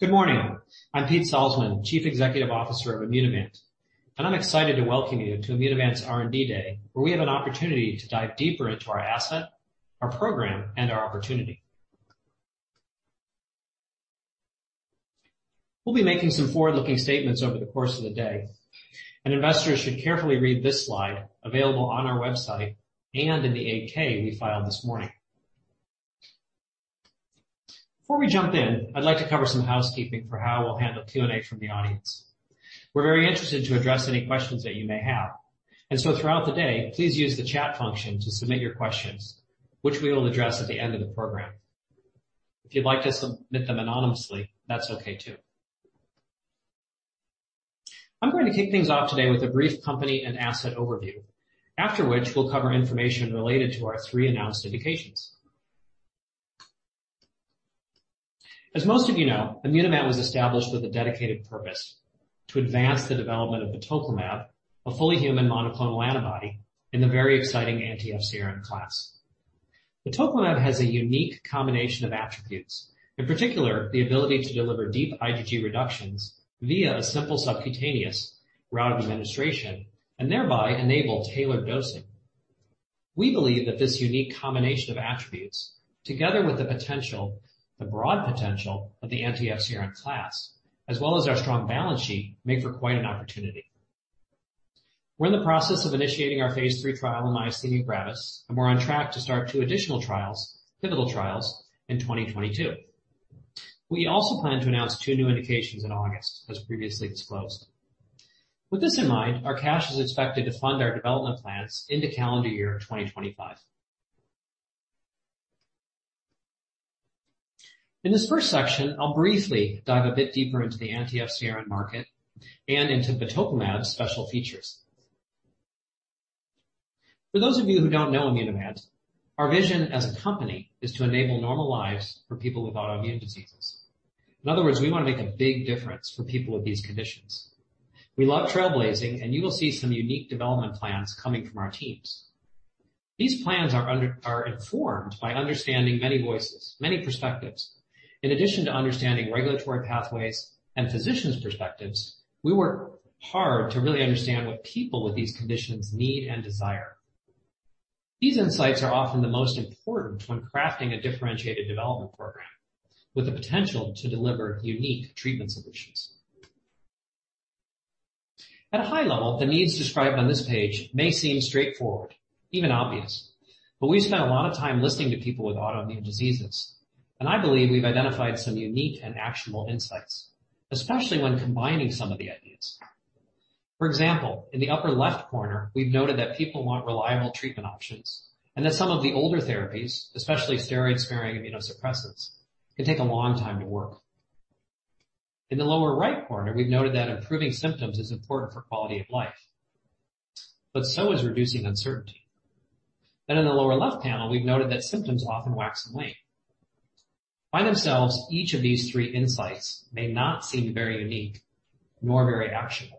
Good morning. I'm Pete Salzmann, Chief Executive Officer of Immunovant. I'm excited to welcome you to Immunovant's R&D Day, where we have an opportunity to dive deeper into our asset, our program, and our opportunity. We'll be making some forward-looking statements over the course of the day. Investors should carefully read this slide available on our website and in the 8-K we filed this morning. Before we jump in, I'd like to cover some housekeeping for how we'll handle Q&A from the audience. We're very interested to address any questions that you may have. Throughout the day, please use the chat function to submit your questions, which we will address at the end of the program. If you'd like to submit them anonymously, that's okay too. I'm going to kick things off today with a brief company and asset overview. After which we'll cover information related to our three announced indications. As most of you know, Immunovant was established with a dedicated purpose to advance the development of batoclimab, a fully human monoclonal antibody in the very exciting anti-FcRn class. Batoclimab has a unique combination of attributes, in particular the ability to deliver deep IgG reductions via a simple subcutaneous route of administration and thereby enable tailored dosing. We believe that this unique combination of attributes, together with the potential, the broad potential of the anti-FcRn class, as well as our strong balance sheet, make for quite an opportunity. We're in the process of initiating our phase III trial in myasthenia gravis, and we're on track to start two additional trials, pivotal trials in 2022. We also plan to announce two new indications in August, as previously disclosed. With this in mind, our cash is expected to fund our development plans into calendar year of 2025. In this first section, I'll briefly dive a bit deeper into the anti-FcRn market and into batoclimab special features. For those of you who don't know Immunovant, our vision as a company is to enable normal lives for people with autoimmune diseases. In other words, we want to make a big difference for people with these conditions. We love trailblazing, and you will see some unique development plans coming from our teams. These plans are informed by understanding many voices, many perspectives. In addition to understanding regulatory pathways and physicians' perspectives, we work hard to really understand what people with these conditions need and desire. These insights are often the most important when crafting a differentiated development program with the potential to deliver unique treatment solutions. At a high level, the needs described on this page may seem straightforward, even obvious, but we've spent a lot of time listening to people with autoimmune diseases, and I believe we've identified some unique and actionable insights, especially when combining some of the ideas. For example, in the upper left corner, we've noted that people want reliable treatment options and that some of the older therapies, especially steroid-sparing immunosuppressants, can take a long time to work. In the lower right corner, we've noted that improving symptoms is important for quality of life, but so is reducing uncertainty. In the lower left panel, we've noted that symptoms often wax and wane. By themselves, each of these three insights may not seem very unique nor very actionable.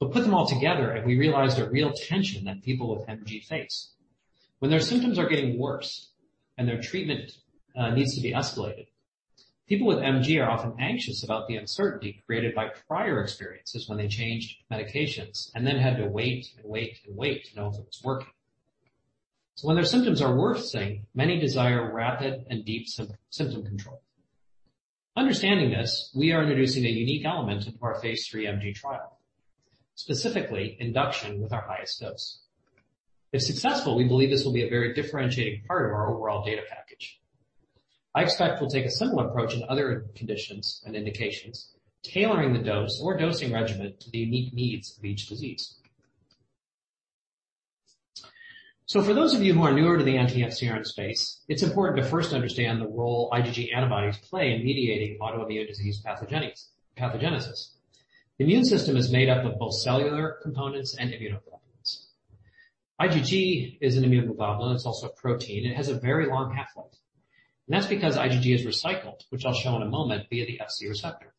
Put them all together, and we realized a real tension that people with MG face. When their symptoms are getting worse and their treatment needs to be escalated, people with MG are often anxious about the uncertainty created by prior experiences when they changed medications and then had to wait repeatedly to know if it was working. When their symptoms are worsening, many desire rapid and deep symptom control. Understanding this, we are introducing a unique element into our phase III MG trial, specifically induction with our highest dose. If successful, we believe this will be a very differentiating part of our overall data package. I expect we'll take a similar approach in other conditions and indications, tailoring the dose or dosing regimen to the unique needs of each disease. For those of you who are newer to the anti-FcRn space, it's important to first understand the role IgG antibodies play in mediating autoimmune disease pathogenesis. The immune system is made up of both cellular components and immunoglobulins. IgG is an immunoglobulin. It's also a protein. It has a very long half-life, and that's because IgG is recycled, which I'll show in a moment via the Fc receptor.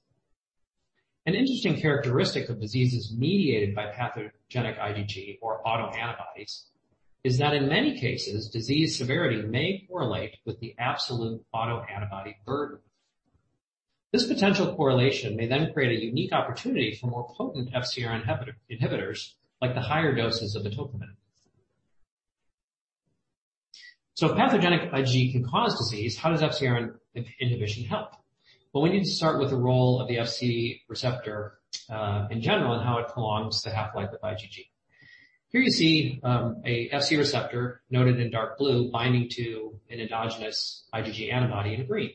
An interesting characteristic of diseases mediated by pathogenic IgG or autoantibodies is that in many cases, disease severity may correlate with the absolute autoantibody burden. This potential correlation may then create a unique opportunity for more potent FcRn inhibitors like the higher doses of batoclimab. If pathogenic IgG can cause disease, how does FcRn inhibition help? We need to start with the role of the Fc receptor in general and how it prolongs the half-life of IgG. Here you see a Fc receptor noted in dark blue binding to an endogenous IgG antibody in green.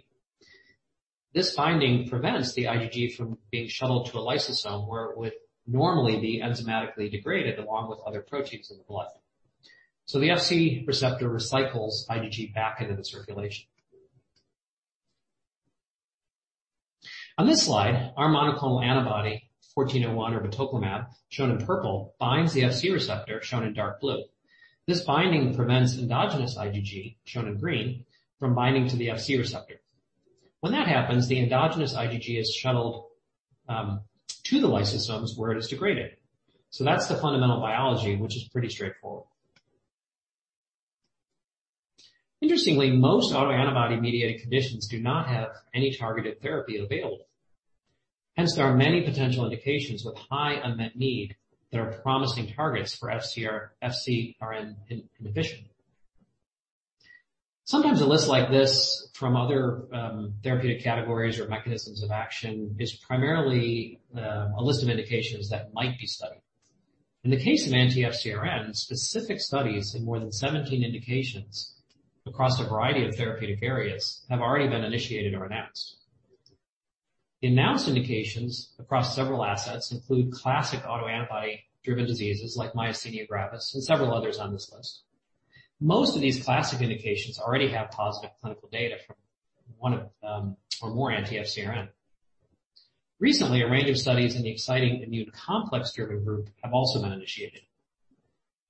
This binding prevents the IgG from being shuttled to a lysosome, where it would normally be enzymatically degraded along with other proteins in the blood. The FcRn recycles IgG back into the circulation. On this slide, our monoclonal antibody 1401 or batoclimab, shown in purple, binds the FcRn shown in dark blue. This binding prevents endogenous IgG, shown in green, from binding to the FcRn. When that happens, the endogenous IgG is shuttled to the lysosomes where it is degraded. That's the fundamental biology, which is pretty straightforward. Interestingly, most autoantibody-mediated conditions do not have any targeted therapy available. Hence, there are many potential indications with high unmet need that are promising targets for FcRn inhibition. Sometimes a list like this from other therapeutic categories or mechanisms of action is primarily a list of indications that might be studied. In the case of anti-FcRn, specific studies in more than 17 indications across a variety of therapeutic areas have already been initiated or announced. The announced indications across several assets include classic autoantibody-driven diseases like myasthenia gravis and several others on this list. Most of these classic indications already have positive clinical data from one or more anti-FcRn. Recently, a range of studies in the exciting immune complex-driven group have also been initiated.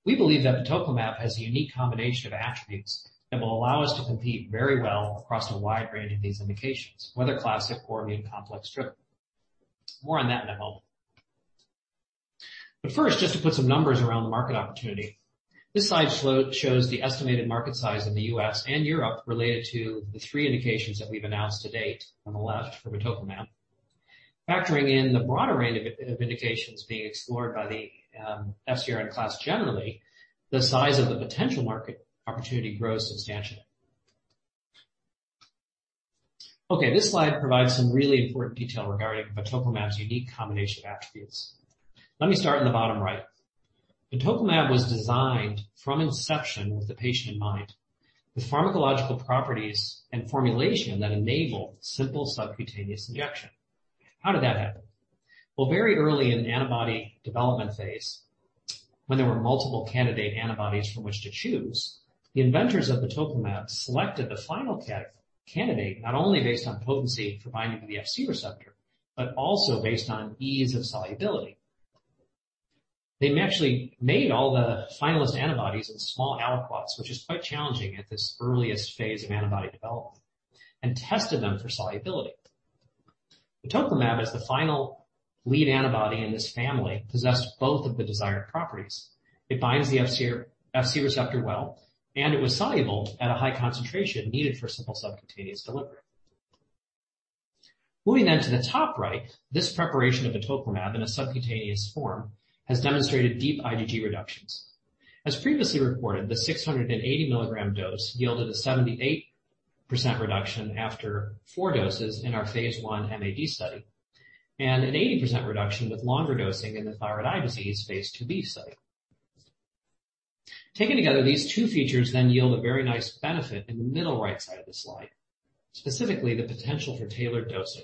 We believe that batoclimab has a unique combination of attributes that will allow us to compete very well across a wide range of these indications, whether classic or immune complex-driven. More on that in a moment. First, just to put some numbers around the market opportunity. This slide shows the estimated market size in the U.S. and Europe related to the three indications that we've announced to date on the left for batoclimab. Factoring in the broader range of indications being explored by the FcRn class generally, the size of the potential market opportunity grows substantially. Okay, this slide provides some really important detail regarding batoclimab's unique combination of attributes. Let me start in the bottom right. Batoclimab was designed from inception with the patient in mind, with pharmacological properties and formulation that enable simple subcutaneous injection. How did that happen? Well, very early in the antibody development phase, when there were multiple candidate antibodies from which to choose, the inventors of batoclimab selected the final candidate not only based on potency for binding to the Fc receptor, but also based on ease of solubility. They actually made all the finalist antibodies in small aliquots, which is quite challenging at this earliest phase of antibody development, and tested them for solubility. Batoclimab, as the final lead antibody in this family, possessed both of the desired properties. It binds the FcRn receptor well, and it was soluble at a high concentration needed for simple subcutaneous delivery. Moving to the top right, this preparation of batoclimab in a subcutaneous form has demonstrated deep IgG reductions. As previously reported, the 680 milligram dose yielded a 78% reduction after 4 doses in our phase I MAD study, and an 80% reduction with longer dosing in the thyroid eye disease phase IIb study. Taken together, these two features yield a very nice benefit in the middle right side of the slide, specifically the potential for tailored dosing.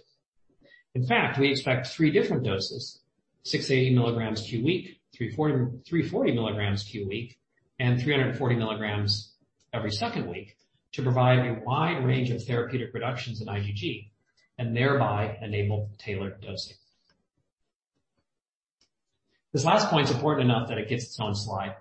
In fact, we expect three different doses, 680 milligrams QW, 340 milligrams QW, and 340 milligrams every second week to provide a wide range of therapeutic reductions in IgG and thereby enable tailored dosing. This last point is important enough that it gets its own slide.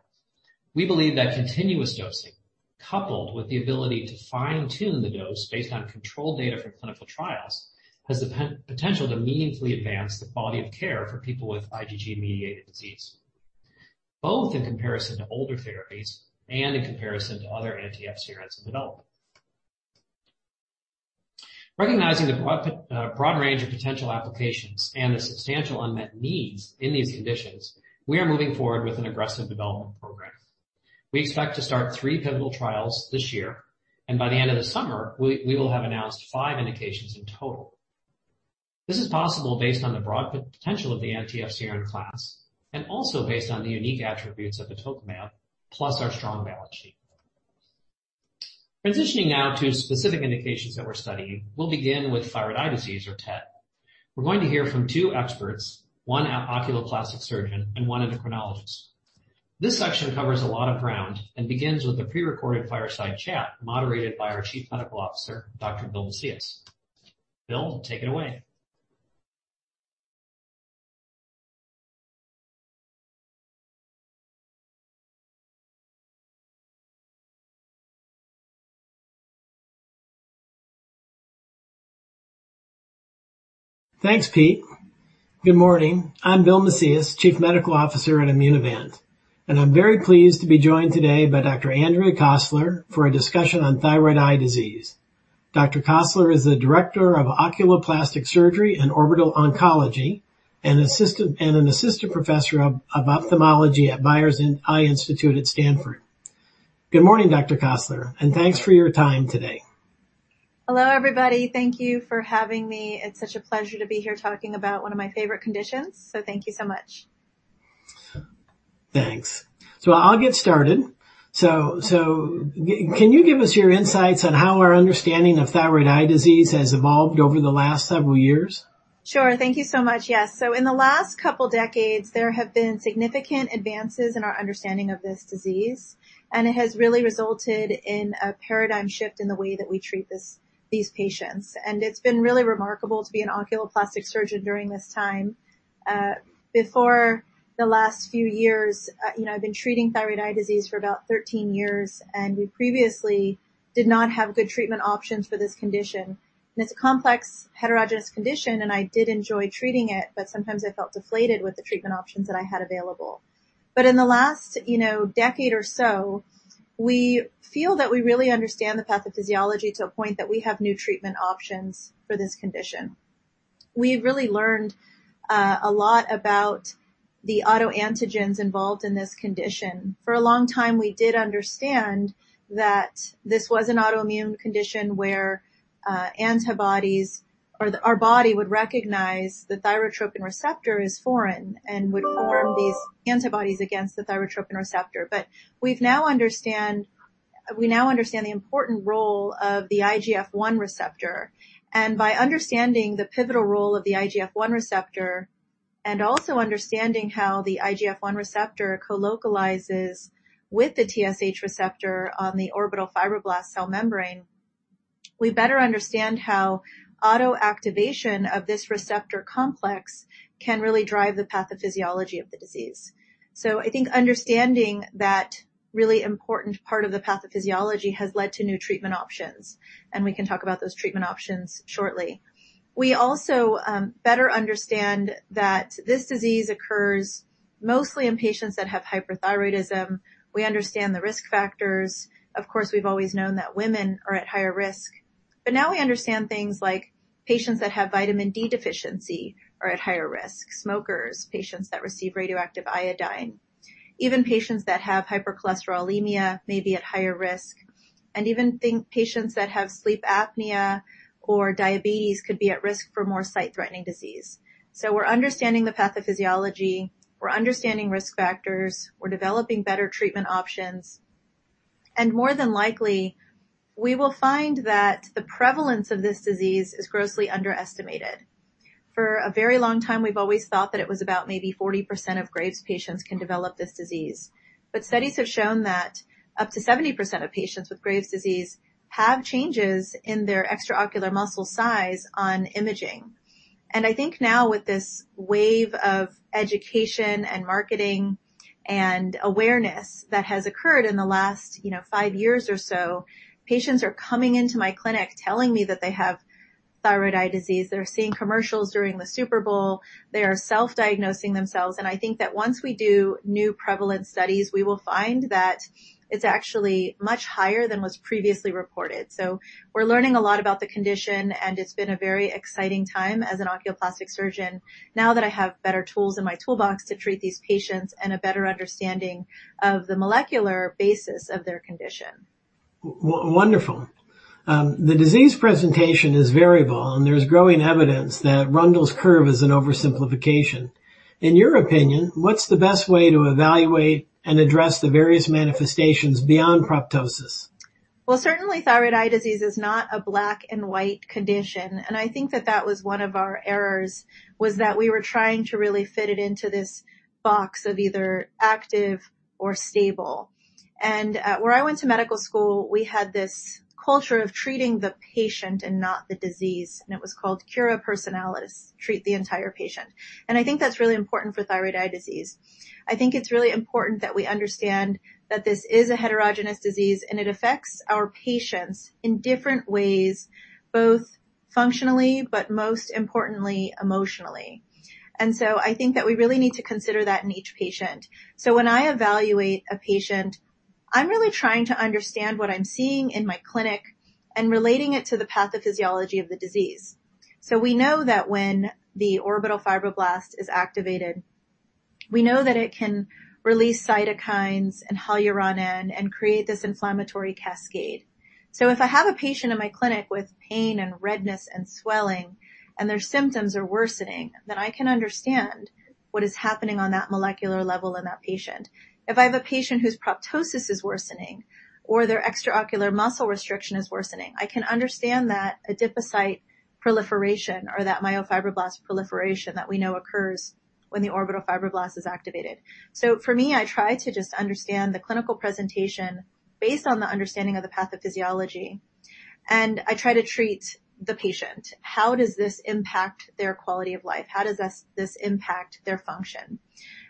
We believe that continuous dosing, coupled with the ability to fine-tune the dose based on controlled data from clinical trials, has the potential to meaningfully advance the quality of care for people with IgG-mediated disease, both in comparison to older therapies and in comparison to other anti-FcRns in development. Recognizing the broad range of potential applications and the substantial unmet needs in these conditions, we are moving forward with an aggressive development program. We expect to start three pivotal trials this year, and by the end of the summer, we will have announced five indications in total. This is possible based on the broad potential of the anti-FcRn class and also based on the unique attributes of batoclimab, plus our strong balance sheet. Transitioning now to specific indications that we're studying, we'll begin with thyroid eye disease or TED. We're going to hear from two experts, one an oculoplastic surgeon and one endocrinologist. This section covers a lot of ground and begins with a pre-recorded fireside chat moderated by our Chief Medical Officer, Dr. Bill Macias. Bill, take it away. Thanks, Pete. Good morning. I'm Bill Macias, Chief Medical Officer at Immunovant, and I'm very pleased to be joined today by Dr. Andrea Kossler for a discussion on thyroid eye disease. Dr. Kossler is the Director of Oculoplastic Surgery and Orbital Oncology and an Assistant Professor of Ophthalmology at Byers Eye Institute at Stanford. Good morning, Dr. Kossler, and thanks for your time today. Hello, everybody. Thank you for having me. It's such a pleasure to be here talking about one of my favorite conditions. Thank you so much. Thanks. I'll get started. Can you give us your insights on how our understanding of thyroid eye disease has evolved over the last several years? Sure. Thank you so much. Yes. In the last couple decades, there have been significant advances in our understanding of this disease, and it has really resulted in a paradigm shift in the way that we treat another change. It's been really remarkable to be an oculoplastic surgeon during this time. Before the last few years, you know, I've been treating thyroid eye disease for about 13 years, and we previously Did not have good treatment options for this condition. It's a complex heterogeneous condition, and I did enjoy treating it, but sometimes I felt deflated with the treatment options that I had available. In the last, you know, decade or so, we feel that we really understand the pathophysiology to a point that we have new treatment options for this condition. We've really learned a lot about the autoantigens involved in this condition. For a long time, we did understand that this was an autoimmune condition where antibodies or our body would recognize the thyrotropin receptor as foreign and would form these antibodies against the thyrotropin receptor. We now understand the important role of the IGF-1 receptor. By understanding the pivotal role of the IGF-1 receptor and also understanding how the IGF-1 receptor colocalizes with the TSH receptor on the orbital fibroblast cell membrane, we better understand how autoactivation of this receptor complex can really drive the pathophysiology of the disease. I think understanding that really important part of the pathophysiology has led to new treatment options, and we can talk about those treatment options shortly. We also better understand that this disease occurs mostly in patients that have hyperthyroidism. We understand the risk factors. Of course, we've always known that women are at higher risk, but now we understand things like patients that have vitamin D deficiency are at higher risk. Smokers, patients that receive radioactive iodine, even patients that have hypercholesterolemia may be at higher risk. Even I think patients that have sleep apnea or diabetes could be at risk for more sight-threatening disease. We're understanding the pathophysiology, we're understanding risk factors, we're developing better treatment options, and more than likely, we will find that the prevalence of this disease is grossly underestimated. For a very long time, we've always thought that it was about maybe 40% of Graves' patients can develop this disease. Studies have shown that up to 70% of patients with Graves' disease have changes in their extraocular muscle size on imaging. I think now with this wave of education and marketing and awareness that has occurred in the last, you know, five years or so, patients are coming into my clinic telling me that they have thyroid eye disease. They're seeing commercials during the Super Bowl. They are self-diagnosing themselves, and I think that once we do new prevalence studies, we will find that it's actually much higher than was previously reported. We're learning a lot about the condition, and it's been a very exciting time as an oculoplastic surgeon now that I have better tools in my toolbox to treat these patients and a better understanding of the molecular basis of their condition. Wonderful. The disease presentation is variable, and there's growing evidence that Rundle's curve is an oversimplification. In your opinion, what's the best way to evaluate and address the various manifestations beyond proptosis? Well, certainly thyroid eye disease is not a black-and-white condition, and I think that was one of our errors, was that we were trying to really fit it into this box of either active or stable. Where I went to medical school, we had this culture of treating the patient and not the disease, and it was called cura personalis, treat the entire patient. I think that's really important for thyroid eye disease. I think it's really important that we understand that this is a heterogeneous disease, and it affects our patients in different ways, both functionally but most importantly, emotionally. I think that we really need to consider that in each patient. When I evaluate a patient, I'm really trying to understand what I'm seeing in my clinic and relating it to the pathophysiology of the disease. We know that when the orbital fibroblast is activated, we know that it can release cytokines and hyaluronan and create this inflammatory cascade. If I have a patient in my clinic with pain and redness and swelling, and their symptoms are worsening, then I can understand what is happening on that molecular level in that patient. If I have a patient whose proptosis is worsening or their extraocular muscle restriction is worsening, I can understand that adipocyte proliferation or that myofibroblast proliferation that we know occurs when the orbital fibroblast is activated. For me, I try to just understand the clinical presentation based on the understanding of the pathophysiology, and I try to treat the patient. How does this impact their quality of life? How does this impact their function?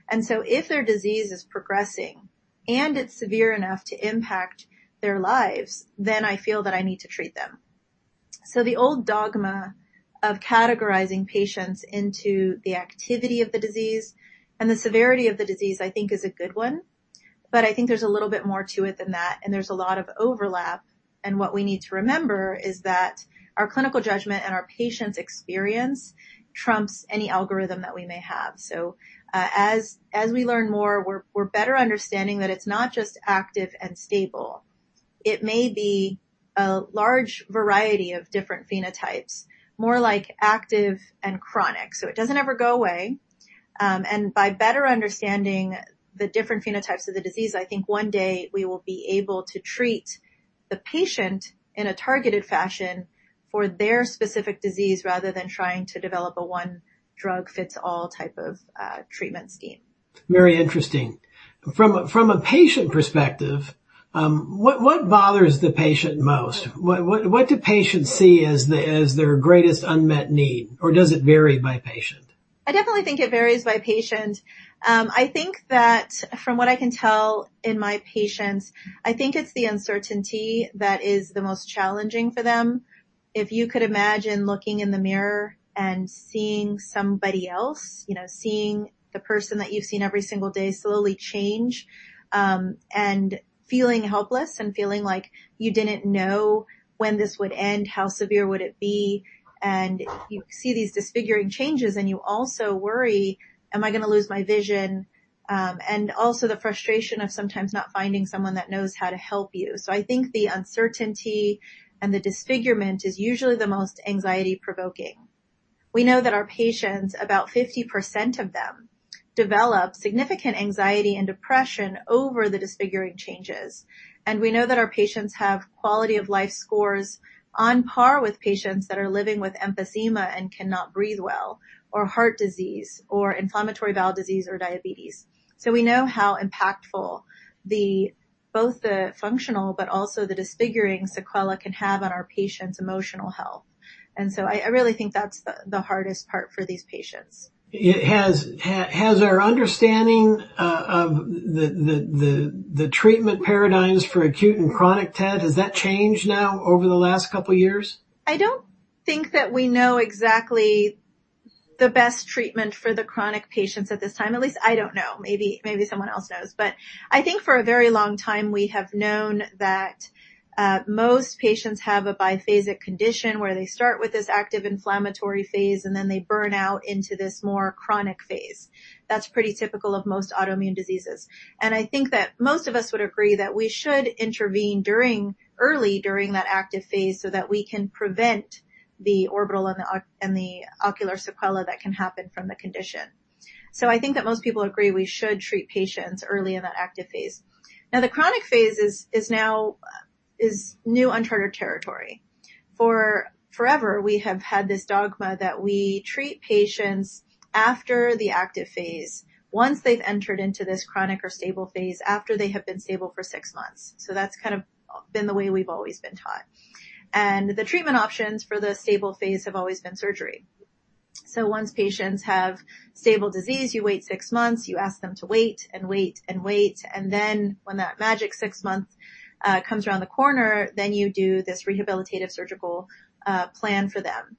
If their disease is progressing and it's severe enough to impact their lives, then I feel that I need to treat them. The old dogma of categorizing patients into the activity of the disease and the severity of the disease, I think is a good one, but I think there's a little bit more to it than that, and there's a lot of overlap. What we need to remember is that our clinical judgment and our patient's experience trumps any algorithm that we may have. As we learn more, we're better understanding that it's not just active and stable. It may be a large variety of different phenotypes, more like active and chronic. It doesn't ever go away, and by better understanding the different phenotypes of the disease, I think one day we will be able to treat the patient in a targeted fashion for their specific disease rather than trying to develop a one-drug-fits-all type of treatment scheme. Very interesting. From a patient perspective, what bothers the patient most? What do patients see as their greatest unmet need, or does it vary by patient? I definitely think it varies by patient. I think that from what I can tell in my patients, I think it's the uncertainty that is the most challenging for them. If you could imagine looking in the mirror and seeing somebody else, you know, seeing the person that you've seen every single day slowly change, and feeling helpless and feeling like you didn't know when this would end, how severe would it be, and you see these disfiguring changes, and you also worry, am I going to lose my vision? Also the frustration of sometimes not finding someone that knows how to help you. I think the uncertainty and the disfigurement is usually the most anxiety-provoking. We know that our patients, about 50% of them, develop significant anxiety and depression over the disfiguring changes. We know that our patients have quality-of-life scores on par with patients that are living with emphysema and cannot breathe well or heart disease or inflammatory bowel disease or diabetes. We know how impactful the, both the functional but also the disfiguring sequelae can have on our patients' emotional health. I really think that's the hardest part for these patients. Has our understanding of the treatment paradigms for acute and chronic TED, has that changed now over the last couple years? I don't think that we know exactly the best treatment for the chronic patients at this time. At least I don't know. Maybe, maybe someone else knows. I think for a very long time, we have known that most patients have a biphasic condition where they start with this active inflammatory phase, and then they burn out into this more chronic phase. That's pretty typical of most autoimmune diseases. I think that most of us would agree that we should intervene early during that active phase so that we can prevent the orbital and the ocular sequelae that can happen from the condition. I think that most people agree we should treat patients early in that active phase. Now, the chronic phase is now uncharted territory. For forever, we have had this dogma that we treat patients after the active phase, once they've entered into this chronic or stable phase after they have been stable for six months. That's kind of been the way we've always been taught. The treatment options for the stable phase have always been surgery. Once patients have stable disease, you wait six months, you ask them to wait and wait and wait, and then when that magic six-month comes around the corner, then you do this rehabilitative surgical plan for them.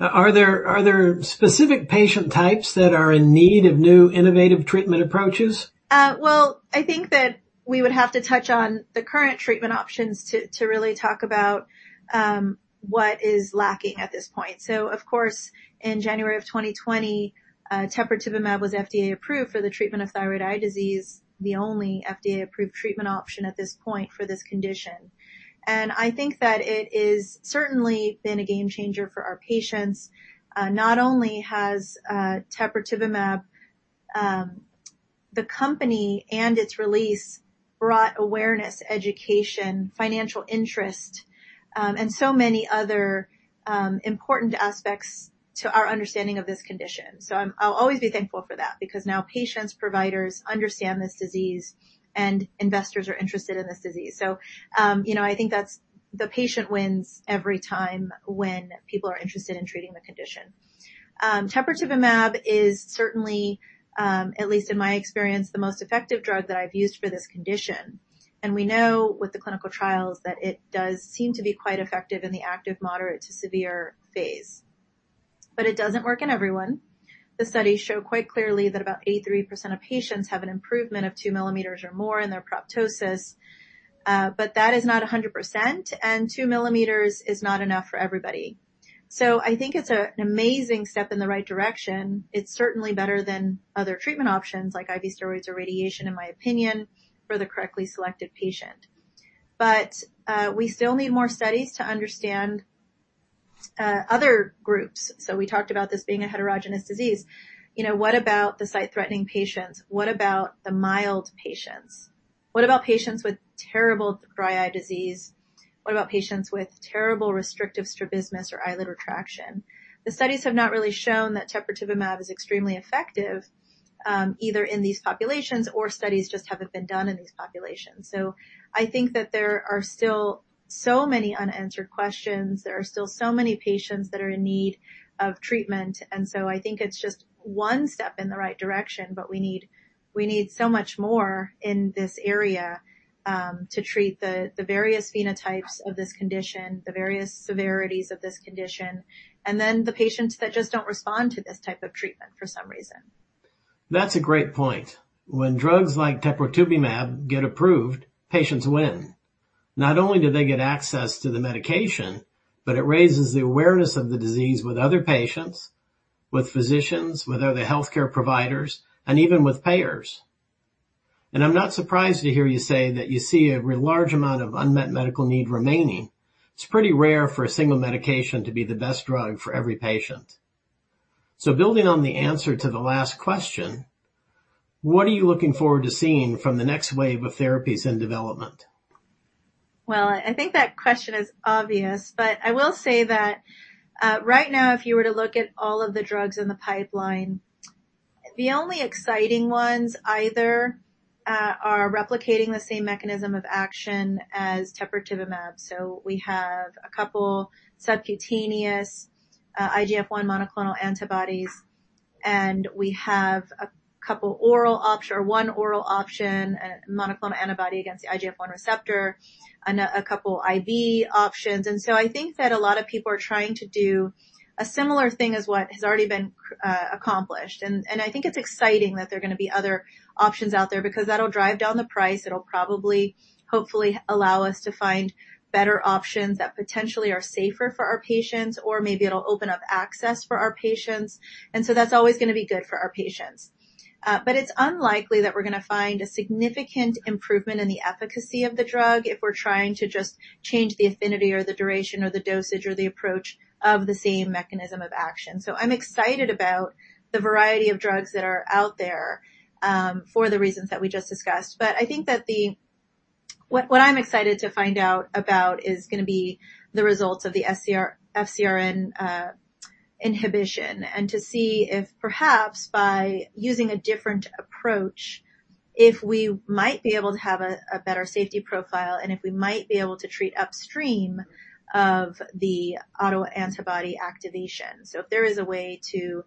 Are there specific patient types that are in need of new innovative treatment approaches? Well, I think that we would have to touch on the current treatment options to really talk about what is lacking at this point. Of course, in January 2020, teprotumumab was FDA approved for the treatment of thyroid eye disease, the only FDA-approved treatment option at this point for this condition. I think that it is certainly been a game-changer for our patients. Not only has teprotumumab, the company and its release brought awareness, education, financial interest, and so many other important aspects to our understanding of this condition. I'll always be thankful for that because now patients, providers understand this disease, and investors are interested in this disease. You know, I think that's the patient wins every time when people are interested in treating the condition. Teprotumumab is certainly, at least in my experience, the most effective drug that I've used for this condition. We know with the clinical trials that it does seem to be quite effective in the active moderate to severe phase. It doesn't work in everyone. The studies show quite clearly that about 83% of patients have an improvement of 2 millimeters or more in their proptosis, but that is not 100%, and 2 millimeters is not enough for everybody. I think it's an amazing step in the right direction. It's certainly better than other treatment options like IV steroids or radiation, in my opinion, for the correctly selected patient. We still need more studies to understand other groups. We talked about this being a heterogeneous disease. You know, what about the sight-threatening patients? What about the mild patients? What about patients with terrible dry eye disease? What about patients with terrible restrictive strabismus or eyelid retraction? The studies have not really shown that teprotumumab is extremely effective, either in these populations or studies just haven't been done in these populations. I think that there are still so many unanswered questions. There are still so many patients that are in need of treatment. I think it's just one step in the right direction, but we need so much more in this area to treat the various phenotypes of this condition, the various severities of this condition, and then the patients that just don't respond to this type of treatment for some reason. That's a great point. When drugs like teprotumumab get approved, patients win. Not only do they get access to the medication, but it raises the awareness of the disease with other patients, with physicians, with other healthcare providers, and even with payers. I'm not surprised to hear you say that you see a large amount of unmet medical need remaining. It's pretty rare for a single medication to be the best drug for every patient. Building on the answer to the last question, what are you looking forward to seeing from the next wave of therapies and development? Well, I think that question is obvious, but I will say that, right now, if you were to look at all of the drugs in the pipeline. The only exciting ones either are replicating the same mechanism of action as teprotumumab. We have a couple subcutaneous IGF-1 monoclonal antibodies, and we have a couple oral or one oral option, monoclonal antibody against the IGF-1 receptor, and a couple IV options. I think that a lot of people are trying to do a similar thing as what has already been accomplished. I think it's exciting that there are going to be other options out there because that'll drive down the price. It'll probably, hopefully allow us to find better options that potentially are safer for our patients, or maybe it'll open up access for our patients. That's always going to be good for our patients. It's unlikely that we're going to find a significant improvement in the efficacy of the drug if we're trying to just change the affinity or the duration or the dosage or the approach of the same mechanism of action. I'm excited about the variety of drugs that are out there, for the reasons that we just discussed. I think that what I'm excited to find out about is going to be the results of the FcRn inhibition, and to see if perhaps by using a different approach, if we might be able to have a better safety profile and if we might be able to treat upstream of the autoantibody activation. If there is a way to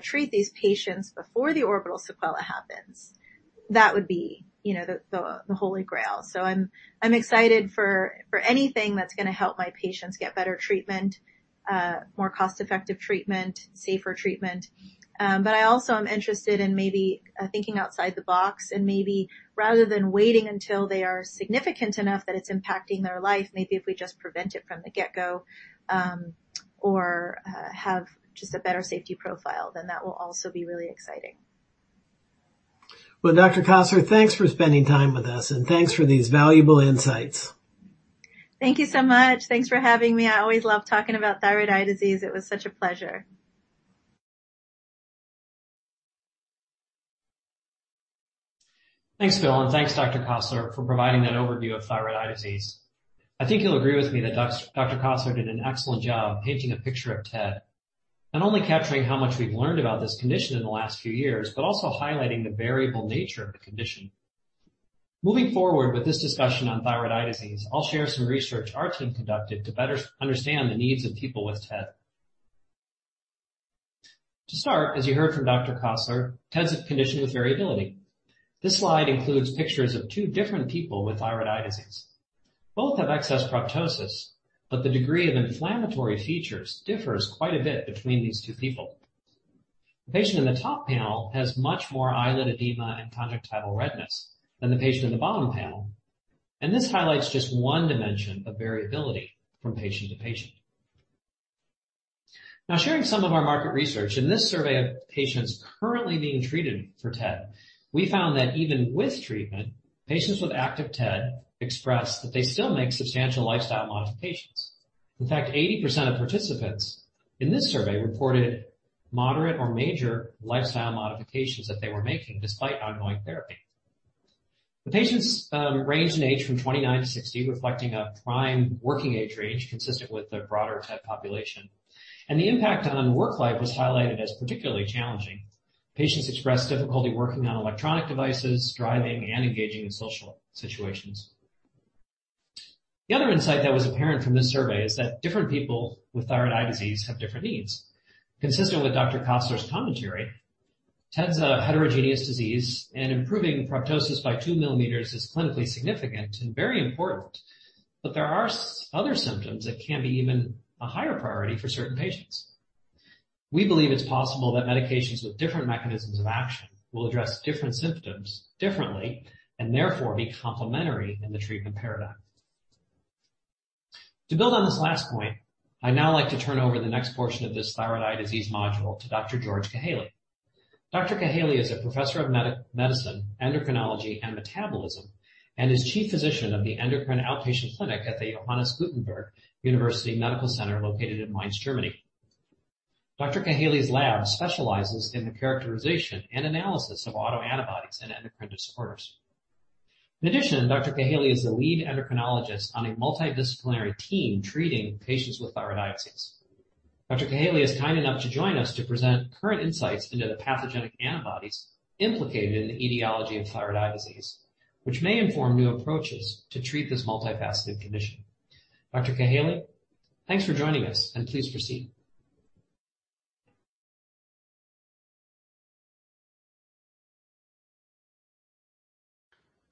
treat these patients before the orbital sequela happens, that would be, you know, the holy grail. I'm excited for anything that's going to help my patients get better treatment, more cost-effective treatment, safer treatment. But I also am interested in maybe thinking outside the box and maybe rather than waiting until they are significant enough that it's impacting their life, maybe if we just prevent it from the get-go, or have just a better safety profile, then that will also be really exciting. Well, Dr. Kossler, thanks for spending time with us, and thanks for these valuable insights. Thank you so much. Thanks for having me. I always love talking about thyroid eye disease. It was such a pleasure. Thanks, Bill, and thanks, Dr. Kossler, for providing that overview of thyroid eye disease. I think you'll agree with me that Dr. Kossler did an excellent job painting a picture of TED. Not only capturing how much we've learned about this condition in the last few years, but also highlighting the variable nature of the condition. Moving forward with this discussion on thyroid eye disease, I'll share some research our team conducted to better understand the needs of people with TED. To start, as you heard from Dr. Kossler, TED is a condition with variability. This slide includes pictures of two different people with thyroid eye disease. Both have excess proptosis, but the degree of inflammatory features differs quite a bit between these two people. The patient in the top panel has much more eyelid edema and conjunctival redness than the patient in the bottom panel, and this highlights just one dimension of variability from patient to patient. Now, sharing some of our market research. In this survey of patients currently being treated for TED, we found that even with treatment, patients with active TED expressed that they still make substantial lifestyle modifications. In fact, 80% of participants in this survey reported moderate or major lifestyle modifications that they were making despite ongoing therapy. The patients ranged in age from 29 to 60, reflecting a prime working age range consistent with the broader TED population. The impact on work life was highlighted as particularly challenging. Patients expressed difficulty working on electronic devices, driving, and engaging in social situations. The other insight that was apparent from this survey is that different people with thyroid eye disease have different needs. Consistent with Dr. Kossler's commentary, TED's a heterogeneous disease, and improving proptosis by 2 millimeters is clinically significant and very important. There are other symptoms that can be even a higher priority for certain patients. We believe it's possible that medications with different mechanisms of action will address different symptoms differently and therefore be complementary in the treatment paradigm. To build on this last point, I'd now like to turn over the next portion of this thyroid eye disease module to Dr. George Kahaly. Dr. Kahaly is a professor of medicine, endocrinology, and metabolism, and is chief physician of the Endocrine Outpatient Clinic at the University Medical Center of the Johannes Gutenberg University Mainz located in Mainz, Germany. Dr. Kahaly's lab specializes in the characterization and analysis of autoantibodies and endocrine disorders. In addition, Dr. Kahaly is the lead endocrinologist on a multidisciplinary team treating patients with thyroid eye disease. Dr. Kahaly is kind enough to join us to present current insights into the pathogenic antibodies implicated in the etiology of thyroid eye disease, which may inform new approaches to treat this multifaceted condition. Dr. Kahaly, thanks for joining us, and please proceed.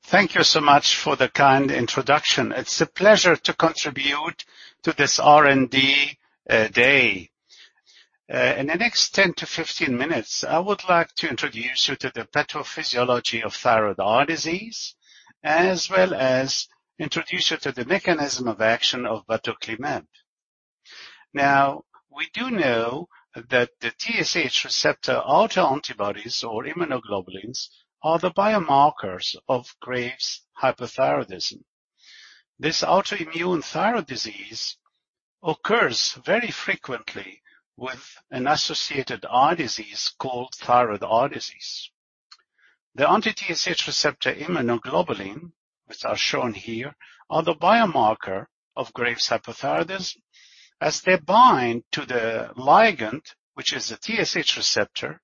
Thank you so much for the kind introduction. It's a pleasure to contribute to this R&D day. In the next 10 to 15 minutes, I would like to introduce you to the pathophysiology of thyroid eye disease, as well as introduce you to the mechanism of action of batoclimab. Now, we do know that the TSH receptor autoantibodies or immunoglobulins are the biomarkers of Graves' hyperthyroidism. This autoimmune thyroid disease occurs very frequently with an associated eye disease called thyroid eye disease. The anti TSH receptor immunoglobulin, which are shown here, are the biomarker of Graves' hyperthyroidism as they bind to the ligand, which is a TSH receptor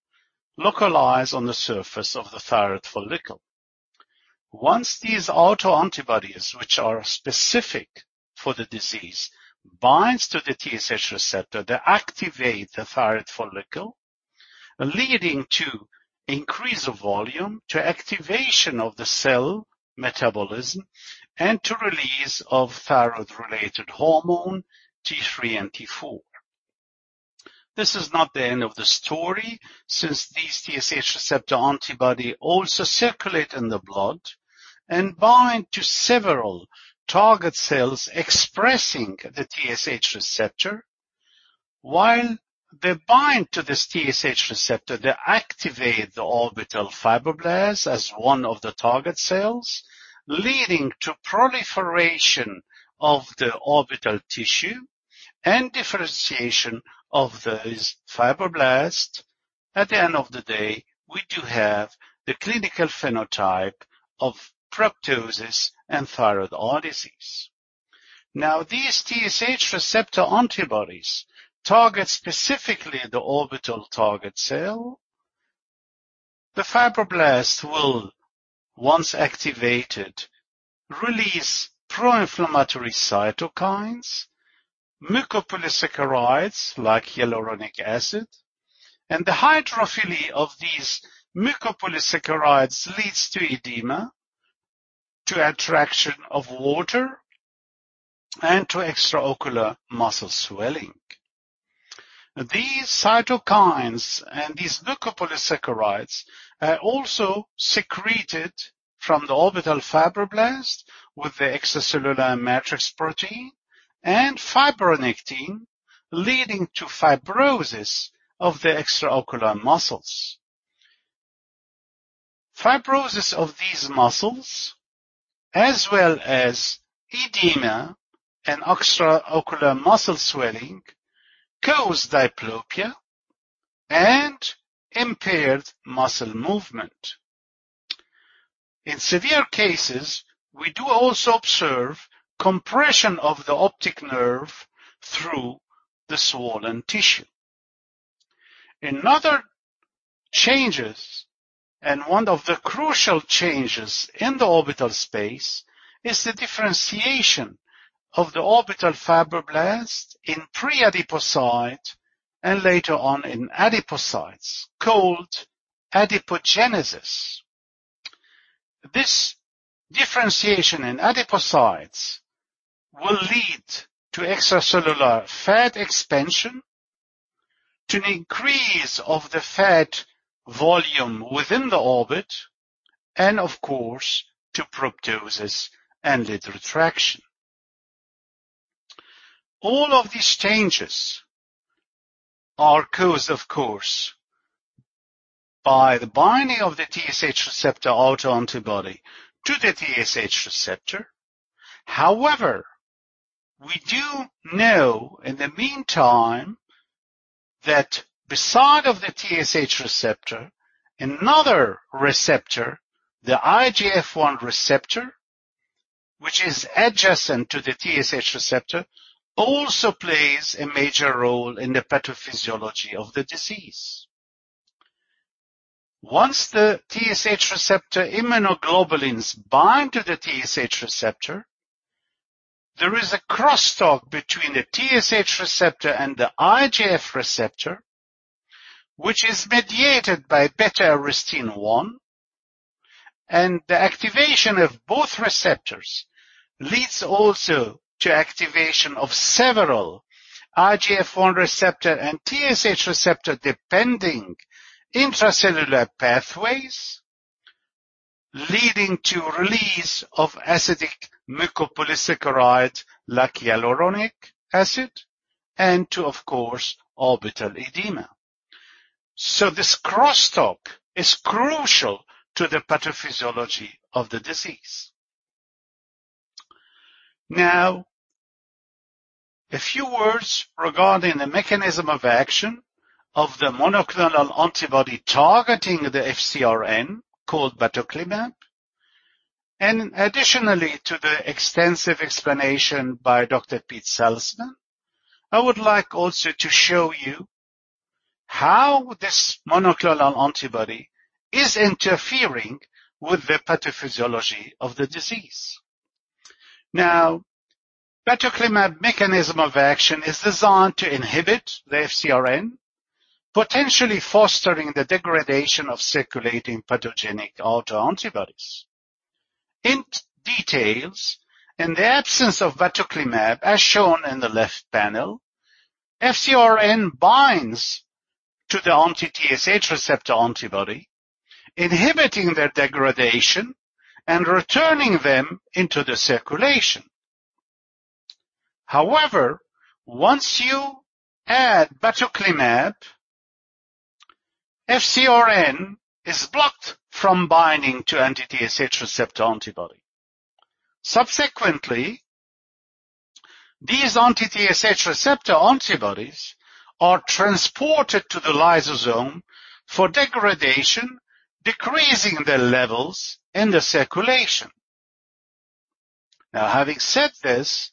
localized on the surface of the thyroid follicle. Once these autoantibodies, which are specific for the disease, bind to the TSH receptor, they activate the thyroid follicle, leading to increase of volume, to activation of the cell metabolism, and to release of thyroid-related hormone T3 and T4. This is not the end of the story since these TSH receptor antibodies also circulate in the blood and bind to several target cells expressing the TSH receptor. While they bind to this TSH receptor, they activate the orbital fibroblasts as one of the target cells, leading to proliferation of the orbital tissue and differentiation of those fibroblasts. At the end of the day, we do have the clinical phenotype of proptosis and thyroid eye disease. Now, these TSH receptor antibodies target specifically the orbital target cell. The fibroblasts will, once activated, release proinflammatory cytokines, mucopolysaccharides like hyaluronic acid, and the hydrophilicity of these mucopolysaccharides leads to edema, to attraction of water, and to extraocular muscle swelling. These cytokines and these mucopolysaccharides are also secreted from the orbital fibroblasts with the extracellular matrix protein and fibronectin, leading to fibrosis of the extraocular muscles. Fibrosis of these muscles, as well as edema and extraocular muscle swelling, cause diplopia and impaired muscle movement. In severe cases, we do also observe compression of the optic nerve through the swollen tissue. Another changes, and one of the crucial changes in the orbital space, is the differentiation of the orbital fibroblasts in pre-adipocyte and later on in adipocytes called adipogenesis. This differentiation in adipocytes will lead to extracellular fat expansion, to increase of the fat volume within the orbit and of course, to proptosis and lid retraction. All of these changes are caused, o. Course, by the binding of the TSH receptor autoantibody to the TSH receptor. However, we do know in the meantime that besides the TSH receptor, another receptor, the IGF-1 receptor, which is adjacent to the TSH receptor, also plays a major role in the pathophysiology of the disease. Once the TSH receptor immunoglobulins bind to the TSH receptor, there is a crosstalk between the TSH receptor and the IGF-1 receptor, which is mediated by beta-arrestin 1, and the activation of both receptors leads also to activation of several IGF-1 receptor- and TSH receptor-dependent intracellular pathways leading to release of acidic mucopolysaccharide like hyaluronic acid and to, of course, orbital edema. This crosstalk is crucial to the pathophysiology of the disease. Now, a few words regarding the mechanism of action of the monoclonal antibody targeting the FcRn called batoclimab. Additionally to the extensive explanation by Dr. Pete Salzmann, I would like also to show you how this monoclonal antibody is interfering with the pathophysiology of the disease. Now, batoclimab mechanism of action is designed to inhibit the FcRn, potentially fostering the degradation of circulating pathogenic autoantibodies. In details, in the absence of batoclimab, as shown in the left panel, FcRn binds to the anti-TSH receptor antibody, inhibiting their degradation and returning them into the circulation. However, once you add batoclimab, FcRn is blocked from binding to anti-TSH receptor antibody. Subsequently, these anti-TSH receptor antibodies are transported to the lysosome for degradation, decreasing their levels in the circulation. Now, having said this,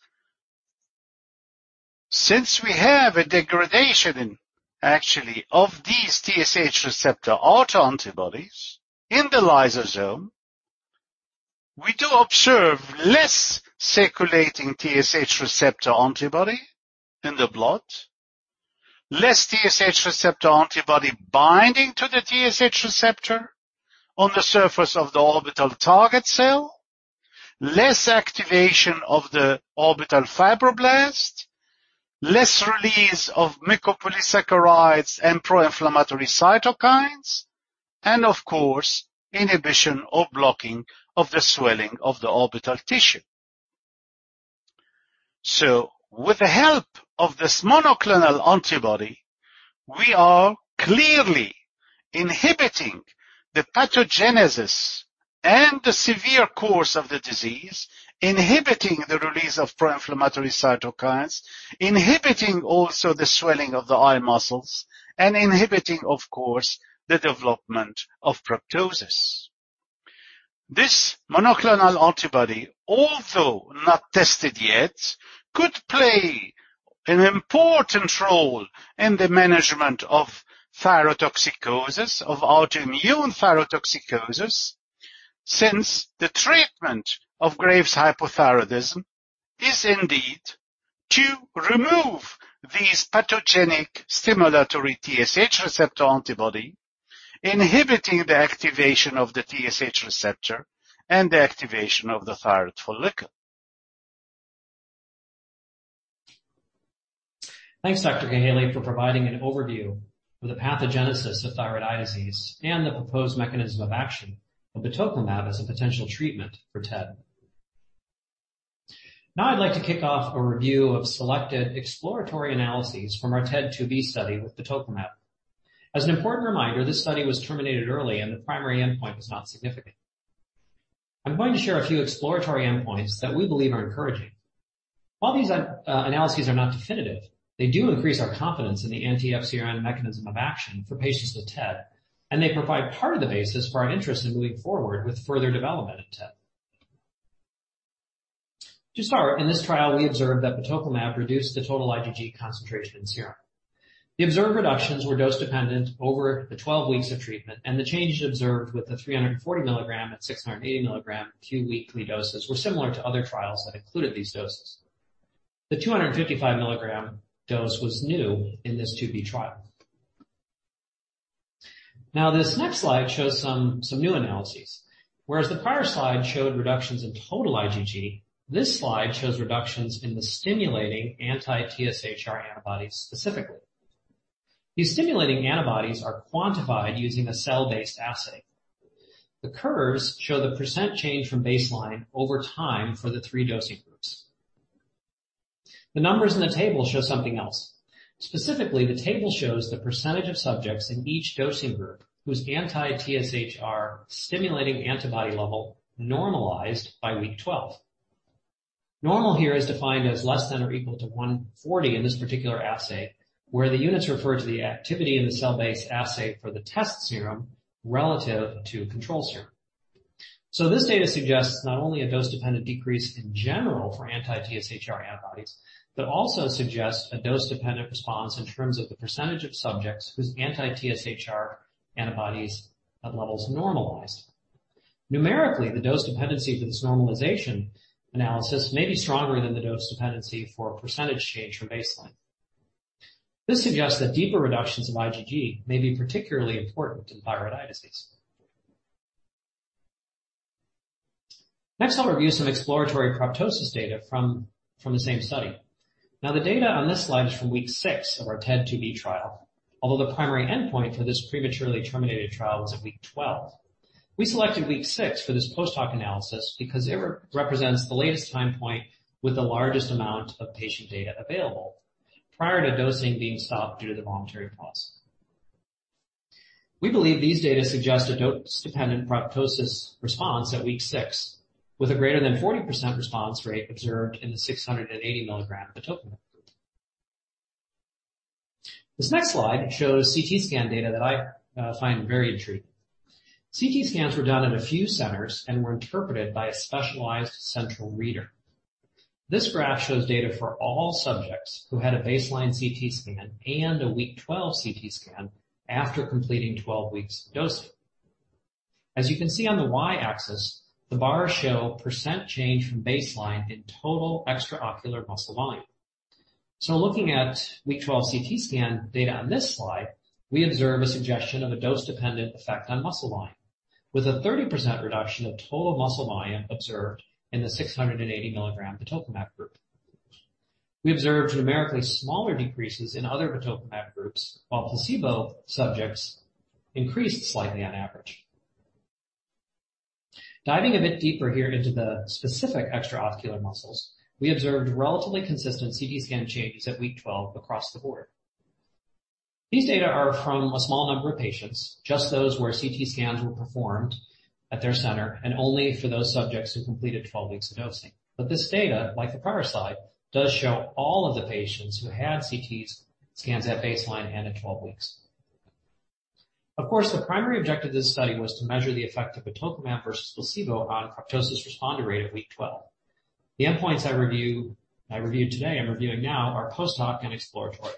since we have a degradation actually of these TSH receptor autoantibodies in the lysosome, we do observe less circulating TSH receptor antibody in the blood, less TSH receptor antibody binding to the TSH receptor on the surface of the orbital target cell, less activation of the orbital fibroblasts, less release of mucopolysaccharides and pro-inflammatory cytokines, and of course, inhibition or blocking of the swelling of the orbital tissue. With the help of this monoclonal antibody, we are clearly inhibiting the pathogenesis and the severe course of the disease, inhibiting the release of pro-inflammatory cytokines, inhibiting also the swelling of the eye muscles, and inhibiting, of course, the development of proptosis. This monoclonal antibody, although not tested yet, could play an important role in the management of thyrotoxicosis, of autoimmune thyrotoxicosis, since the treatment of Graves' hyperthyroidism is indeed to remove these pathogenic stimulatory TSH receptor antibody, inhibiting the activation of the TSH receptor and the activation of the thyroid follicle. Thanks, Dr. Kahaly, for providing an overview of the pathogenesis of thyroid eye disease and the proposed mechanism of action of batoclimab as a potential treatment for TED. Now I'd like to kick off a review of selected exploratory analyses from our TED 2B study with batoclimab. As an important reminder, this study was terminated early, and the primary endpoint was not significant. I'm going to share a few exploratory endpoints that we believe are encouraging. While these analyses are not definitive, they do increase our confidence in the anti-FcRn mechanism of action for patients with TED, and they provide part of the basis for our interest in moving forward with further development in TED. To start, in this trial, we observed that batoclimab reduced the total IgG concentration in serum. The observed reductions were dose-dependent over the 12 weeks of treatment, and the changes observed with the 340 mg and 680 mg QW doses were similar to other trials that included these doses. The 255 mg dose was new in this 2b trial. Now, this next slide shows some new analyses. Whereas the prior slide showed reductions in total IgG, this slide shows reductions in the stimulating anti-TSHR antibodies specifically. These stimulating antibodies are quantified using a cell-based assay. The curves show the % change from baseline over time for the three dosing groups. The numbers in the table show something else. Specifically, the table shows the percentage of subjects in each dosing group whose anti-TSHR stimulating antibody level normalized by week 12. Normal here is defined as less than or equal to 140 in this particular assay, where the units refer to the activity in the cell-based assay for the test serum relative to control serum. This data suggests not only a dose-dependent decrease in general for anti-TSHR antibodies but also suggests a dose-dependent response in terms of the percentage of subjects whose anti-TSHR antibodies at levels normalized. Numerically, the dose dependency for this normalization analysis may be stronger than the dose dependency for percentage change from baseline. This suggests that deeper reductions of IgG may be particularly important in thyroid eye disease. Next, I'll review some exploratory proptosis data from the same study. Now, the data on this slide is from week 6 of our TED 2B trial. Although the primary endpoint for this prematurely terminated trial was at week 12. We selected week 6 for this post-hoc analysis because it represents the latest time point with the largest amount of patient data available prior to dosing being stopped due to the voluntary pause. We believe these data suggest a dose-dependent proptosis response at week 6, with a greater than 40% response rate observed in the 680-milligram batoclimab group. This next slide shows CT scan data that I find very intriguing. CT scans were done in a few centers and were interpreted by a specialized central reader. This graph shows data for all subjects who had a baseline CT scan and a week 12 CT scan after completing 12 weeks of dosing. As you can see on the y-axis, the bars show % change from baseline in total extraocular muscle volume. Looking at week 12 CT scan data on this slide, we observe a suggestion of a dose-dependent effect on muscle volume, with a 30% reduction of total muscle volume observed in the 680 milligram batoclimab group. We observed numerically smaller decreases in other batoclimab groups, while placebo subjects increased slightly on average. Diving a bit deeper here into the specific extraocular muscles, we observed relatively consistent CT scan changes at week 12 across the board. These data are from a small number of patients, just those where CT scans were performed at their center, and only for those subjects who completed 12 weeks of dosing. This data, like the prior slide, does show all of the patients who had CT scans at baseline and at 12 weeks. Of course, the primary objective of this study was to measure the effect of batoclimab versus placebo on proptosis response rate at week 12. The endpoints I reviewed today, I'm reviewing now, are post-hoc and exploratory.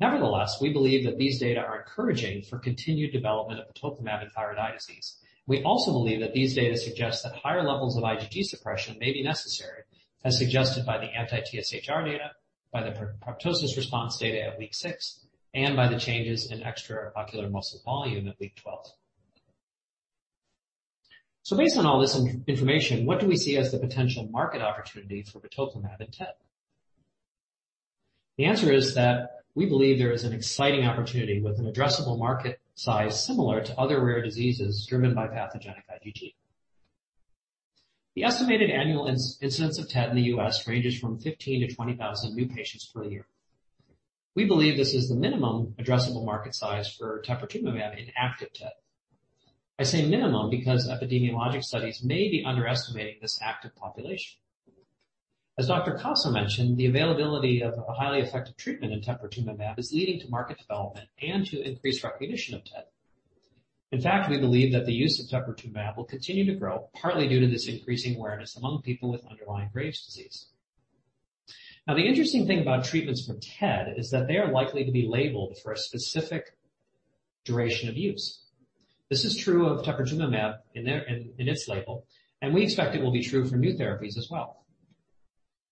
Nevertheless, we believe that these data are encouraging for continued development of batoclimab in thyroid eye disease. We also believe that these data suggests that higher levels of IgG suppression may be necessary, as suggested by the anti-TSHR data, by the proptosis response data at week 6, and by the changes in extraocular muscle volume at week 12. Based on all this information, what do we see as the potential market opportunity for batoclimab in TED? The answer is that we believe there is an exciting opportunity with an addressable market size similar to other rare diseases driven by pathogenic IgG. The estimated annual incidence of TED in the U.S. ranges from 15,000 to 20,000 new patients per year. We believe this is the minimum addressable market size for teprotumumab in active TED. I say minimum because epidemiologic studies may be underestimating this active population. As Dr. Kossler mentioned, the availability of a highly effective treatment in teprotumumab is leading to market development and to increased recognition of TED. In fact, we believe that the use of teprotumumab will continue to grow, partly due to this increasing awareness among people with underlying Graves' disease. Now, the interesting thing about treatments for TED is that they are likely to be labeled for a specific duration of use. This is true of teprotumumab in its label, and we expect it will be true for new therapies as well.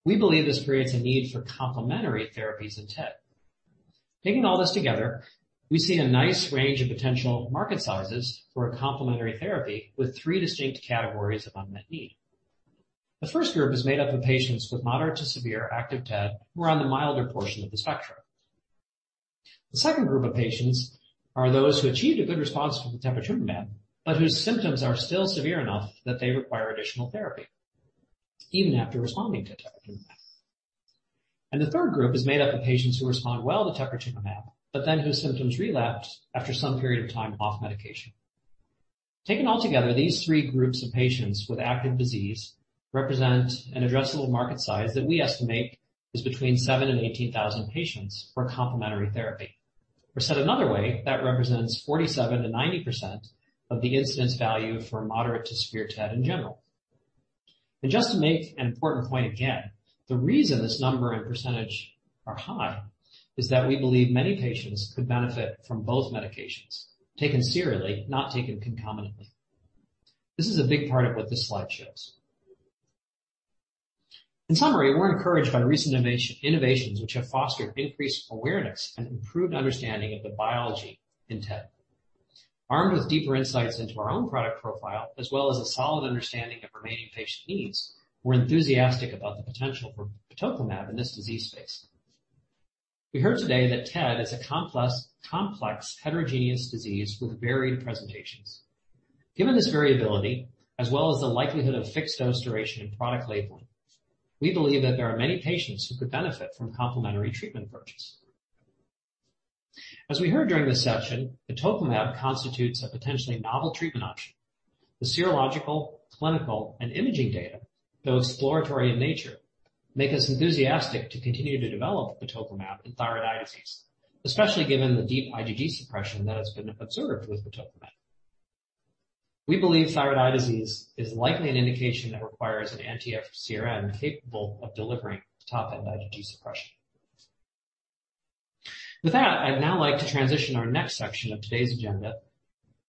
We believe this creates a need for complementary therapies in TED. Taking all this together, we see a nice range of potential market sizes for a complementary therapy with three distinct categories of unmet need. The first group is made up of patients with moderate to severe active TED who are on the milder portion of the spectrum. The second group of patients are those who achieved a good response from the teprotumumab, but whose symptoms are still severe enough that they require additional therapy even after responding to teprotumumab. The third group is made up of patients who respond well to teprotumumab, but then whose symptoms relapse after some period of time off medication. Taken altogether, these three groups of patients with active disease represent an addressable market size that we estimate is between 7 and 18,000 patients for complementary therapy. Said another way, that represents 47%-90% of the incidence value for moderate to severe TED in general. Just to make an important point again, the reason this number and percentage are high is that we believe many patients could benefit from both medications taken serially, not taken concomitantly. This is a big part of what this slide shows. In summary, we're encouraged by recent innovations which have fostered increased awareness and improved understanding of the biology in TED. Armed with deeper insights into our own product profile, as well as a solid understanding of remaining patient needs, we're enthusiastic about the potential for batoclimab in this disease space. We heard today that TED is a complex heterogeneous disease with varied presentations. Given this variability, as well as the likelihood of fixed-dose duration and product labeling, we believe that there are many patients who could benefit from complementary treatment approaches. As we heard during this session, batoclimab constitutes a potentially novel treatment option. The serological, clinical, and imaging data, though exploratory in nature, make us enthusiastic to continue to develop batoclimab in thyroid eye disease, especially given the deep IgG suppression that has been observed with batoclimab. We believe thyroid eye disease is likely an indication that requires an anti-FcRn capable of delivering top-end IgG suppression. With that, I'd now like to transition our next section of today's agenda,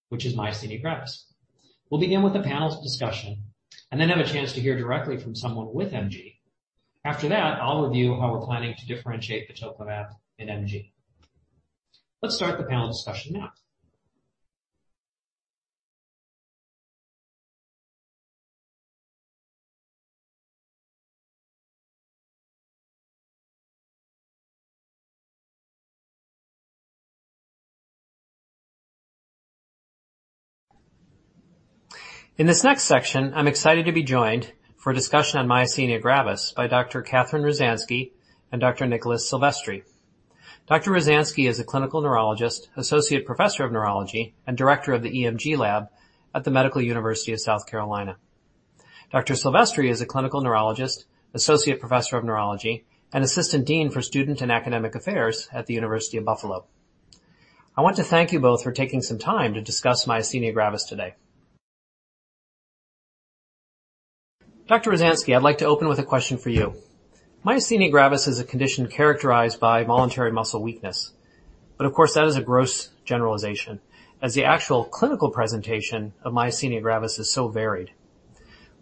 which is myasthenia gravis. We'll begin with a panel discussion and then have a chance to hear directly from someone with MG. After that, I'll review how we're planning to differentiate batoclimab and MG. Let's start the panel discussion now. In this next section, I'm excited to be joined for a discussion on myasthenia gravis by Dr. Katherine Ruzhansky and Dr. Nicholas Silvestri. Dr. Ruzhansky is a clinical neurologist, associate professor of neurology, and director of the EMG lab at the Medical University of South Carolina. Dr. Silvestri is a clinical neurologist, associate professor of neurology, and assistant dean for student and academic affairs at the University at Buffalo. I want to thank you both for taking some time to discuss myasthenia gravis today. Dr. Ruzhansky, I'd like to open with a question for you. Myasthenia gravis is a condition characterized by voluntary muscle weakness. Of course, that is a gross generalization, as the actual clinical presentation of myasthenia gravis is so varied.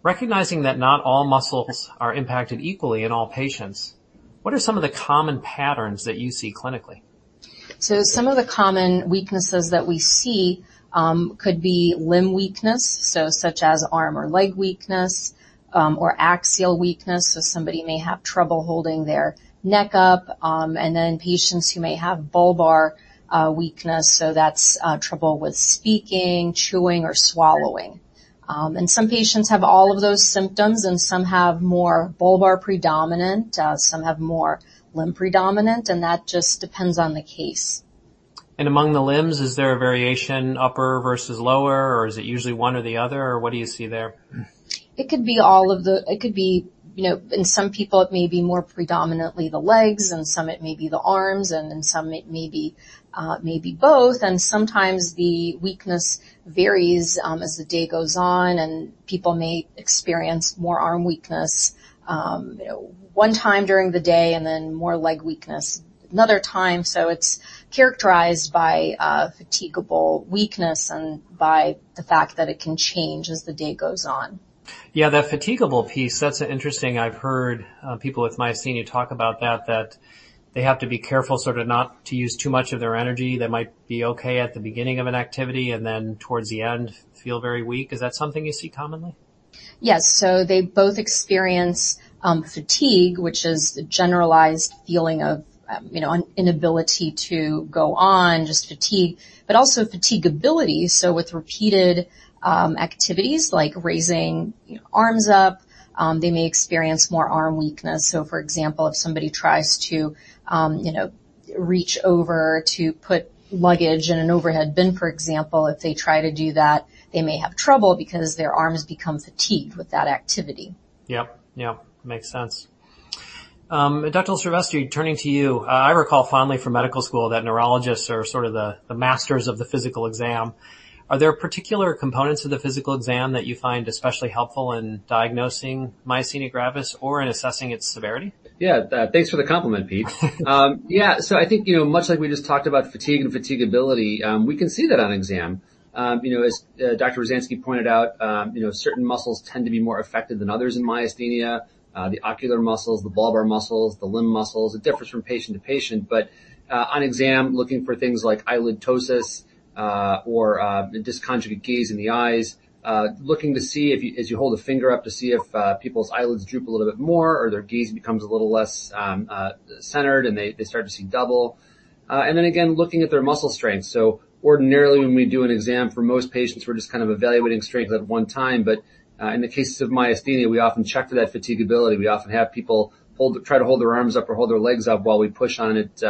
Recognizing that not all muscles are impacted equally in all patients, what are some of the common patterns that you see clinically? Some of the common weaknesses that we see could be limb weakness, so such as arm or leg weakness, or axial weakness. Somebody may have trouble holding their neck up, and then patients who may have bulbar weakness, so that's trouble with speaking, chewing, or swallowing. Some patients have all of those symptoms, and some have more bulbar predominant, some have more limb predominant, and that just depends on the case. Among the limbs, is there a variation, upper versus lower, or is it usually one or the other, or what do you see there? It could be, you know, in some people it may be more predominantly the legs, in some it may be the arms, and in some it may be both. Sometimes the weakness varies as the day goes on, and people may experience more arm weakness one time during the day and then more leg weakness another time. It's characterized by fatigable weakness and by the fact that it can change as the day goes on. Yeah. That fatigable piece, that's interesting. I've heard people with myasthenia talk about that they have to be careful sort of not to use too much of their energy. They might be okay at the beginning of an activity and then towards the end feel very weak. Is that something you see commonly? Yes. They both experience fatigue, which is the generalized feeling of, you know, inability to go on, just fatigue, but also fatiguability. With repeated activities like raising arms up, they may experience more arm weakness. For example, if somebody tries to, you know, reach over to put luggage in an overhead bin, for example, if they try to do that, they may have trouble because their arms become fatigued with that activity. Yep. Yeah. Makes sense. Dr. Silvestri, turning to you. I recall fondly from medical school that neurologists are sort of the masters of the physical exam. Are there particular components of the physical exam that you find especially helpful in diagnosing myasthenia gravis or in assessing its severity? Yeah. Thanks for the compliment, Pete. Yeah. I think, you know, much like we just talked about fatigue and fatiguability, we can see that on exam. You know, as Dr. Ruzhansky pointed out, you know, certain muscles tend to be more affected than others in myasthenia. The ocular muscles, the bulbar muscles, the limb muscles. It differs from patient to patient. On exam, looking for things like eyelid ptosis, or dysconjugate gaze in the eyes, looking to see if, as you hold a finger up, to see if people's eyelids droop a little bit more or their gaze becomes a little less centered, and they start to see double. And then again, looking at their muscle strength. Ordinarily, when we do an exam for most patients, we're just kind of evaluating strength at one time. In the cases of myasthenia, we often check for that fatiguability. We often have people try to hold their arms up or hold their legs up while we push on it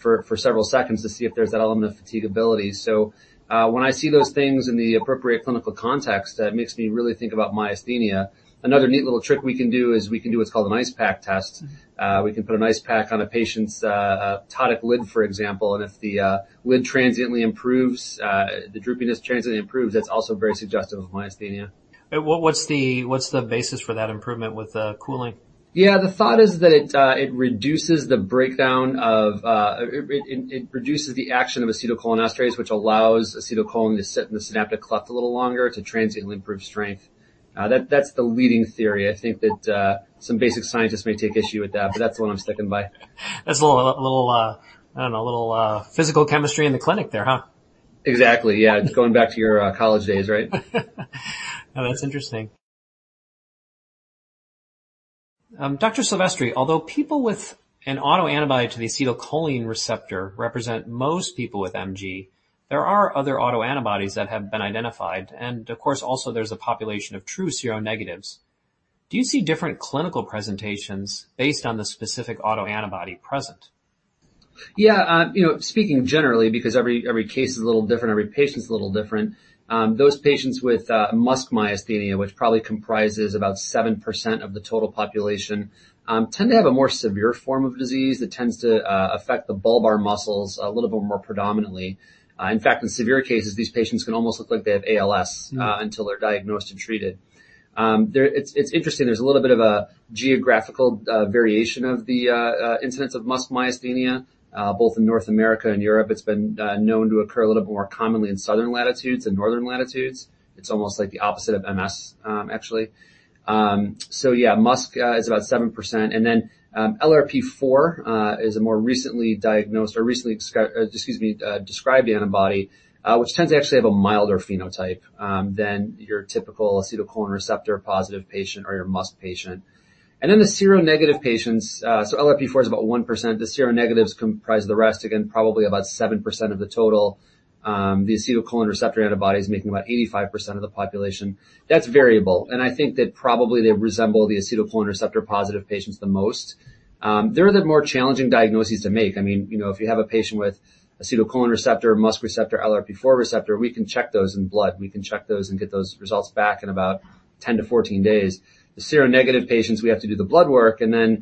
for several seconds to see if there's that element of fatiguability. When I see those things in the appropriate clinical context, that makes me really think about myasthenia. Another neat little trick we can do is we can do what's called an ice pack test. We can put an ice pack on a patient's ptotic lid, for example. If the lid transiently improves, the droopiness transiently improves, that's also very suggestive of myasthenia. What's the basis for that improvement with the cooling? Yeah. The thought is that it reduces the action of acetylcholinesterase, which allows acetylcholine to sit in the synaptic cleft a little longer to transiently improve strength. That's the leading theory. I think that some basic scientists may take issue with that, but that's the one I'm sticking by. That's a little, I don't know, a little physical chemistry in the clinic there, huh? Exactly, yeah. It's going back to your, college days, right? Oh, that's interesting. Dr. Silvestri, although people with an autoantibody to the acetylcholine receptor represent most people with MG, there are other autoantibodies that have been identified. Of course, also there's a population of true seronegatives. Do you see different clinical presentations based on the specific autoantibody present? Yeah. You know, speaking generally, because every case is a little different, every patient's a little different, those patients with MuSK myasthenia, which probably comprises about 7% of the total population, tend to have a more severe form of disease that tends to affect the bulbar muscles a little bit more predominantly. In fact, in severe cases, these patients can almost look like they have ALS. Mm. until they're diagnosed and treated. It's interesting, there's a little bit of a geographical variation of the incidence of MuSK myasthenia. Both in North America and Europe it's been known to occur a little bit more commonly in southern latitudes than northern latitudes. It's almost like the opposite of MS, actually. Yeah, MuSK is about 7%. LRP4 is a more recently diagnosed or recently described antibody, which tends to actually have a milder phenotype than your typical acetylcholine receptor positive patient or your MuSK patient. The seronegative patients, so LRP4 is about 1%. The seronegatives comprise the rest, again, probably about 7% of the total. The acetylcholine receptor antibody is making about 85% of the population. That's variable. I think that probably they resemble the acetylcholine receptor positive patients the most. They're the more challenging diagnoses to make. I mean, you know, if you have a patient with acetylcholine receptor, MuSK receptor, LRP4 receptor, we can check those in blood. We can check those and get those results back in about 10 to 14 days. The seronegative patients, we have to do the blood work, and then,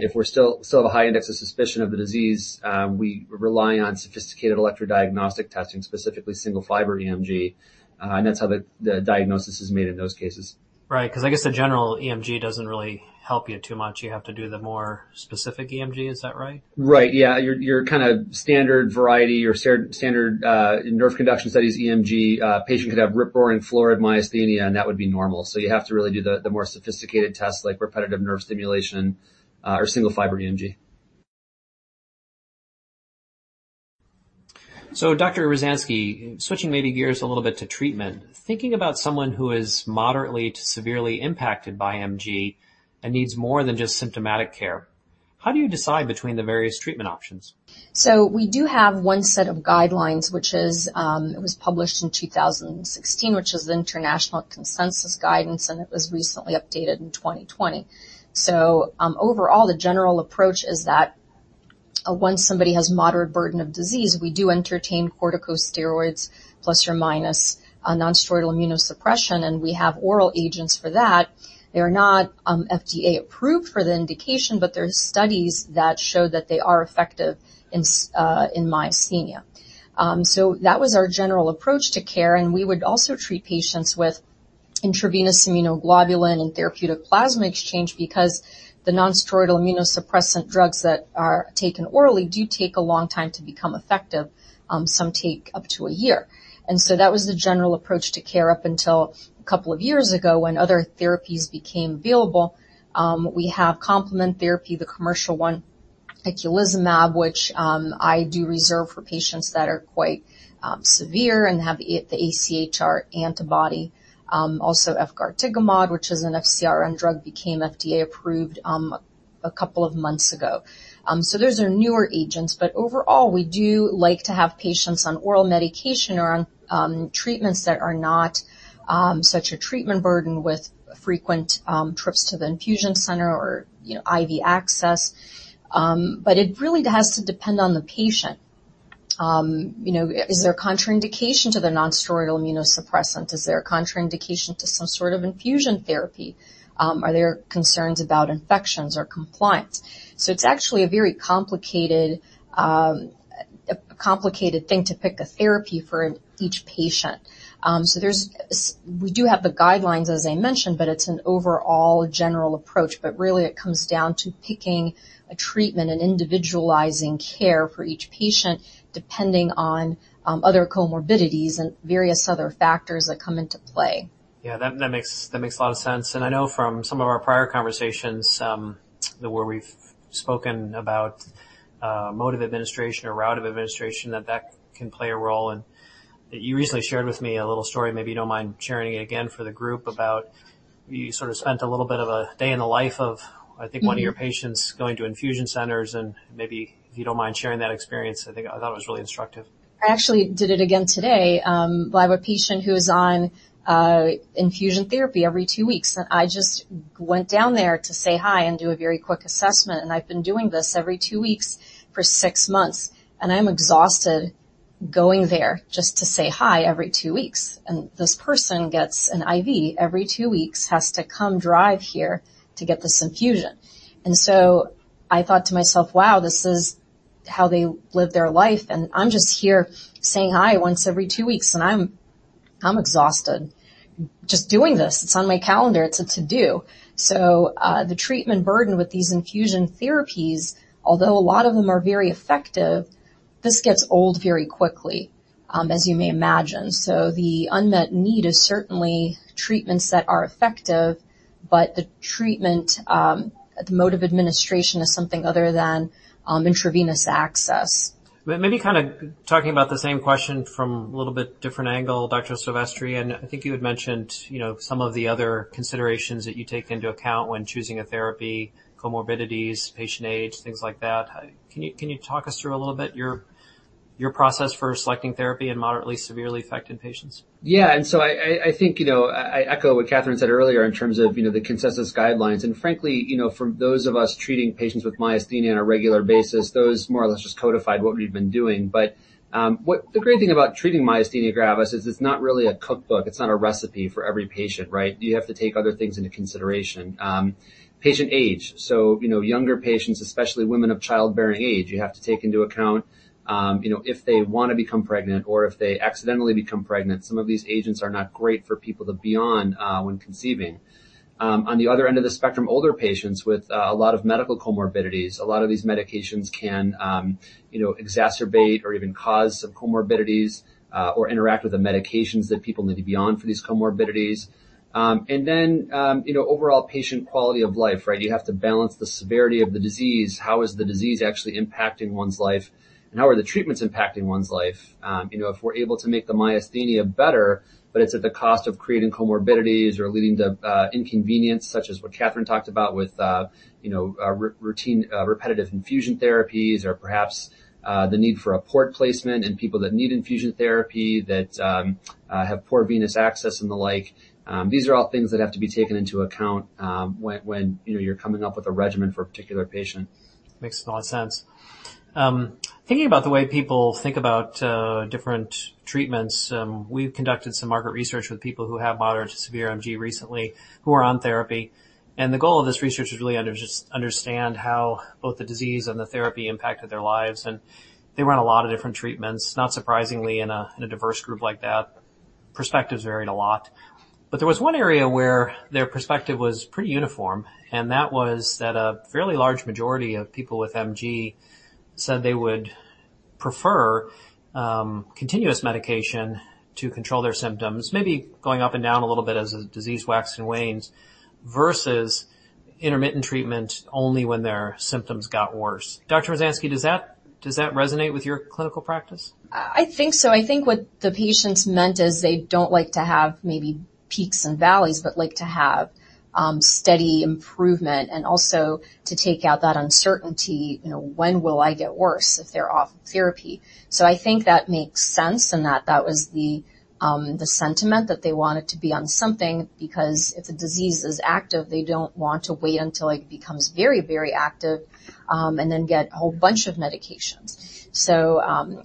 if we still have a high index of suspicion of the disease, we rely on sophisticated electrodiagnostic testing, specifically single fiber EMG, and that's how the diagnosis is made in those cases. Right. 'Cause I guess the general EMG doesn't really help you too much. You have to do the more specific EMG. Is that right? Right. Yeah. Your kind of standard variety or standard nerve conduction studies, EMG, patient could have severe myasthenia, and that would be normal. You have to really do the more sophisticated tests like repetitive nerve stimulation or single fiber EMG. Dr. Ruzhansky, switching maybe gears a little bit to treatment. Thinking about someone who is moderately to severely impacted by MG and needs more than just symptomatic care. How do you decide between the various treatment options? We do have one set of guidelines, which is, it was published in 2016, which is the International Consensus Guidance, and it was recently updated in 2020. Overall, the general approach is that once somebody has moderate burden of disease, we do entertain corticosteroids plus or minus a nonsteroidal immunosuppression, and we have oral agents for that. They are not FDA approved for the indication, but there's studies that show that they are effective in myasthenia. That was our general approach to care, and we would also treat patients with intravenous immunoglobulin and therapeutic plasma exchange because the nonsteroidal immunosuppressant drugs that are taken orally do take a long time to become effective. Some take up to a year. That was the general approach to care up until a couple of years ago when other therapies became available. We have complement therapy, the commercial one, eculizumab, which I do reserve for patients that are quite severe and have the AChR antibody. Also efgartigimod, which is an FcRn drug, became FDA approved a couple of months ago. So those are newer agents, but overall, we do like to have patients on oral medication or on treatments that are not such a treatment burden with frequent trips to the infusion center or, you know, IV access. But it really has to depend on the patient. You know, is there a contraindication to the nonsteroidal immunosuppressant? Is there a contraindication to some sort of infusion therapy? Are there concerns about infections or compliance? It's actually a very complicated thing to pick a therapy for each patient. We do have the guidelines, as I mentioned, but it's an overall general approach. Really, it comes down to picking a treatment and individualizing care for each patient, depending on other comorbidities and various other factors that come into play. Yeah, that makes a lot of sense. I know from some of our prior conversations, where we've spoken about mode of administration or route of administration, that can play a role. You recently shared with me a little story, maybe you don't mind sharing it again for the group, about you sort of spent a little bit of a day in the life of, I think one of your patients going to infusion centers, and maybe if you don't mind sharing that experience. I thought it was really instructive. I actually did it again today. I have a patient who's on infusion therapy every two weeks, and I just went down there to say hi and do a very quick assessment. I've been doing this every two weeks for six months, and I'm exhausted going there just to say hi every two weeks. This person gets an IV every two weeks, has to come drive here to get this infusion. I thought to myself, "Wow, this is how they live their life. I'm just here saying hi once every two weeks, and I'm exhausted just doing this. It's on my calendar. It's a to-do." The treatment burden with these infusion therapies, although a lot of them are very effective, this gets old very quickly, as you may imagine. The unmet need is certainly treatments that are effective, but the treatment, the mode of administration is something other than intravenous access. Maybe kind of talking about the same question from a little bit different angle, Dr. Silvestri. I think you had mentioned, you know, some of the other considerations that you take into account when choosing a therapy, comorbidities, patient age, things like that. Can you talk us through a little bit your process for selecting therapy in moderately severely affected patients? I think, you know, I echo what Katherine said earlier in terms of, you know, the consensus guidelines. Frankly, you know, for those of us treating patients with myasthenia on a regular basis, those more or less just codified what we've been doing. The great thing about treating myasthenia gravis is it's not really a cookbook. It's not a recipe for every patient, right? You have to take other things into consideration, patient age. Younger patients, especially women of childbearing age, you have to take into account, you know, if they wanna become pregnant or if they accidentally become pregnant. Some of these agents are not great for people to be on when conceiving. On the other end of the spectrum, older patients with a lot of medical comorbidities, a lot of these medications can, you know, exacerbate or even cause some comorbidities, or interact with the medications that people need to be on for these comorbidities. You know, overall patient quality of life, right? You have to balance the severity of the disease. How is the disease actually impacting one's life? And how are the treatments impacting one's life? You know, if we're able to make the myasthenia better, but it's at the cost of creating comorbidities or leading to inconvenience, such as what Katherine talked about with you know, routine repetitive infusion therapies or perhaps the need for a port placement and people that need infusion therapy that have poor venous access and the like. These are all things that have to be taken into account, when you know, you're coming up with a regimen for a particular patient. Makes a lot of sense. Thinking about the way people think about different treatments, we've conducted some market research with people who have moderate to severe MG recently who are on therapy. The goal of this research is really just understand how both the disease and the therapy impacted their lives. They run a lot of different treatments, not surprisingly in a diverse group like that. Perspectives varied a lot. There was one area where their perspective was pretty uniform, and that was that a fairly large majority of people with MG said they would prefer continuous medication to control their symptoms, maybe going up and down a little bit as the disease waxes and wanes versus intermittent treatment only when their symptoms got worse. Dr. Ruzhansky, does that resonate with your clinical practice? I think so. I think what the patients meant is they don't like to have maybe peaks and valleys, but like to have steady improvement and also to take out that uncertainty, you know, when will I get worse if they're off therapy. I think that makes sense and that was the sentiment that they wanted to be on something because if the disease is active, they don't want to wait until it becomes very, very active and then get a whole bunch of medications.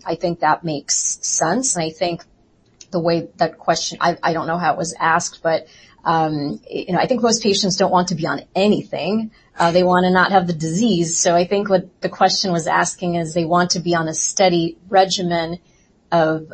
I think that makes sense, and I think the way that question. I don't know how it was asked, but you know, I think most patients don't want to be on anything. They wanna not have the disease. I think what the question was asking is they want to be on a steady regimen of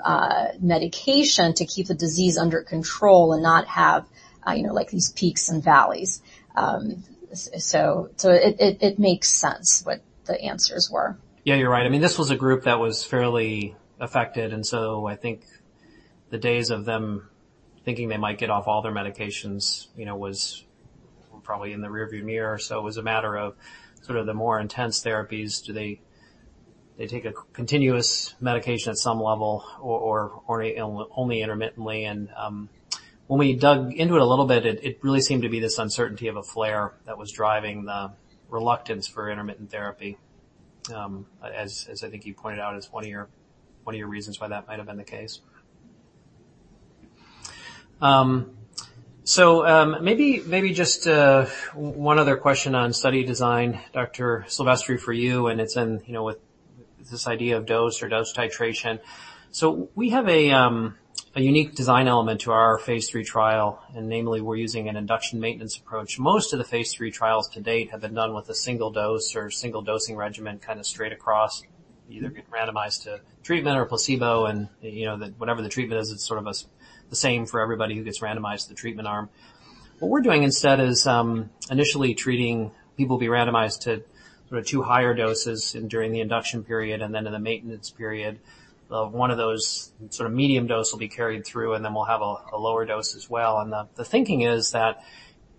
medication to keep the disease under control and not have, you know, like these peaks and valleys. It makes sense what the answers were. Yeah, you're right. I mean, this was a group that was fairly affected, and I think the days of them thinking they might get off all their medications, you know, was probably in the rearview mirror. It was a matter of sort of the more intense therapies. Do they take a continuous medication at some level or only intermittently and when we dug into it a little bit, it really seemed to be this uncertainty of a flare that was driving the reluctance for intermittent therapy. As I think you pointed out as one of your reasons why that might have been the case. Maybe just one other question on study design, Dr. Silvestri, for you, and it's in, you know, with this idea of dose titration. We have a unique design element to our phase III trial, and namely, we're using an induction maintenance approach. Most of the phase III trials to date have been done with a single dose or single dosing regimen kind of straight across, either get randomized to treatment or placebo, and, you know, whatever the treatment is, it's sort of the same for everybody who gets randomized to the treatment arm. What we're doing instead is initially treating people who be randomized to sort of two higher doses during the induction period and then in the maintenance period. The one of those sort of medium dose will be carried through, and then we'll have a lower dose as well. The thinking is that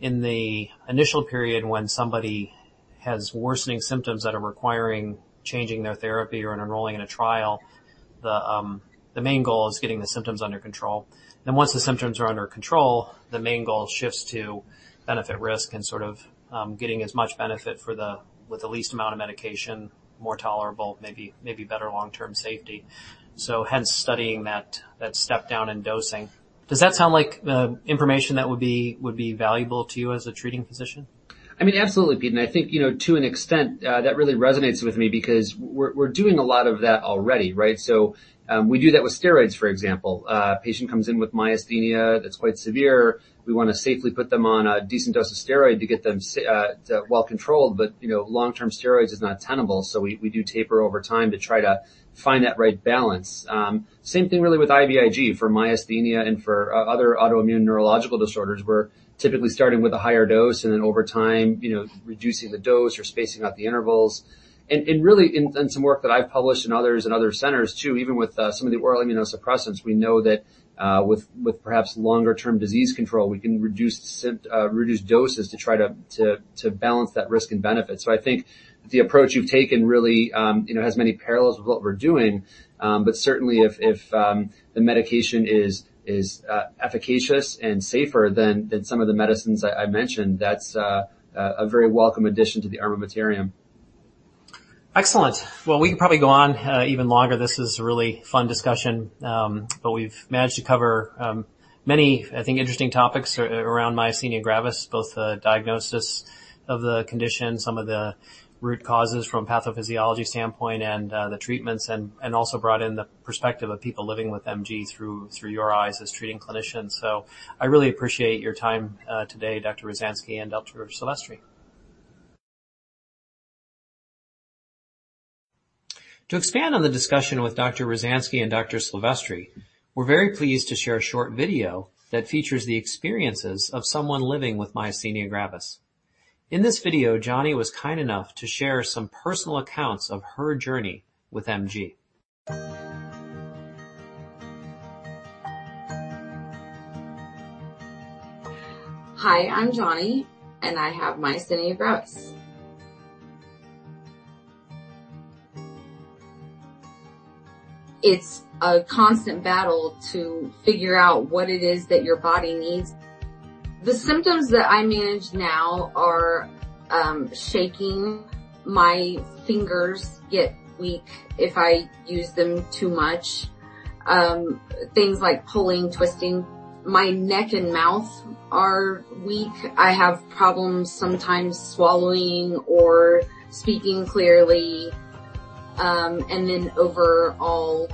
in the initial period when somebody has worsening symptoms that are requiring changing their therapy or enrolling in a trial, the main goal is getting the symptoms under control. Then once the symptoms are under control, the main goal shifts to benefit risk and sort of getting as much benefit with the least amount of medication, more tolerable, maybe better long-term safety. Hence studying that step down in dosing. Does that sound like information that would be valuable to you as a treating physician? I mean, absolutely, Pete, and I think, you know, to an extent, that really resonates with me because we're doing a lot of that already, right? We do that with steroids, for example. A patient comes in with myasthenia that's quite severe. We wanna safely put them on a decent dose of steroid to get them to well-controlled, but, you know, long-term steroids is not tenable, so we do taper over time to try to find that right balance. Same thing really with IVIG for myasthenia and for other autoimmune neurological disorders. We're typically starting with a higher dose, and then over time, you know, reducing the dose or spacing out the intervals. Really in some work that I've published and others in other centers too, even with some of the oral immunosuppressants, we know that with perhaps longer-term disease control, we can reduce doses to try to balance that risk and benefit. I think the approach you've taken really, you know, has many parallels with what we're doing. Certainly if the medication is efficacious and safer than some of the medicines I mentioned, that's a very welcome addition to the armamentarium. Excellent. Well, we can probably go on even longer. This is a really fun discussion. But we've managed to cover many, I think, interesting topics around myasthenia gravis, both the diagnosis of the condition, some of the root causes from a pathophysiology standpoint and the treatments, and also brought in the perspective of people living with MG through your eyes as treating clinicians. I really appreciate your time today, Dr. Ruzhansky and Dr. Silvestri. To expand on the discussion with Dr. Ruzhansky and Dr. Silvestri, we're very pleased to share a short video that features the experiences of someone living with myasthenia gravis. In this video, Johnny was kind enough to share some personal accounts of her journey with MG. Hi, I'm Johnny, and I have myasthenia gravis. It's a constant battle to figure out what it is that your body needs. The symptoms that I manage now are shaking. My fingers get weak if I use them too much. Things like pulling, twisting. My neck and mouth are weak. I have problems sometimes swallowing or speaking clearly, and then overall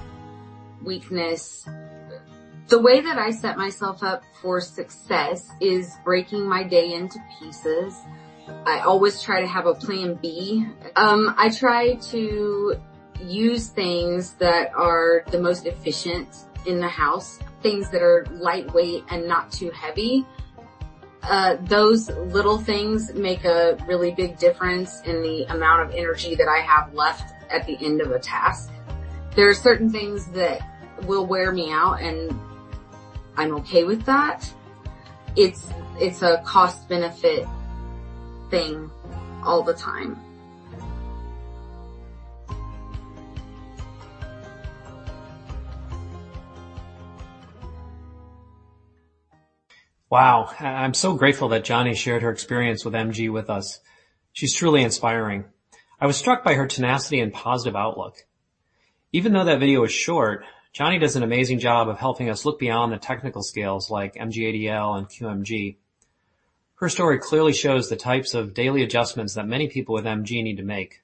weakness. The way that I set myself up for success is breaking my day into pieces. I always try to have a plan B. I try to use things that are the most efficient in the house, things that are lightweight and not too heavy. Those little things make a really big difference in the amount of energy that I have left at the end of a task. There are certain things that will wear me out, and I'm okay with that. It's a cost-benefit thing all the time. Wow. I'm so grateful that Johnny shared her experience with MG with us. She's truly inspiring. I was struck by her tenacity and positive outlook. Even though that video is short, Johnny does an amazing job of helping us look beyond the technical scales like MG-ADL and QMG. Her story clearly shows the types of daily adjustments that many people with MG need to make.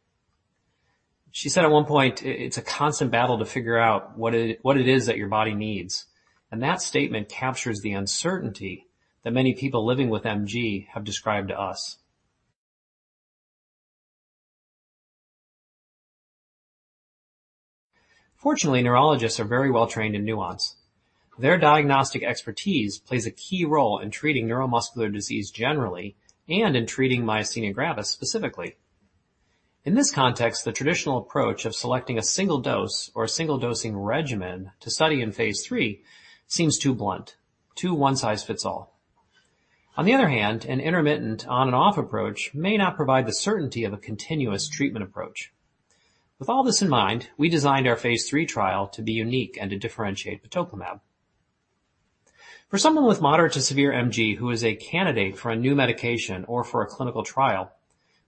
She said at one point, it's a constant battle to figure out what it is that your body needs, and that statement captures the uncertainty that many people living with MG have described to us. Fortunately, neurologists are very well-trained in nuance. Their diagnostic expertise plays a key role in treating neuromuscular disease generally, and in treating myasthenia gravis specifically. In this context, the traditional approach of selecting a single dose or a single dosing regimen to study in phase III seems too blunt, too one size fits all. On the other hand, an intermittent on and off approach may not provide the certainty of a continuous treatment approach. With all this in mind, we designed our phase III trial to be unique and to differentiate batoclimab. For someone with moderate to severe MG who is a candidate for a new medication or for a clinical trial,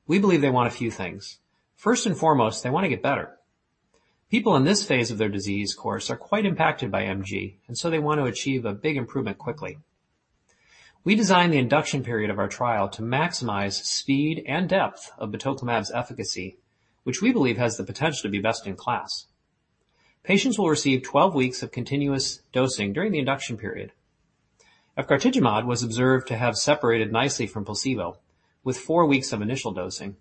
we believe they want a few things. First and foremost, they wanna get better. People in this phase of their disease course are quite impacted by MG, and so they want to achieve a big improvement quickly. We designed the induction period of our trial to maximize speed and depth of batoclimab's efficacy, which we believe has the potential to be best in class. Patients will receive 12 weeks of continuous dosing during the induction period. Efgartigimod was observed to have separated nicely from placebo with 4 weeks of initial dosing.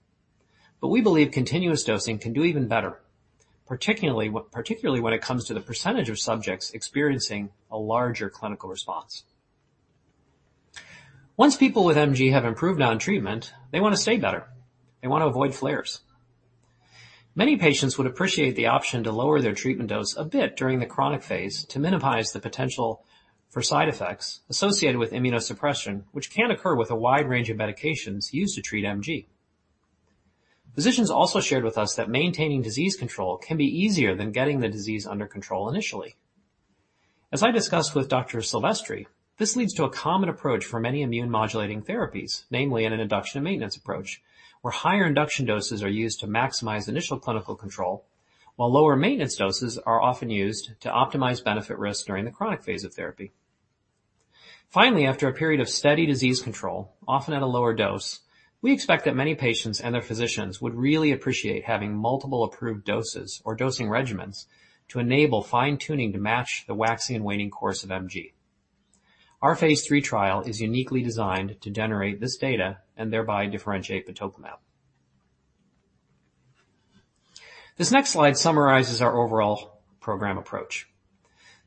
We believe continuous dosing can do even better, particularly when it comes to the percentage of subjects experiencing a larger clinical response. Once people with MG have improved on treatment, they wanna stay better. They wanna avoid flares. Many patients would appreciate the option to lower their treatment dose a bit during the chronic phase to minimize the potential for side effects associated with immunosuppression, which can occur with a wide range of medications used to treat MG. Physicians also shared with us that maintaining disease control can be easier than getting the disease under control initially. As I discussed with Dr. Silvestri, this leads to a common approach for many immune modulating therapies, namely in an induction and maintenance approach, where higher induction doses are used to maximize initial clinical control, while lower maintenance doses are often used to optimize benefit risk during the chronic phase of therapy. Finally, after a period of steady disease control, often at a lower dose, we expect that many patients and their physicians would really appreciate having multiple approved doses or dosing regimens to enable fine-tuning to match the waxing and waning course of MG. Our phase III trial is uniquely designed to generate this data and thereby differentiate batoclimab. This next slide summarizes our overall program approach.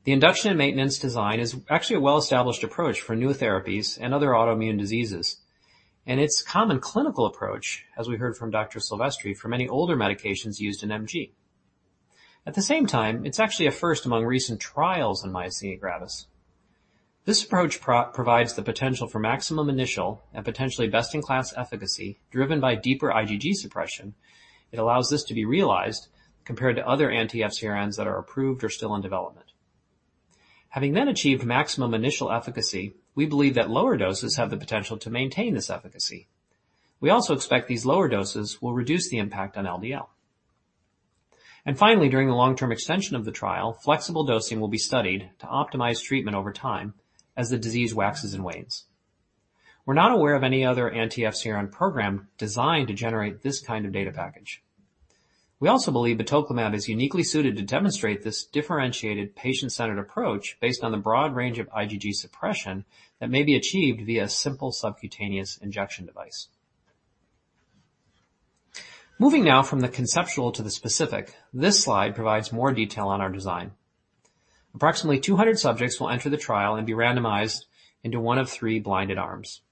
The induction and maintenance design is actually a well-established approach for new therapies and other autoimmune diseases, and it's common clinical approach, as we heard from Dr. Silvestri, for many older medications used in MG. At the same time, it's actually a first among recent trials in myasthenia gravis. This approach provides the potential for maximum initial and potentially best in class efficacy driven by deeper IgG suppression. It allows this to be realized compared to other anti-FcRns that are approved or still in development. Having then achieved maximum initial efficacy, we believe that lower doses have the potential to maintain this efficacy. We also expect these lower doses will reduce the impact on LDL. Finally, during the long-term extension of the trial, flexible dosing will be studied to optimize treatment over time as the disease waxes and wanes. We're not aware of any other anti-FcRn program designed to generate this kind of data package. We also believe batoclimab is uniquely suited to demonstrate this differentiated patient-centered approach based on the broad range of IgG suppression that may be achieved via simple subcutaneous injection device. Moving now from the conceptual to the specific, this slide provides more detail on our design. Approximately 200 subjects will enter the trial and be randomized into one of three blinded arms.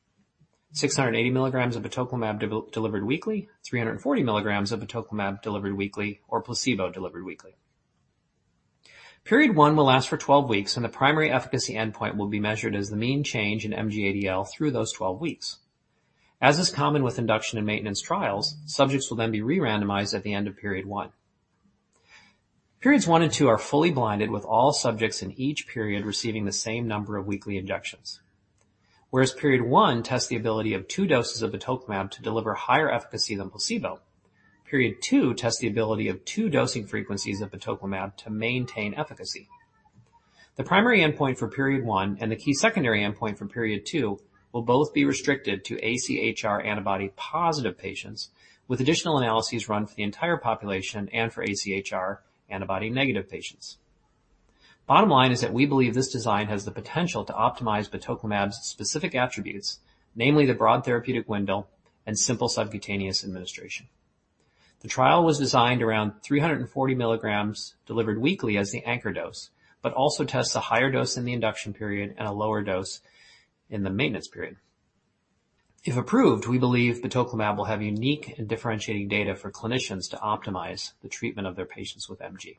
680 milligrams of batoclimab delivered weekly, 340 milligrams of batoclimab delivered weekly, or placebo delivered weekly. Period one will last for 12 weeks, and the primary efficacy endpoint will be measured as the mean change in MG-ADL through those 12 weeks. As is common with induction and maintenance trials, subjects will then be re-randomized at the end of period one. Periods one and two are fully blinded, with all subjects in each period receiving the same number of weekly injections. Whereas period one tests the ability of two doses of batoclimab to deliver higher efficacy than placebo, period two tests the ability of two dosing frequencies of batoclimab to maintain efficacy. The primary endpoint for period one and the key secondary endpoint for period two will both be restricted to AChR antibody positive patients with additional analyses run for the entire population and for AChR antibody-negative patients. Bottom line is that we believe this design has the potential to optimize batoclimab's specific attributes, namely the broad therapeutic window and simple subcutaneous administration. The trial was designed around 340 milligrams delivered weekly as the anchor dose, but also tests a higher dose in the induction period and a lower dose in the maintenance period. If approved, we believe batoclimab will have unique and differentiating data for clinicians to optimize the treatment of their patients with MG.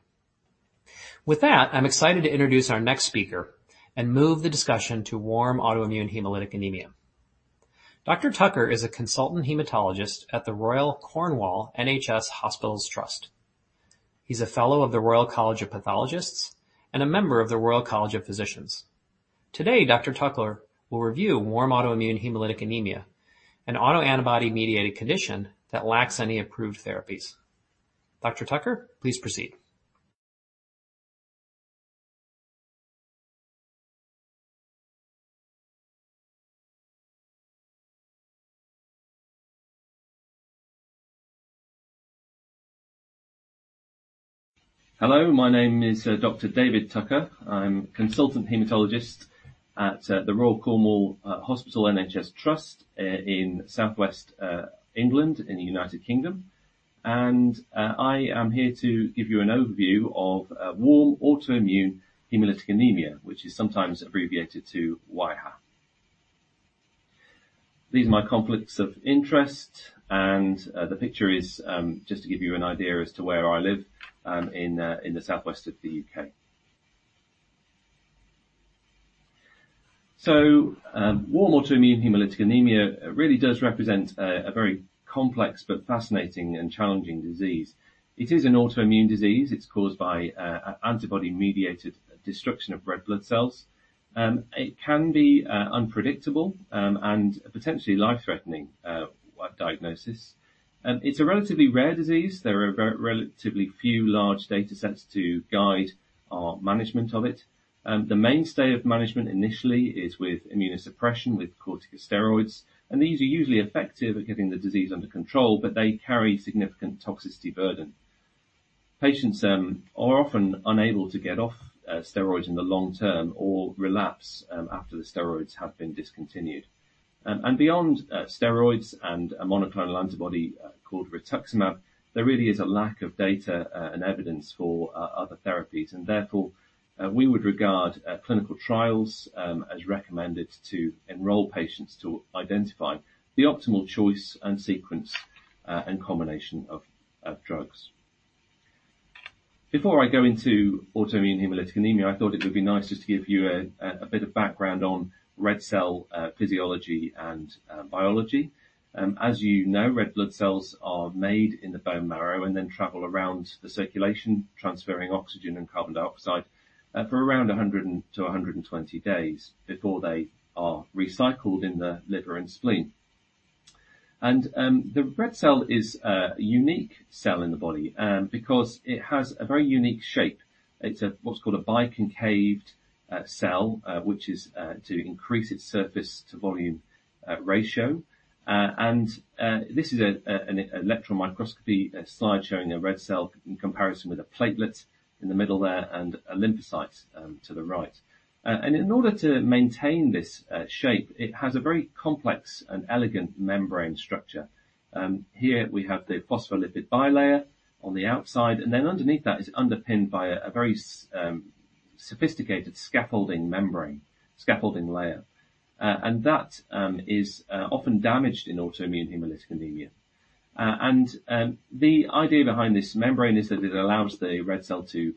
With that, I'm excited to introduce our next speaker and move the discussion to warm autoimmune hemolytic anemia. Dr. Tucker is a consultant hematologist at the Royal Cornwall Hospitals NHS Trust. He's a fellow of the Royal College of Pathologists and a member of the Royal College of Physicians. Today, Dr. Tucker will review warm autoimmune hemolytic anemia, an autoantibody-mediated condition that lacks any approved therapies. Dr. Tucker, please proceed. Hello, my name is Dr. David Tucker. I'm a consultant hematologist at the Royal Cornwall Hospitals NHS Trust in southwest England in the United Kingdom. I am here to give you an overview of warm autoimmune hemolytic anemia, which is sometimes abbreviated to WAHA. These are my conflicts of interest, and the picture is just to give you an idea as to where I live in the southwest of the U.K. Warm autoimmune hemolytic anemia really does represent a very complex but fascinating and challenging disease. It is an autoimmune disease. It's caused by antibody-mediated destruction of red blood cells. It can be unpredictable and potentially life-threatening diagnosis. It's a relatively rare disease. There are relatively few large data sets to guide our management of it. The mainstay of management initially is with immunosuppression, with corticosteroids, and these are usually effective at getting the disease under control, but they carry significant toxicity burden. Patients are often unable to get off steroids in the long term or relapse after the steroids have been discontinued. And beyond steroids and a monoclonal antibody called rituximab, there really is a lack of data and evidence for other therapies. Therefore, we would regard clinical trials as recommended to enroll patients to identify the optimal choice and sequence and combination of drugs. Before I go into autoimmune hemolytic anemia, I thought it would be nice just to give you a bit of background on red cell physiology and biology. As you know, red blood cells are made in the bone marrow and then travel around the circulation, transferring oxygen and carbon dioxide, for around 100 to 120 days before they are recycled in the liver and spleen. The red cell is a unique cell in the body, because it has a very unique shape. It's a, what's called a biconcave cell, which is to increase its surface to volume ratio. This is an electron microscopy slide showing a red cell in comparison with a platelet in the middle there and a lymphocyte to the right. In order to maintain this shape, it has a very complex and elegant membrane structure. Here we have the phospholipid bilayer on the outside, and then underneath that is underpinned by a very sophisticated scaffolding layer. That is often damaged in autoimmune hemolytic anemia. The idea behind this membrane is that it allows the red cell to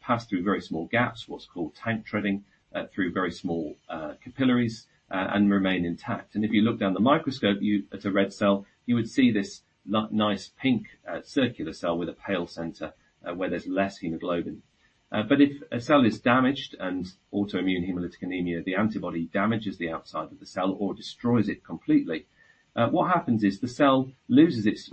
pass through very small gaps, what's called tank treading, through very small capillaries, and remain intact. If you look down the microscope at a red cell, you would see this nice pink circular cell with a pale center, where there's less hemoglobin. If a cell is damaged in autoimmune hemolytic anemia, the antibody damages the outside of the cell or destroys it completely. What happens is the cell loses its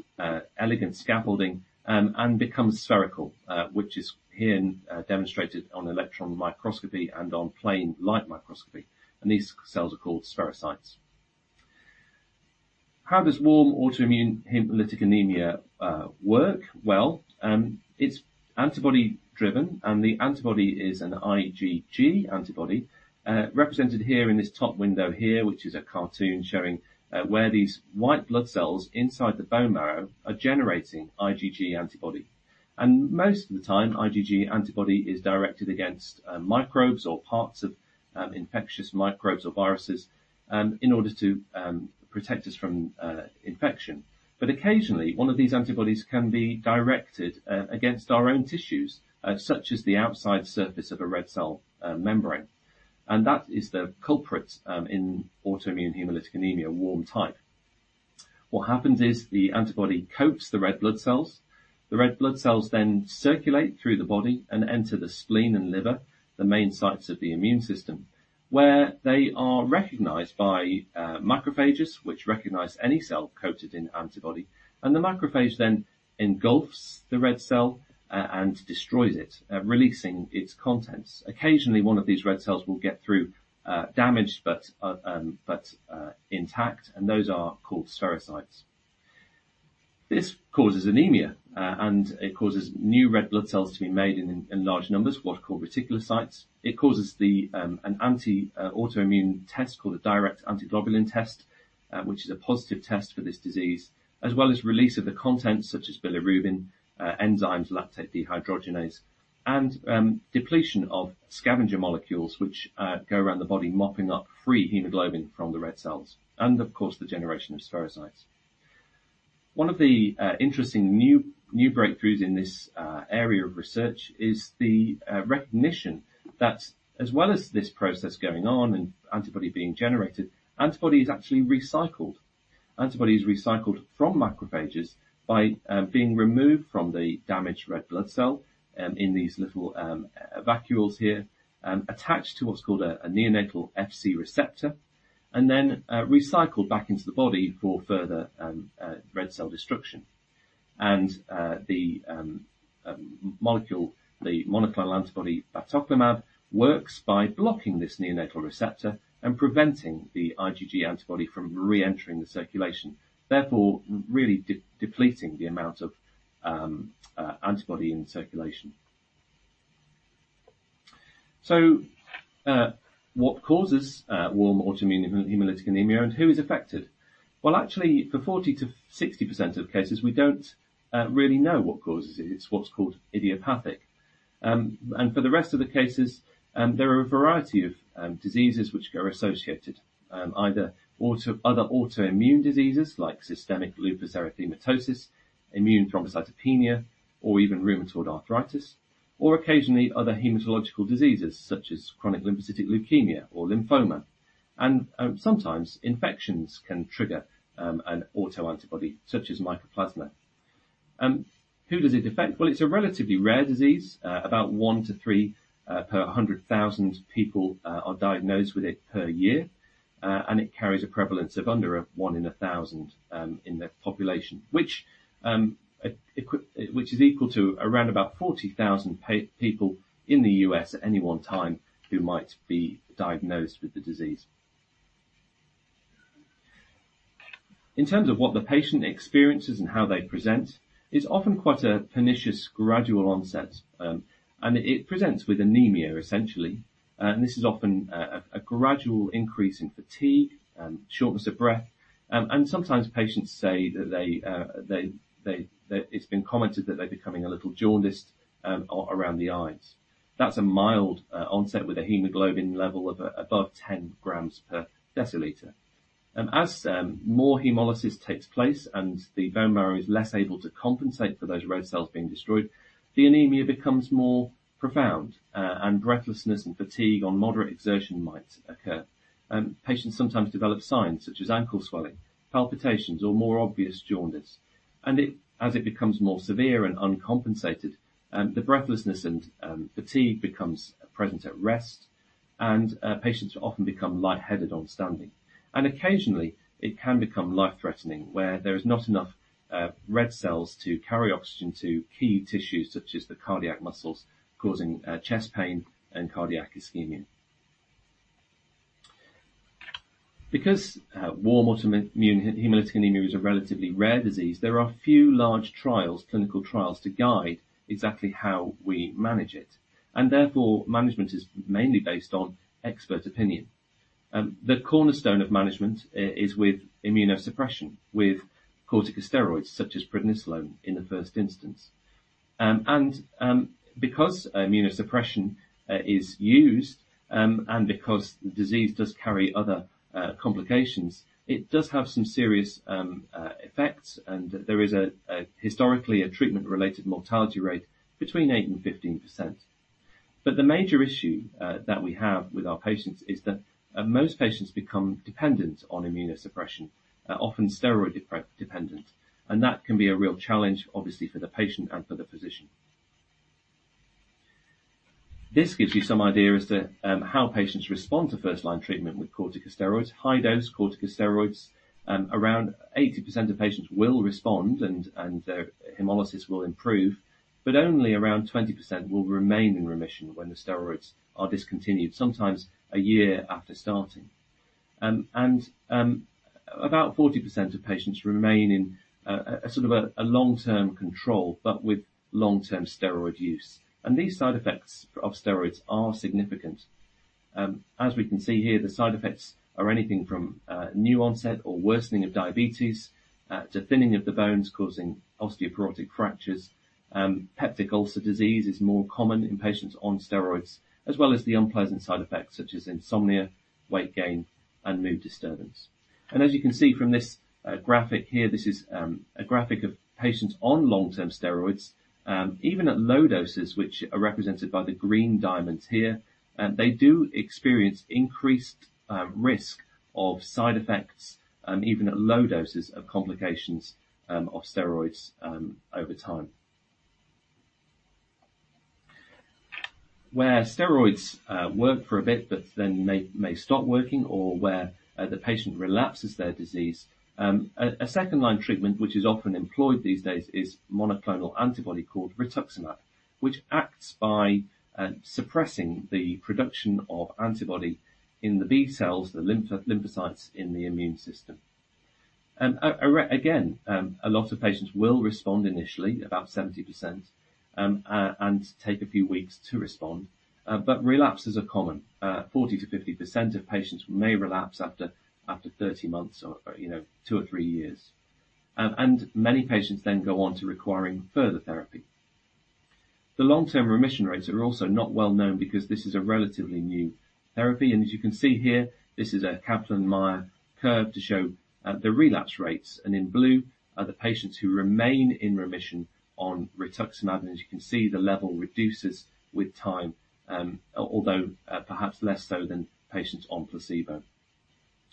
elegant scaffolding and becomes spherical, which is herein demonstrated on electron microscopy and on plain light microscopy. These cells are called spherocytes. How does warm autoimmune hemolytic anemia work? It's antibody-driven, and the antibody is an IgG antibody, represented here in this top window here, which is a cartoon showing where these white blood cells inside the bone marrow are generating IgG antibody. Most of the time, IgG antibody is directed against microbes or parts of infectious microbes or viruses in order to protect us from infection. Occasionally, one of these antibodies can be directed against our own tissues, such as the outside surface of a red cell membrane. That is the culprit in autoimmune hemolytic anemia, warm type. What happens is the antibody coats the red blood cells. The red blood cells then circulate through the body and enter the spleen and liver, the main sites of the immune system, where they are recognized by macrophages, which recognize any cell coated in antibody. The macrophage then engulfs the red cell and destroys it, releasing its contents. Occasionally, one of these red cells will get through, damaged but intact, and those are called spherocytes. This causes anemia, and it causes new red blood cells to be made in large numbers, what are called reticulocytes. It causes an autoimmune test called a direct antiglobulin test, which is a positive test for this disease, as well as release of the contents such as bilirubin, enzymes, lactate dehydrogenase, depletion of scavenger molecules which go around the body mopping up free hemoglobin from the red cells, and of course, the generation of spherocytes. One of the interesting new breakthroughs in this area of research is the recognition that as well as this process going on and antibody being generated, antibody is actually recycled. Antibody is recycled from macrophages by being removed from the damaged red blood cell in these little vacuoles here attached to what's called a neonatal Fc receptor, and then recycled back into the body for further red cell destruction. The molecule, the monoclonal antibody batoclimab works by blocking this neonatal receptor and preventing the IgG antibody from reentering the circulation, therefore, really depleting the amount of antibody in circulation. What causes warm autoimmune hemolytic anemia, and who is affected? Well, actually, for 40%-60% of cases, we don't really know what causes it. It's what's called idiopathic. For the rest of the cases, there are a variety of diseases which are associated, either other autoimmune diseases like systemic lupus erythematosus, immune thrombocytopenia, or even rheumatoid arthritis. Occasionally, other hematological diseases, such as chronic lymphocytic leukemia or lymphoma. Sometimes infections can trigger an autoantibody, such as mycoplasma. Who does it affect? Well, it's a relatively rare disease, about 1-3 per 100,000 people are diagnosed with it per year. It carries a prevalence of under 1 in 1,000 in the population. Which is equal to around about 40,000 people in the US at any one time who might be diagnosed with the disease. In terms of what the patient experiences and how they present, it's often quite a pernicious, gradual onset. It presents with anemia, essentially. This is often a gradual increase in fatigue, shortness of breath, and sometimes patients say that it's been commented that they're becoming a little jaundiced around the eyes. That's a mild onset with a hemoglobin level of above 10 grams per deciliter. As more hemolysis takes place and the bone marrow is less able to compensate for those red cells being destroyed, the anemia becomes more profound, and breathlessness and fatigue on moderate exertion might occur. Patients sometimes develop signs such as ankle swelling, palpitations or more obvious jaundice. As it becomes more severe and uncompensated, the breathlessness and fatigue becomes present at rest, and patients often become light-headed on standing. Occasionally, it can become life-threatening, where there is not enough red cells to carry oxygen to key tissues such as the cardiac muscles, causing chest pain and cardiac ischemia. Because warm autoimmune hemolytic anemia is a relatively rare disease, there are few large trials, clinical trials to guide exactly how we manage it. Therefore, management is mainly based on expert opinion. The cornerstone of management is with immunosuppression, with corticosteroids such as prednisolone in the first instance. Because immunosuppression is used, and because the disease does carry other complications, it does have some serious effects. There is historically a treatment-related mortality rate between 8%-15%. The major issue that we have with our patients is that most patients become dependent on immunosuppression, often steroid dependent, and that can be a real challenge, obviously, for the patient and for the physician. This gives you some idea as to how patients respond to first-line treatment with corticosteroids. High-dose corticosteroids, around 80% of patients will respond and their hemolysis will improve, but only around 20% will remain in remission when the steroids are discontinued, sometimes a year after starting. about 40% of patients remain in a sort of a long-term control, but with long-term steroid use. These side effects of steroids are significant. As we can see here, the side effects are anything from new onset or worsening of diabetes to thinning of the bones causing osteoporotic fractures. Peptic ulcer disease is more common in patients on steroids, as well as the unpleasant side effects such as insomnia, weight gain, and mood disturbance. As you can see from this graphic here, this is a graphic of patients on long-term steroids. Even at low doses, which are represented by the green diamonds here, they do experience increased risk of side effects, even at low doses of complications of steroids over time. Where steroids work for a bit, but then may stop working or where the patient relapses their disease, a second-line treatment which is often employed these days is a monoclonal antibody called rituximab, which acts by suppressing the production of antibody in the B-cells, the lymphocytes in the immune system. Again, a lot of patients will respond initially, about 70%, and take a few weeks to respond. But relapses are common. Forty to 50% of patients may relapse after 30 months or, you know, two or three years. Many patients then go on to requiring further therapy. The long-term remission rates are also not well known because this is a relatively new therapy. As you can see here, this is a Kaplan-Meier curve to show the relapse rates. In blue are the patients who remain in remission on rituximab. As you can see, the level reduces with time, although perhaps less so than patients on placebo.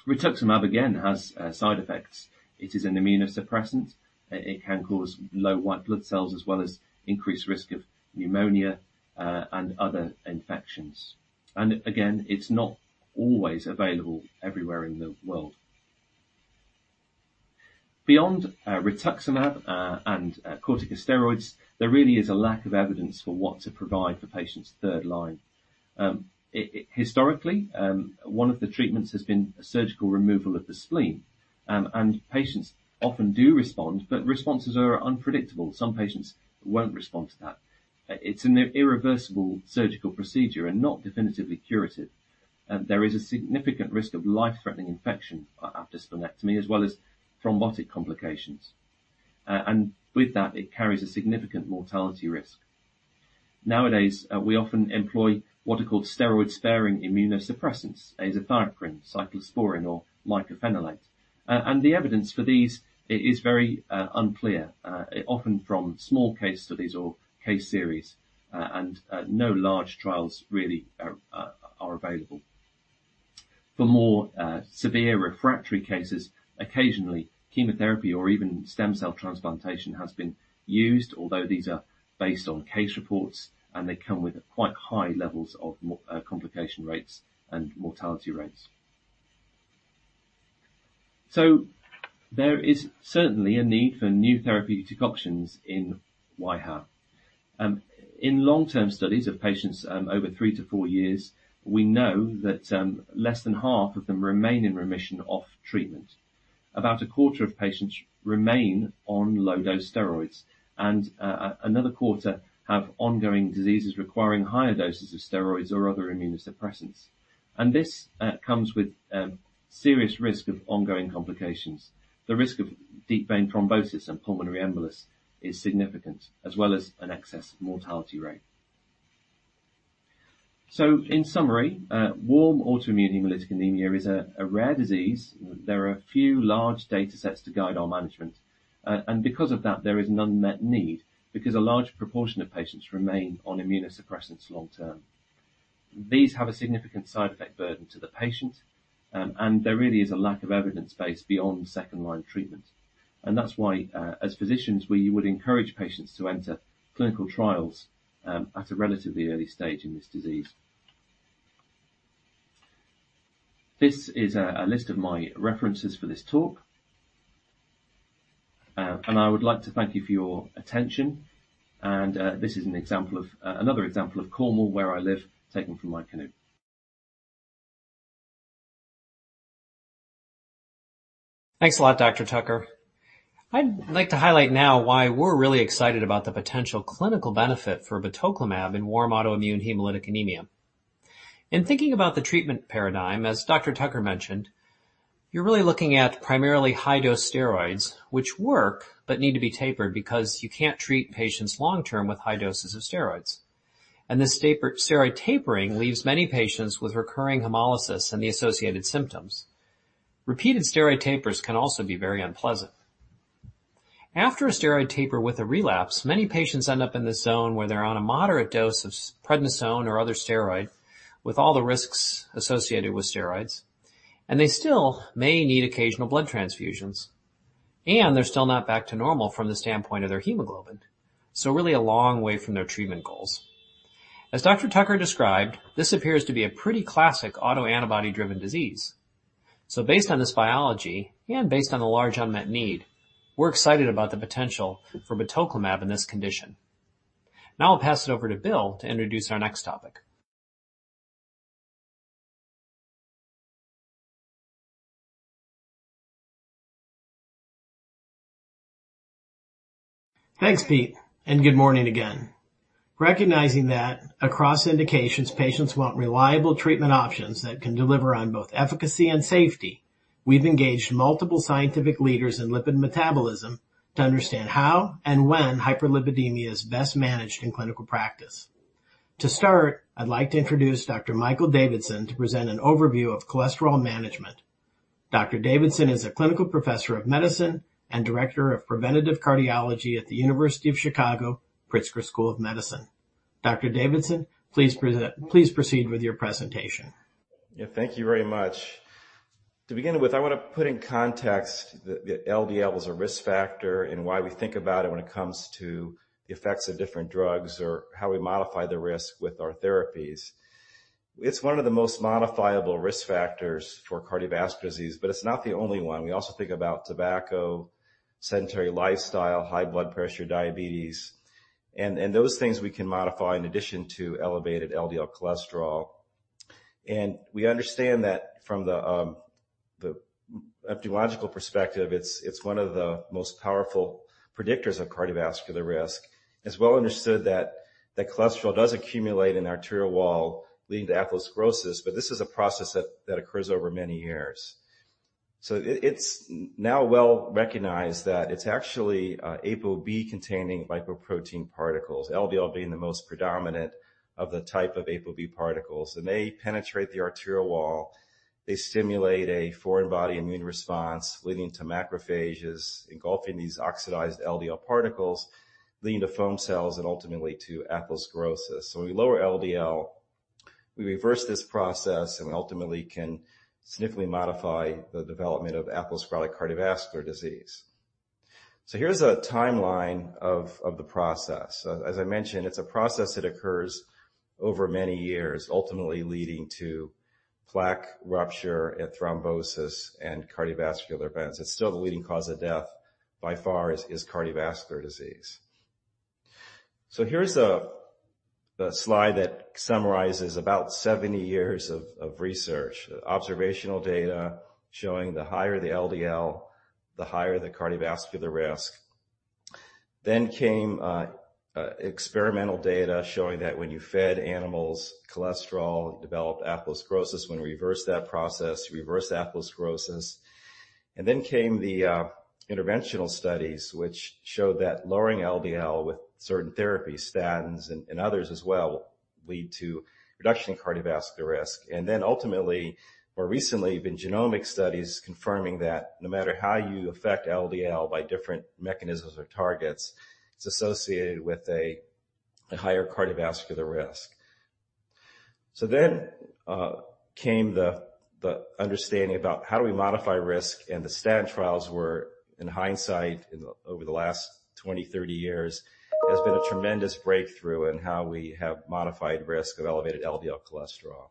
Rituximab, again, has side effects. It is an immunosuppressant. It can cause low white blood cells as well as increased risk of pneumonia and other infections. Again, it's not always available everywhere in the world. Beyond rituximab and corticosteroids, there really is a lack of evidence for what to provide for patients third line. Historically, one of the treatments has been surgical removal of the spleen, and patients often do respond, but responses are unpredictable. Some patients won't respond to that. It's an irreversible surgical procedure and not definitively curative. There is a significant risk of life-threatening infection after splenectomy, as well as thrombotic complications. With that, it carries a significant mortality risk. Nowadays, we often employ what are called steroid-sparing immunosuppressants, azathioprine, cyclosporine, or mycophenolate. The evidence for these is very unclear, often from small case studies or case series, and no large trials really are available. For more severe refractory cases, occasionally, chemotherapy or even stem cell transplantation has been used, although these are based on case reports, and they come with quite high levels of complication rates and mortality rates. There is certainly a need for new therapeutic options in WAHA. In long-term studies of patients over three to four years, we know that less than half of them remain in remission off treatment. About a quarter of patients remain on low-dose steroids, and another quarter have ongoing diseases requiring higher doses of steroids or other immunosuppressants. This comes with serious risk of ongoing complications. The risk of deep vein thrombosis and pulmonary embolus is significant, as well as an excess mortality rate. In summary, warm autoimmune hemolytic anemia is a rare disease. There are a few large datasets to guide our management. Because of that, there is an unmet need because a large proportion of patients remain on immunosuppressants long term. These have a significant side effect burden to the patient, and there really is a lack of evidence base beyond second-line treatment. That's why, as physicians, we would encourage patients to enter clinical trials at a relatively early stage in this disease. This is a list of my references for this talk. I would like to thank you for your attention. This is an example of Another example of Cornwall, where I live, taken from my canoe. Thanks a lot, Dr. Tucker. I'd like to highlight now why we're really excited about the potential clinical benefit for batoclimab in warm autoimmune hemolytic anemia. In thinking about the treatment paradigm, as Dr. Tucker mentioned, you're really looking at primarily high-dose steroids, which work but need to be tapered because you can't treat patients long term with high doses of steroids. This steroid tapering leaves many patients with recurring hemolysis and the associated symptoms. Repeated steroid tapers can also be very unpleasant. After a steroid taper with a relapse, many patients end up in this zone where they're on a moderate dose of prednisone or other steroid, with all the risks associated with steroids, and they still may need occasional blood transfusions. They're still not back to normal from the standpoint of their hemoglobin. Really a long way from their treatment goals. As Dr. Tucker described, this appears to be a pretty classic autoantibody-driven disease. Based on this biology and based on the large unmet need, we're excited about the potential for batoclimab in this condition. Now I'll pass it over to Bill to introduce our next topic. Thanks, Pete, and good morning again. Recognizing that across indications, patients want reliable treatment options that can deliver on both efficacy and safety, we've engaged multiple scientific leaders in lipid metabolism to understand how and when hyperlipidemia is best managed in clinical practice. To start, I'd like to introduce Dr. Michael Davidson to present an overview of cholesterol management. Dr. Davidson is a clinical professor of medicine and director of preventive cardiology at the University of Chicago Pritzker School of Medicine. Dr. Davidson, please proceed with your presentation. Yeah. Thank you very much. To begin with, I want to put in context that LDL is a risk factor and why we think about it when it comes to the effects of different drugs or how we modify the risk with our therapies. It's one of the most modifiable risk factors for cardiovascular disease, but it's not the only one. We also think about tobacco, sedentary lifestyle, high blood pressure, diabetes, and those things we can modify in addition to elevated LDL cholesterol. We understand that from the epidemiological perspective, it's one of the most powerful predictors of cardiovascular risk. It's well understood that the cholesterol does accumulate in arterial wall, leading to atherosclerosis, but this is a process that occurs over many years. It's now well-recognized that it's actually ApoB-containing lipoprotein particles, LDL being the most predominant of the type of ApoB particles. They penetrate the arterial wall, they stimulate a foreign body immune response leading to macrophages engulfing these oxidized LDL particles, leading to foam cells and ultimately to atherosclerosis. When we lower LDL, we reverse this process, and we ultimately can significantly modify the development of atherosclerotic cardiovascular disease. Here's a timeline of the process. As I mentioned, it's a process that occurs over many years, ultimately leading to plaque rupture and thrombosis and cardiovascular events. It's still the leading cause of death by far is cardiovascular disease. Here's a slide that summarizes about 70 years of research. Observational data showing the higher the LDL, the higher the cardiovascular risk. Came experimental data showing that when you fed animals cholesterol, you developed atherosclerosis. When we reversed that process, you reverse atherosclerosis. Came the interventional studies, which showed that lowering LDL with certain therapies, statins and others as well, lead to reduction in cardiovascular risk. Ultimately, more recently, been genomic studies confirming that no matter how you affect LDL by different mechanisms or targets, it's associated with a higher cardiovascular risk. Came the understanding about how do we modify risk, and the statin trials were, in hindsight, over the last 20, 30 years, has been a tremendous breakthrough in how we have modified risk of elevated LDL cholesterol.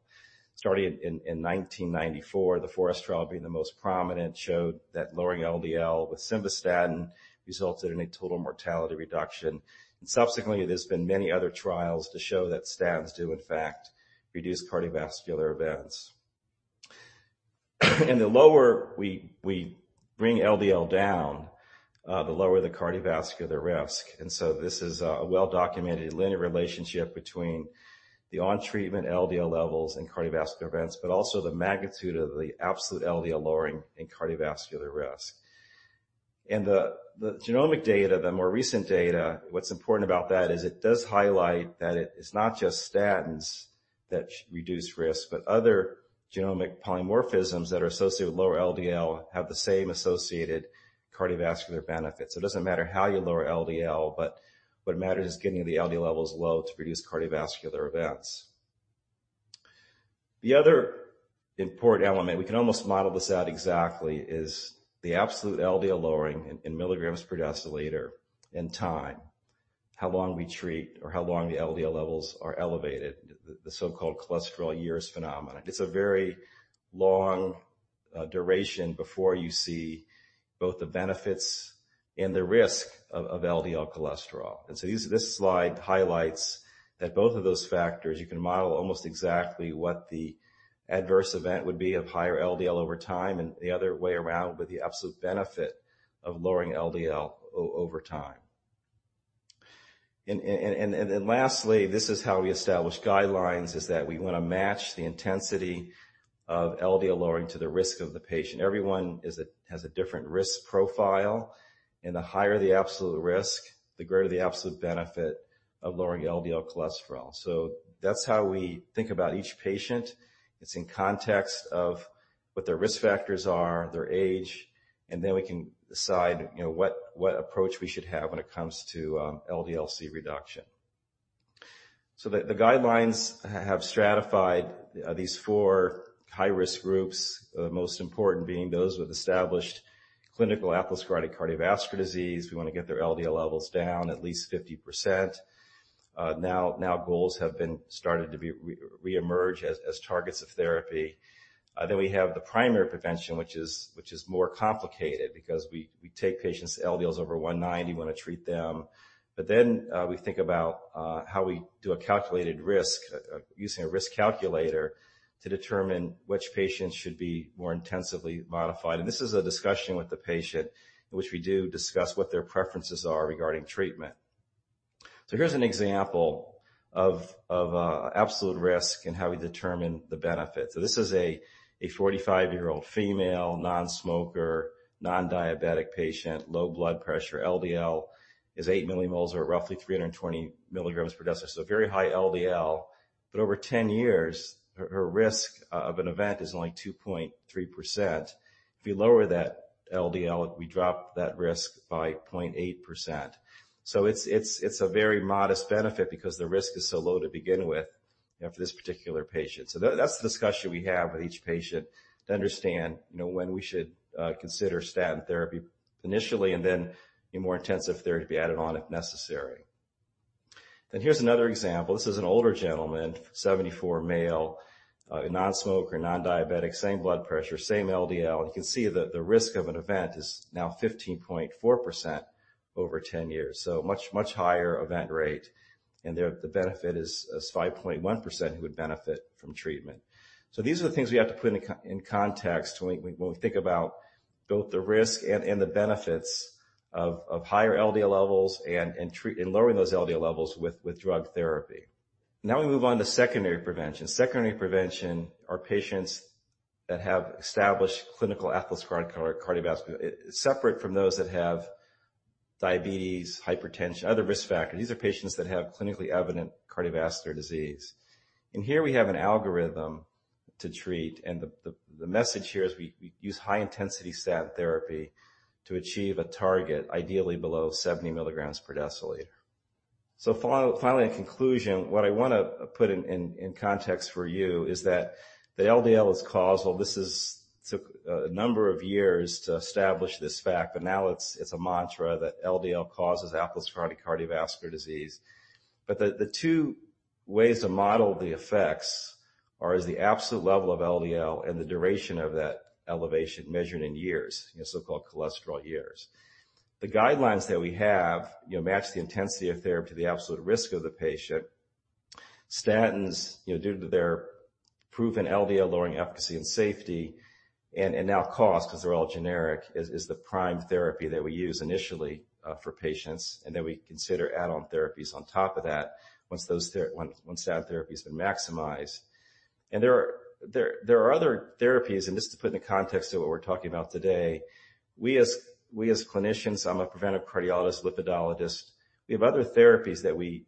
Starting in 1994, the 4S trial being the most prominent, showed that lowering LDL with simvastatin resulted in a total mortality reduction. Subsequently, there's been many other trials to show that statins do, in fact, reduce cardiovascular events. The lower we bring LDL down, the lower the cardiovascular risk. This is a well-documented linear relationship between the on-treatment LDL levels and cardiovascular events, but also the magnitude of the absolute LDL lowering and cardiovascular risk. The genomic data, the more recent data, what's important about that is it does highlight that it is not just statins that reduce risk, but other genomic polymorphisms that are associated with lower LDL have the same associated cardiovascular benefits. It doesn't matter how you lower LDL, but what matters is getting the LDL levels low to reduce cardiovascular events. The other important element, we can almost model this out exactly, is the absolute LDL lowering in milligrams per deciliter and time, how long we treat or how long the LDL levels are elevated, the so-called cholesterol years phenomenon. It's a very long duration before you see both the benefits and the risk of LDL cholesterol. This slide highlights that both of those factors, you can model almost exactly what the adverse event would be of higher LDL over time and the other way around with the absolute benefit of lowering LDL over time. Lastly, this is how we establish guidelines, is that we wanna match the intensity of LDL lowering to the risk of the patient. Everyone has a different risk profile, and the higher the absolute risk, the greater the absolute benefit of lowering LDL cholesterol. That's how we think about each patient. It's in context of what their risk factors are, their age, and then we can decide, you know, what approach we should have when it comes to LDL-C reduction. The guidelines have stratified these four high-risk groups, most important being those with established clinical atherosclerotic cardiovascular disease. We wanna get their LDL levels down at least 50%. Now goals have started to reemerge as targets of therapy. We have the primary prevention, which is more complicated because we take patients' LDLs over 190, wanna treat them. We think about how we do a calculated risk using a risk calculator to determine which patients should be more intensively modified. This is a discussion with the patient in which we do discuss what their preferences are regarding treatment. Here's an example of absolute risk and how we determine the benefit. This is a 45-year-old female, non-smoker, non-diabetic patient, low blood pressure. LDL is 8 millimoles or roughly 320 milligrams per deciliter, so very high LDL. Over 10 years, her risk of an event is only 2.3%. If you lower that LDL, we drop that risk by 0.8%. It's a very modest benefit because the risk is so low to begin with, you know, for this particular patient. That, that's the discussion we have with each patient to understand, you know, when we should consider statin therapy initially and then any more intensive therapy added on if necessary. Here's another example. This is an older gentleman, 74-year-old male, non-smoker, non-diabetic, same blood pressure, same LDL. You can see the risk of an event is now 15.4% over 10 years, so much higher event rate. There, the benefit is 5.1% who would benefit from treatment. These are the things we have to put into context when we think about both the risk and the benefits of higher LDL levels and in lowering those LDL levels with drug therapy. We move on to secondary prevention. Secondary prevention are patients that have established clinical atherosclerotic cardiovascular disease separate from those that have diabetes, hypertension, other risk factors. These are patients that have clinically evident cardiovascular disease. Here we have an algorithm to treat. The message here is we use high-intensity statin therapy to achieve a target ideally below 70 mg/dL. Finally, in conclusion, what I wanna put in context for you is that the LDL is causal. This took a number of years to establish this fact, but now it's a mantra that LDL causes atherosclerotic cardiovascular disease. The two ways to model the effects is the absolute level of LDL and the duration of that elevation measured in years, you know, so-called cholesterol years. The guidelines that we have, you know, match the intensity of therapy to the absolute risk of the patient. Statins, you know, due to their proven LDL-lowering efficacy and safety and now cost because they're all generic is the prime therapy that we use initially for patients, and then we consider add-on therapies on top of that once statin therapy has been maximized. There are other therapies, and just to put into context of what we're talking about today, we as clinicians, I'm a preventive cardiologist, lipidologist, we have other therapies that we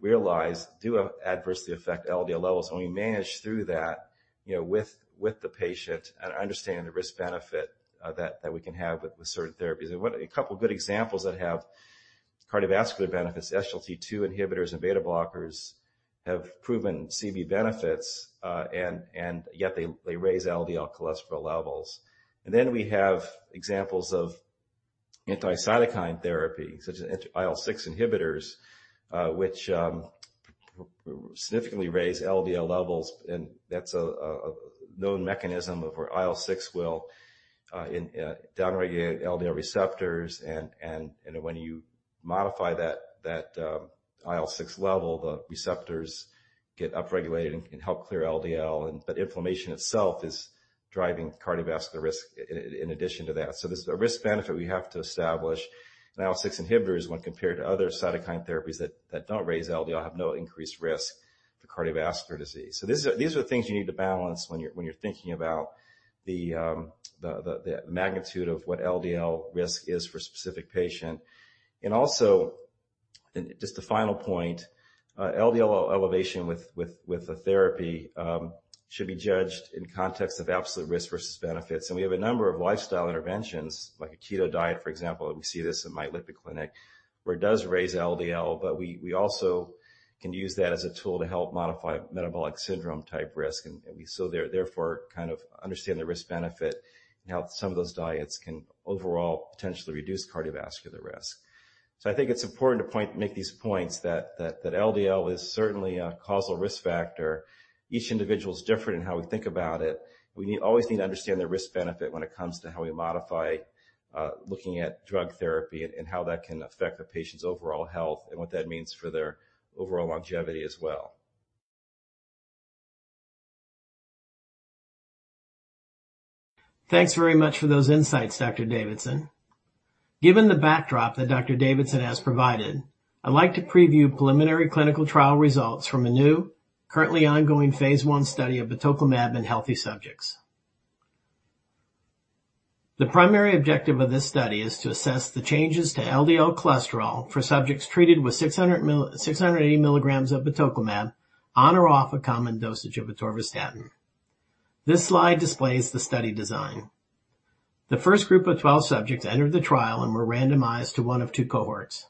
realize do adversely affect LDL levels, and we manage through that, you know, with the patient and understand the risk-benefit that we can have with certain therapies. A couple good examples that have cardiovascular benefits, SGLT2 inhibitors and beta blockers, have proven CV benefits, and yet they raise LDL cholesterol levels. We have examples of anti-cytokine therapy, such as IL-6 inhibitors, which significantly raise LDL levels, and that's a known mechanism of where IL-6 will downregulate LDL receptors, and you know, when you modify that IL-6 level, the receptors get upregulated and can help clear LDL. Inflammation itself is driving cardiovascular risk in addition to that. This is a risk-benefit we have to establish in IL-6 inhibitors when compared to other cytokine therapies that don't raise LDL, have no increased risk for cardiovascular disease. These are things you need to balance when you're thinking about the magnitude of what LDL risk is for a specific patient. Also, just a final point, LDL elevation with a therapy should be judged in context of absolute risk versus benefits. We have a number of lifestyle interventions, like a keto diet for example, and we see this in my lipid clinic, where it does raise LDL, but we also can use that as a tool to help modify metabolic syndrome-type risk. We so therefore kind of understand the risk-benefit and how some of those diets can overall potentially reduce cardiovascular risk. I think it's important to make these points that LDL is certainly a causal risk factor. Each individual is different in how we think about it. We always need to understand the risk-benefit when it comes to how we modify, looking at drug therapy and how that can affect the patient's overall health and what that means for their overall longevity as well. Thanks very much for those insights, Dr. Davidson. Given the backdrop that Dr. Davidson has provided, I'd like to preview preliminary clinical trial results from a new currently ongoing phase I study of batoclimab in healthy subjects. The primary objective of this study is to assess the changes to LDL cholesterol for subjects treated with 680 milligrams of batoclimab on or off a common dosage of atorvastatin. This slide displays the study design. The first group of 12 subjects entered the trial and were randomized to one of two cohorts.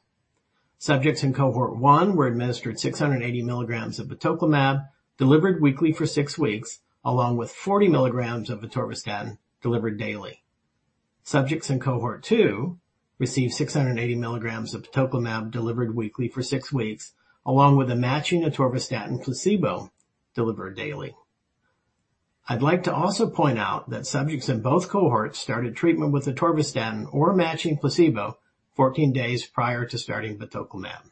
Subjects in cohort one were administered 680 milligrams of batoclimab delivered weekly for 6 weeks, along with 40 milligrams of atorvastatin delivered daily. Subjects in cohort two received 680 milligrams of batoclimab delivered weekly for 6 weeks, along with a matching atorvastatin placebo delivered daily. I'd like to also point out that subjects in both cohorts started treatment with atorvastatin or matching placebo 14 days prior to starting batoclimab.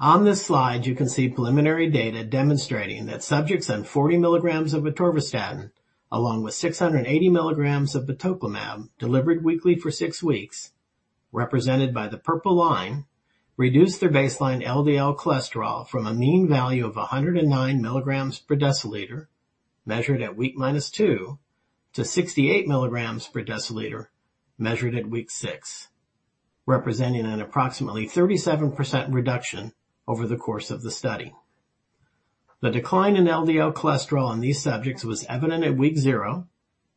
On this slide, you can see preliminary data demonstrating that subjects on 40 milligrams of atorvastatin along with 680 milligrams of batoclimab delivered weekly for 6 weeks, represented by the purple line, reduced their baseline LDL cholesterol from a mean value of 109 mg/dL measured at week -2, to 68 mg/dL measured at week 6, representing an approximately 37% reduction over the course of the study. The decline in LDL cholesterol in these subjects was evident at week 0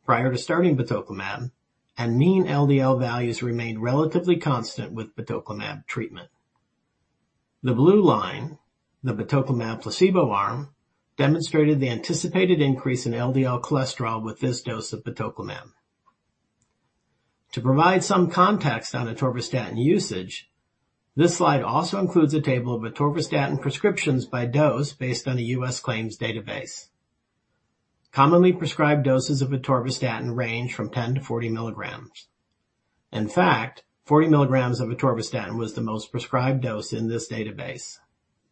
prior to starting batoclimab, and mean LDL values remained relatively constant with batoclimab treatment. The blue line, the batoclimab placebo arm, demonstrated the anticipated increase in LDL cholesterol with this dose of batoclimab. To provide some context on atorvastatin usage, this slide also includes a table of atorvastatin prescriptions by dose based on a U.S. claims database. Commonly prescribed doses of atorvastatin range from 10 to 40 milligrams. In fact, 40 milligrams of atorvastatin was the most prescribed dose in this database.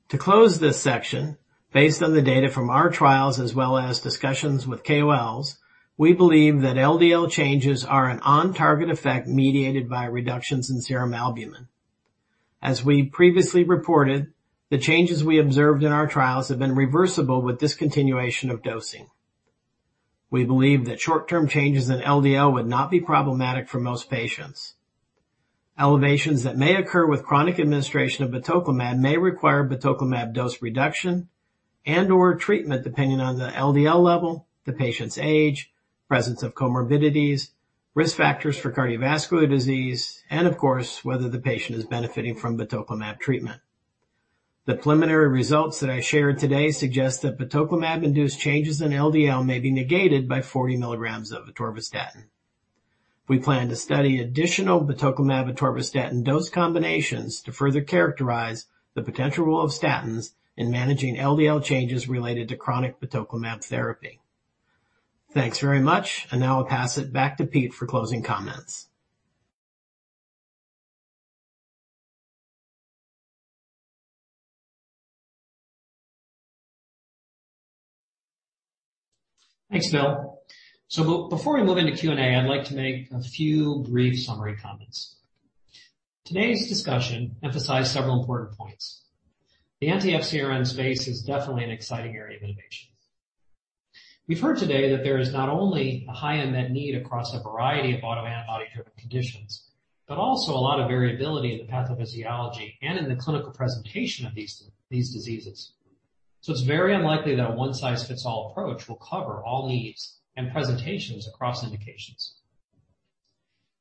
To close this section, based on the data from our trials as well as discussions with KOLs. We believe that LDL changes are an on-target effect mediated by reductions in serum albumin. As we previously reported, the changes we observed in our trials have been reversible with discontinuation of dosing. We believe that short-term changes in LDL would not be problematic for most patients. Elevations that may occur with chronic administration of batoclimab may require batoclimab dose reduction and/or treatment depending on the LDL level, the patient's age, presence of comorbidities, risk factors for cardiovascular disease, and of course, whether the patient is benefiting from batoclimab treatment. The preliminary results that I shared today suggest that batoclimab-induced changes in LDL may be negated by 40 mg of atorvastatin. We plan to study additional batoclimab atorvastatin dose combinations to further characterize the potential role of statins in managing LDL changes related to chronic batoclimab therapy. Thanks very much, and now I'll pass it back to Pete for closing comments. Thanks, Bill. Before we move into Q&A, I'd like to make a few brief summary comments. Today's discussion emphasized several important points. The anti-FcRn space is definitely an exciting area of innovation. We've heard today that there is not only a high unmet need across a variety of autoantibody-driven conditions, but also a lot of variability in the pathophysiology and in the clinical presentation of these diseases. It's very unlikely that a one-size-fits-all approach will cover all needs and presentations across indications.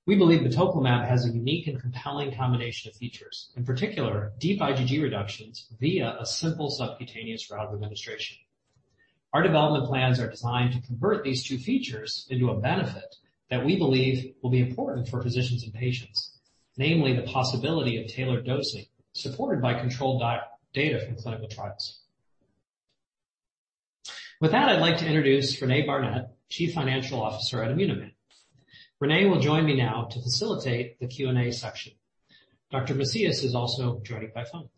We believe batoclimab has a unique and compelling combination of features, in particular deep IgG reductions via a simple subcutaneous route of administration. Our development plans are designed to convert these two features into a benefit that we believe will be important for physicians and patients, namely the possibility of tailored dosing supported by controlled data from clinical trials. With that, I'd like to introduce Renee Barnett, Chief Financial Officer at Immunovant. Renee will join me now to facilitate the Q&A section. Dr. Macias is also joining by phone.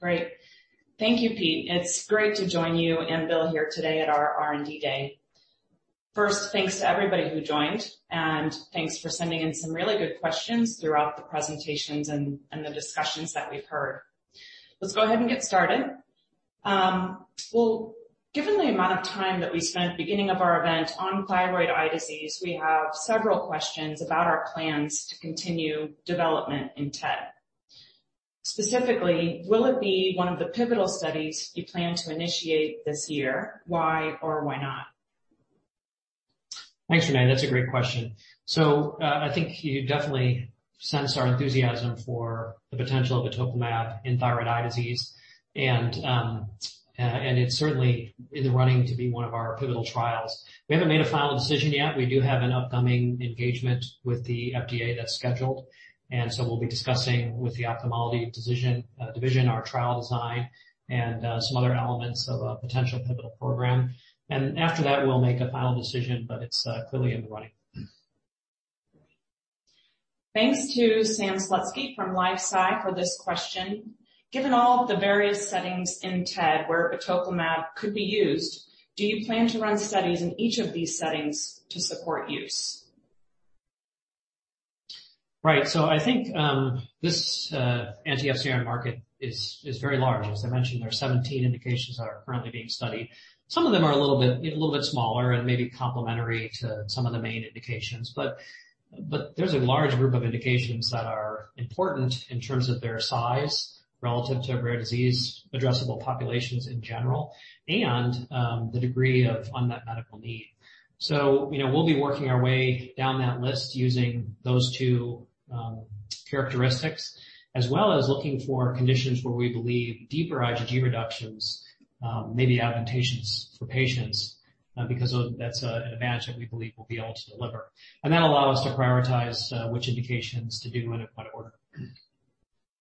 Great. Thank you, Pete. It's great to join you and Bill here today at our R&D day. First, thanks to everybody who joined, and thanks for sending in some really good questions throughout the presentations and the discussions that we've heard. Let's go ahead and get started. Well, given the amount of time that we spent at the beginning of our event on thyroid eye disease, we have several questions about our plans to continue development in TED. Specifically, will it be one of the pivotal studies you plan to initiate this year? Why or why not? Thanks, Renee. That's a great question. I think you definitely sense our enthusiasm for the potential of batoclimab in thyroid eye disease. It's certainly in the running to be one of our pivotal trials. We haven't made a final decision yet. We do have an upcoming engagement with the FDA that's scheduled, and we'll be discussing with the ophthalmology division our trial design and some other elements of a potential pivotal program. After that, we'll make a final decision, but it's clearly in the running. Thanks to Sam Slutsky from LifeSci for this question. Given all the various settings in TED where batoclimab could be used, do you plan to run studies in each of these settings to support use? Right. I think this anti-FcRn market is very large. As I mentioned, there are 17 indications that are currently being studied. Some of them are a little bit smaller and maybe complementary to some of the main indications. There's a large group of indications that are important in terms of their size relative to rare disease addressable populations in general and the degree of unmet medical need. You know, we'll be working our way down that list using those two characteristics, as well as looking for conditions where we believe deeper IgG reductions may be advantageous for patients because that's an advantage that we believe we'll be able to deliver. That allows us to prioritize which indications to do and in what order.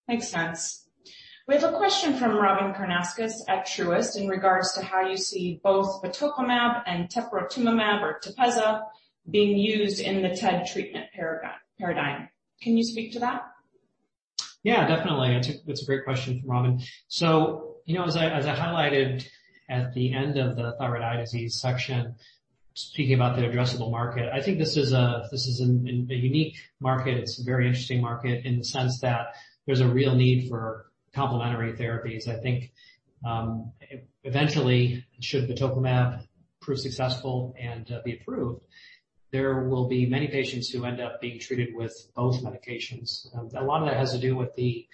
Makes sense. We have a question from Robyn Karnauskas at Truist in regards to how you see both batoclimab and teprotumumab or TEPEZZA being used in the TED treatment paradigm. Can you speak to that? Yeah, definitely. It's a great question from Robyn. You know, as I highlighted at the end of the thyroid eye disease section, speaking about the addressable market, I think this is a unique market. It's a very interesting market in the sense that there's a real need for complementary therapies. I think eventually, should batoclimab prove successful and be approved, there will be many patients who end up being treated with both medications. A lot of that has to do with the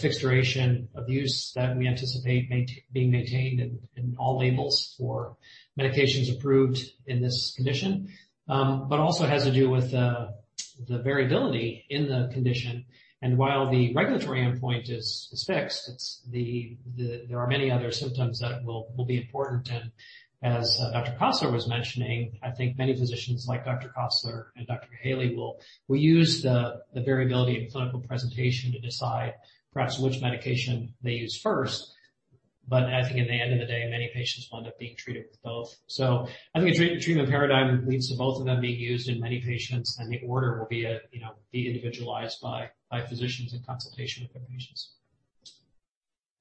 fixed duration of use that we anticipate being maintained in all labels for medications approved in this condition. But also has to do with the variability in the condition. While the regulatory endpoint is fixed, it's the there are many other symptoms that will be important. As Dr. Kossler was mentioning, I think many physicians like Dr. Kossler and Dr. Kahaly will use the variability in clinical presentation to decide perhaps which medication they use first. I think at the end of the day, many patients will end up being treated with both. I think a treatment paradigm leads to both of them being used in many patients, and the order will be, you know, be individualized by physicians in consultation with their patients.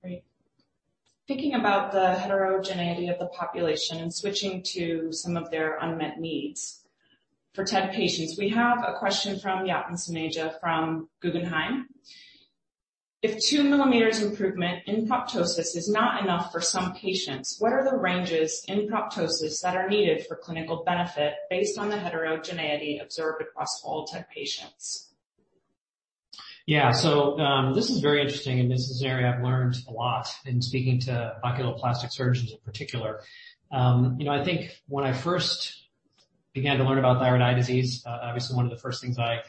Great. Thinking about the heterogeneity of the population and switching to some of their unmet needs for TED patients. We have a question from Yatin Suneja from Guggenheim. If 2 millimeters improvement in proptosis is not enough for some patients, what are the ranges in proptosis that are needed for clinical benefit based on the heterogeneity observed across all TED patients? Yeah. This is very interesting, and this is an area I've learned a lot in speaking to oculoplastic surgeons in particular. You know, I think when I first began to learn about thyroid eye disease, obviously one of the first things I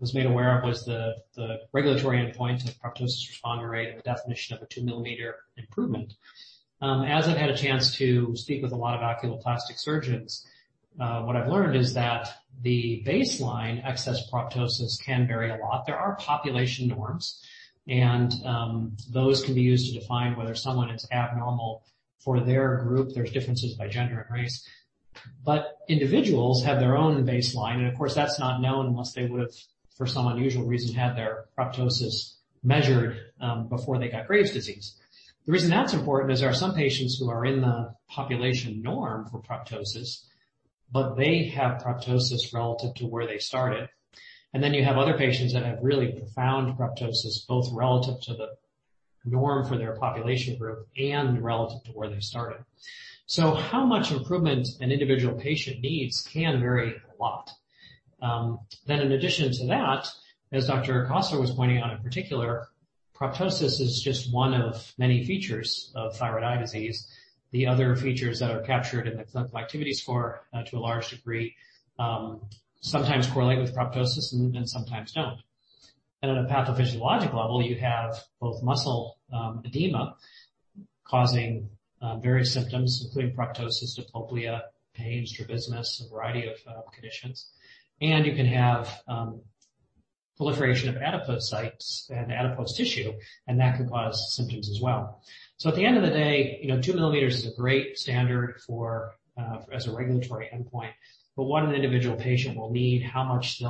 was made aware of was the regulatory endpoint of proptosis responder rate and the definition of a 2-millimeter improvement. As I've had a chance to speak with a lot of oculoplastic surgeons, what I've learned is that the baseline excess proptosis can vary a lot. There are population norms, and those can be used to define whether someone is abnormal for their group. There's differences by gender and race. Individuals have their own baseline, and of course, that's not known unless they would have, for some unusual reason, had their proptosis measured before they got Graves' disease. The reason that's important is there are some patients who are in the population norm for proptosis, but they have proptosis relative to where they started. Then you have other patients that have really profound proptosis, both relative to the norm for their population group and relative to where they started. How much improvement an individual patient needs can vary a lot. In addition to that, as Dr. Kossler was pointing out, in particular, proptosis is just one of many features of thyroid eye disease. The other features that are captured in the clinical activity score, to a large degree, sometimes correlate with proptosis and sometimes don't. At a pathophysiologic level, you have both muscle edema causing various symptoms, including proptosis, diplopia, pain, strabismus, a variety of conditions. You can have proliferation of adipose sites and adipose tissue, and that can cause symptoms as well. At the end of the day, you know, 2 millimeters is a great standard for as a regulatory endpoint. But what an individual patient will need, how much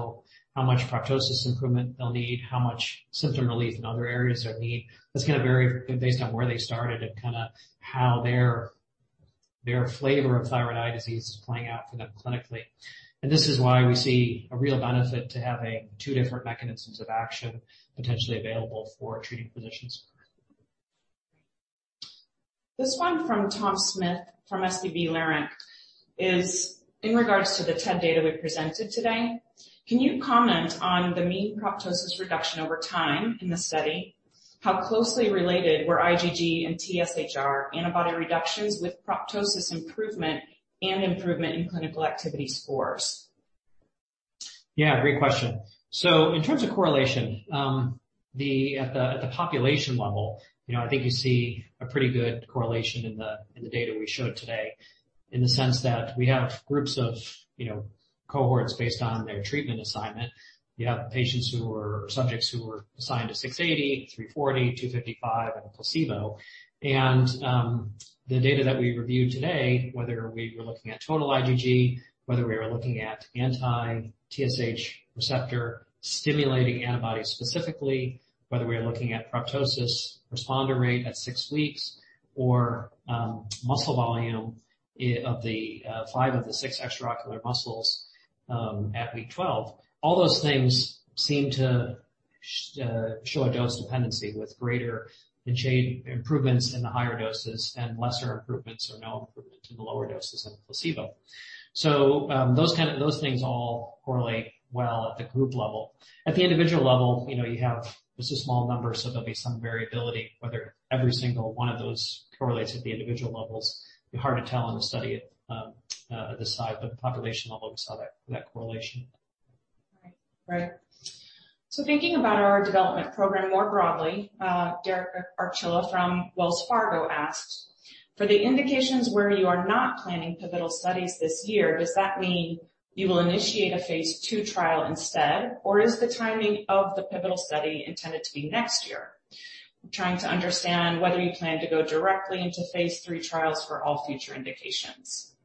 proptosis improvement they'll need, how much symptom relief in other areas they'll need, that's going to vary based on where they started and kind of how their flavor of thyroid eye disease is playing out for them clinically. This is why we see a real benefit to having two different mechanisms of action potentially available for treating physicians. This one from Tom Smith from SVB Leerink is in regards to the TED data we presented today. Can you comment on the mean proptosis reduction over time in the study? How closely related were IgG and TSHR antibody reductions with proptosis improvement and improvement in clinical activity scores? Yeah, great question. In terms of correlation, at the population level, you know, I think you see a pretty good correlation in the data we showed today in the sense that we have groups of, you know, cohorts based on their treatment assignment. You have patients who were assigned to 680, 340, 255, and a placebo. The data that we reviewed today, whether we were looking at total IgG, whether we were looking at anti-TSH receptor stimulating antibodies specifically, whether we are looking at proptosis responder rate at 6 weeks or muscle volume of the five of the six extraocular muscles at week 12. All those things seem to show a dose dependency with greater than grade improvements in the higher doses and lesser improvements or no improvement in the lower doses or placebo. Those things all correlate well at the group level. At the individual level, you know, you have just a small number, so there'll be some variability whether every single one of those correlates at the individual levels. It'll be hard to tell in the study at this time, but at the population level, we saw that correlation. Thinking about our development program more broadly, Derek Archila from Wells Fargo asks, for the indications where you are not planning pivotal studies this year, does that mean you will initiate a phase II trial instead, or is the timing of the pivotal study intended to be next year? Trying to understand whether you plan to go directly into phase III trials for all future indications.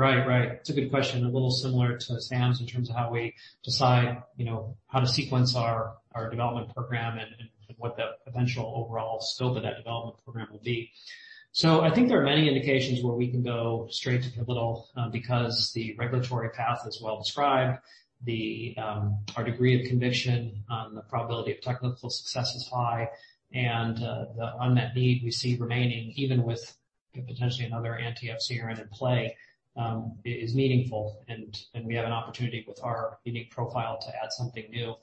It's a good question. A little similar to Sam's in terms of how we decide, you know, how to sequence our development program and what the potential overall scope of that development program will be. I think there are many indications where we can go straight to pivotal because the regulatory path is well described. Our degree of conviction on the probability of technical success is high, and the unmet need we see remaining, even with potentially another anti-FcRn in play, is meaningful. And we have an opportunity with our unique profile to add something new.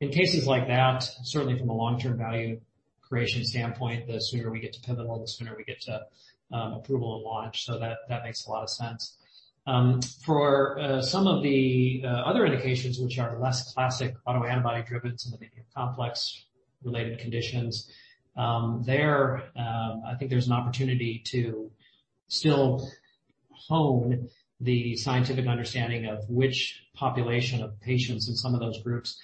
In cases like that, certainly from a long-term value creation standpoint, the sooner we get to pivotal, the sooner we get to approval and launch. That makes a lot of sense. For some of the other indications which are less classic autoantibody-driven to the maybe complex related conditions, I think there's an opportunity to still hone the scientific understanding of which population of patients in some of those groups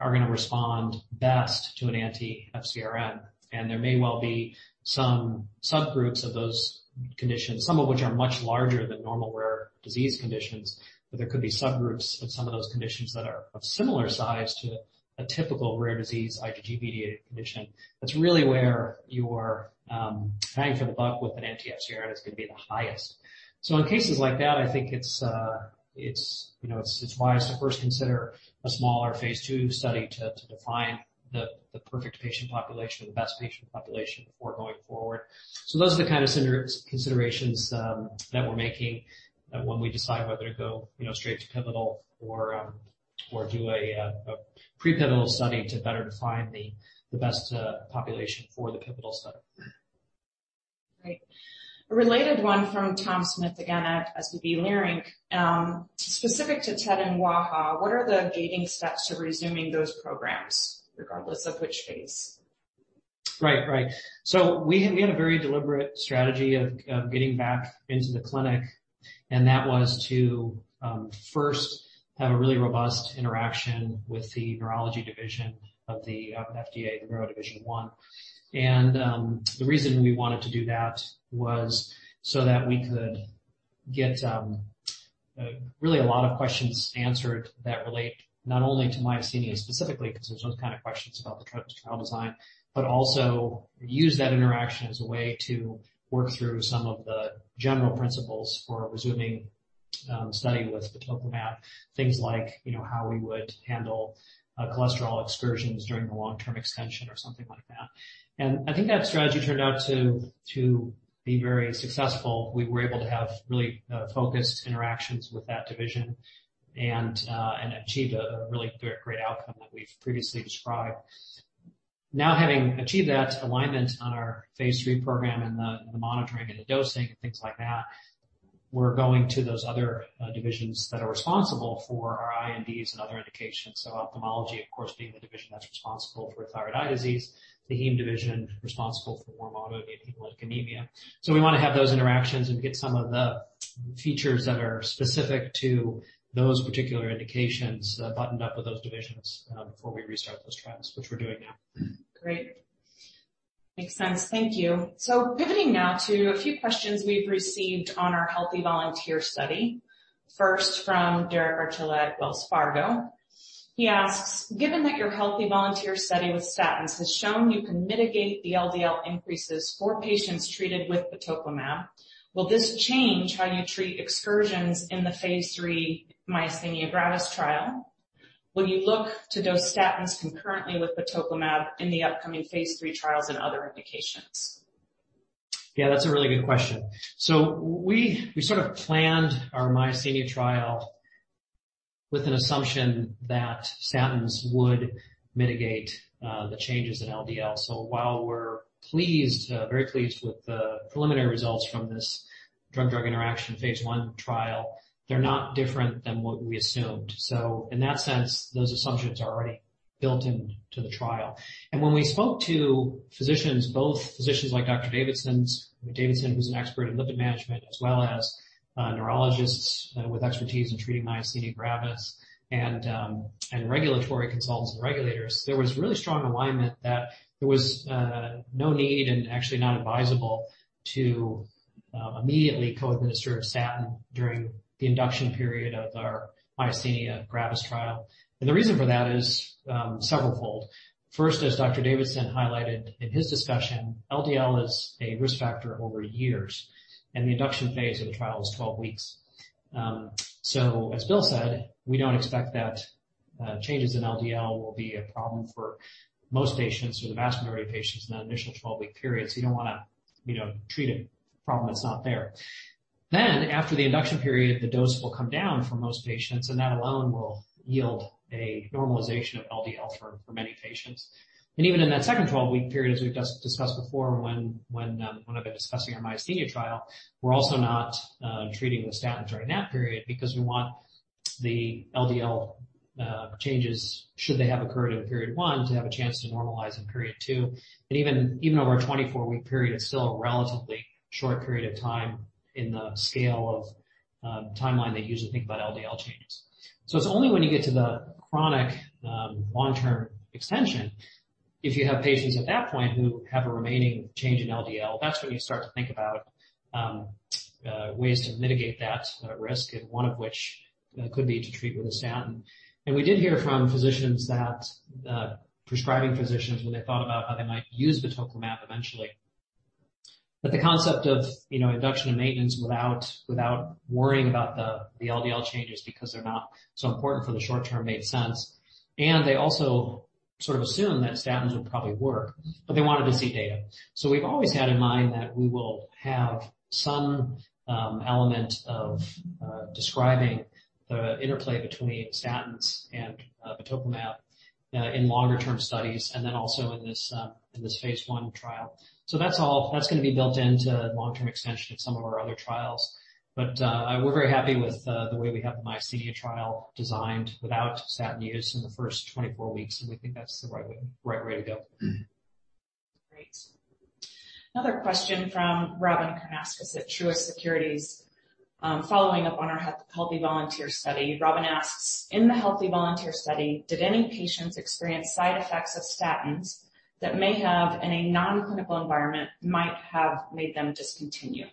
are going to respond best to an anti-FcRn. There may well be some subgroups of those conditions, some of which are much larger than normal rare disease conditions. But there could be subgroups of some of those conditions that are of similar size to a typical rare disease IgG-mediated condition. That's really where your bang for the buck with an anti-FcRn is going to be the highest. In cases like that, I think it's wise to first consider a smaller phase II study to define the perfect patient population or the best patient population before going forward. Those are the kind of considerations that we're making when we decide whether to go, you know, straight to pivotal or do a pre-pivotal study to better define the best population for the pivotal study. Great. A related one from Tom Smith, again, at SVB Leerink. Specific to TED and WAHA, what are the gating steps to resuming those programs, regardless of which phase? Right. We had a very deliberate strategy of getting back into the clinic, and that was to first have a really robust interaction with the Division of Neurology 1 of the FDA. The reason we wanted to do that was so that we could get really a lot of questions answered that relate not only to myasthenia specifically, 'cause there's those kind of questions about the trial design, but also use that interaction as a way to work through some of the general principles for resuming study with batoclimab. Things like, you know, how we would handle cholesterol excursions during the long-term extension or something like that. I think that strategy turned out to be very successful. We were able to have really focused interactions with that division and achieved a really great outcome that we've previously described. Now, having achieved that alignment on our phase III program and the monitoring and the dosing and things like that, we're going to those other divisions that are responsible for our INDs and other indications. Ophthalmology, of course, being the division that's responsible for thyroid eye disease, the heme division responsible for warm autoimmune hemolytic anemia. We wanna have those interactions and get some of the features that are specific to those particular indications buttoned up with those divisions before we restart those trials, which we're doing now. Great. Makes sense. Thank you. Pivoting now to a few questions we've received on our healthy volunteer study. First from Derek Archila at Wells Fargo. He asks, "Given that your healthy volunteer study with statins has shown you can mitigate the LDL increases for patients treated with batoclimab, will this change how you treat excursions in the phase III myasthenia gravis trial? Will you look to dose statins concurrently with batoclimab in the upcoming phase III trials and other indications? Yeah, that's a really good question. We sort of planned our myasthenia trial with an assumption that statins would mitigate the changes in LDL. While we're pleased, very pleased with the preliminary results from this drug-drug interaction phase I trial, they're not different than what we assumed. In that sense, those assumptions are already built into the trial. When we spoke to physicians, both physicians like Dr. Davidson, who's an expert in lipid management, as well as neurologists with expertise in treating myasthenia gravis and regulatory consultants and regulators, there was really strong alignment that there was no need and actually not advisable to immediately co-administer a statin during the induction period of our myasthenia gravis trial. The reason for that is severalfold. First, as Dr. Davidson highlighted in his discussion, LDL is a risk factor over years, and the induction phase of the trial is 12 weeks. As Bill said, we don't expect that changes in LDL will be a problem for most patients or the vast majority of patients in that initial 12-week period. You don't wanna, you know, treat a problem that's not there. After the induction period, the dose will come down for most patients, and that alone will yield a normalization of LDL for many patients. Even in that second 12-week period, as we've discussed before, when I've been discussing our myasthenia trial, we're also not treating with statins during that period because we want the LDL changes, should they have occurred in period 1, to have a chance to normalize in period 2. Even over our 24-week period, it's still a relatively short period of time in the scale of timeline they usually think about LDL changes. It's only when you get to the chronic long-term extension, if you have patients at that point who have a remaining change in LDL, that's when you start to think about ways to mitigate that risk. One of which could be to treat with a statin. We did hear from physicians that prescribing physicians, when they thought about how they might use batoclimab eventually, that the concept of, you know, induction and maintenance without worrying about the LDL changes because they're not so important for the short term, made sense. They also sort of assumed that statins would probably work, but they wanted to see data. We've always had in mind that we will have some element of describing the interplay between statins and batoclimab in longer term studies and then also in this phase I trial. That's all that's going to be built into long-term extension of some of our other trials. We're very happy with the way we have the myasthenia trial designed without statin use in the first 24 weeks, and we think that's the right way to go. Great. Another question from Robyn Karnauskas at Truist Securities. Following up on our healthy volunteer study, Robyn asks, in the healthy volunteer study, did any patients experience side effects of statins that may have in a non-clinical environment might have made them discontinue?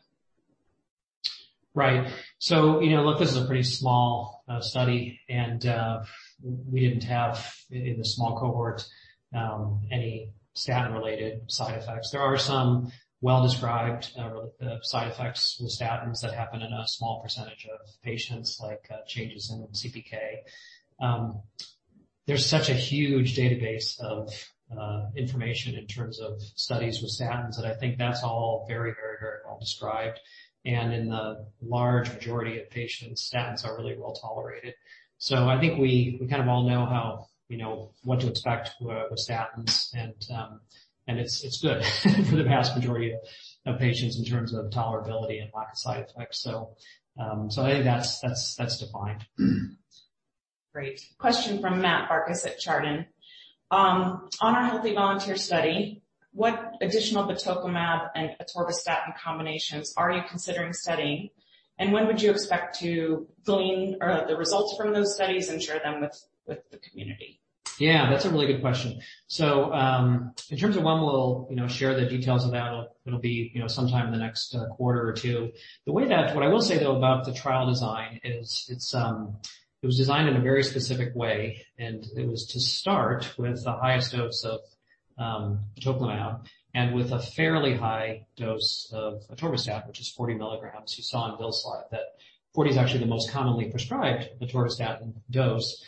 Right. You know, look, this is a pretty small study, and we didn't have in the small cohort any statin-related side effects. There are some well-described side effects with statins that happen in a small percentage of patients, like changes in CPK. There's such a huge database of information in terms of studies with statins that I think that's all very, very, very well described. In the large majority of patients, statins are really well-tolerated. I think we kind of all know how, you know, what to expect with statins, and it's good for the vast majority of patients in terms of tolerability and lack of side effects. I think that's defined. Great. Question from Matthew Barcus at Chardan. On our healthy volunteer study, what additional batoclimab and atorvastatin combinations are you considering studying? And when would you expect to get the results from those studies and share them with the community? Yeah, that's a really good question. In terms of when we'll, you know, share the details of that, it'll be, you know, sometime in the next quarter or two. What I will say, though, about the trial design is it was designed in a very specific way, and it was to start with the highest dose of batoclimab and with a fairly high dose of atorvastatin, which is 40 milligrams. You saw on Bill's slide that 40 is actually the most commonly prescribed atorvastatin dose.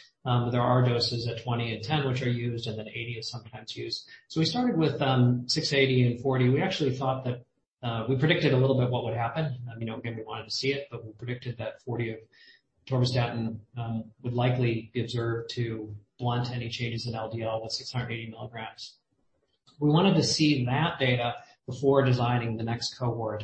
There are doses at 20 and 10 which are used, and then 80 is sometimes used. We started with 680 and 40. We actually thought that we predicted a little bit what would happen. I mean, obviously we wanted to see it, but we predicted that 40 mg of atorvastatin would likely be observed to blunt any changes in LDL with 680 milligrams. We wanted to see that data before designing the next cohort.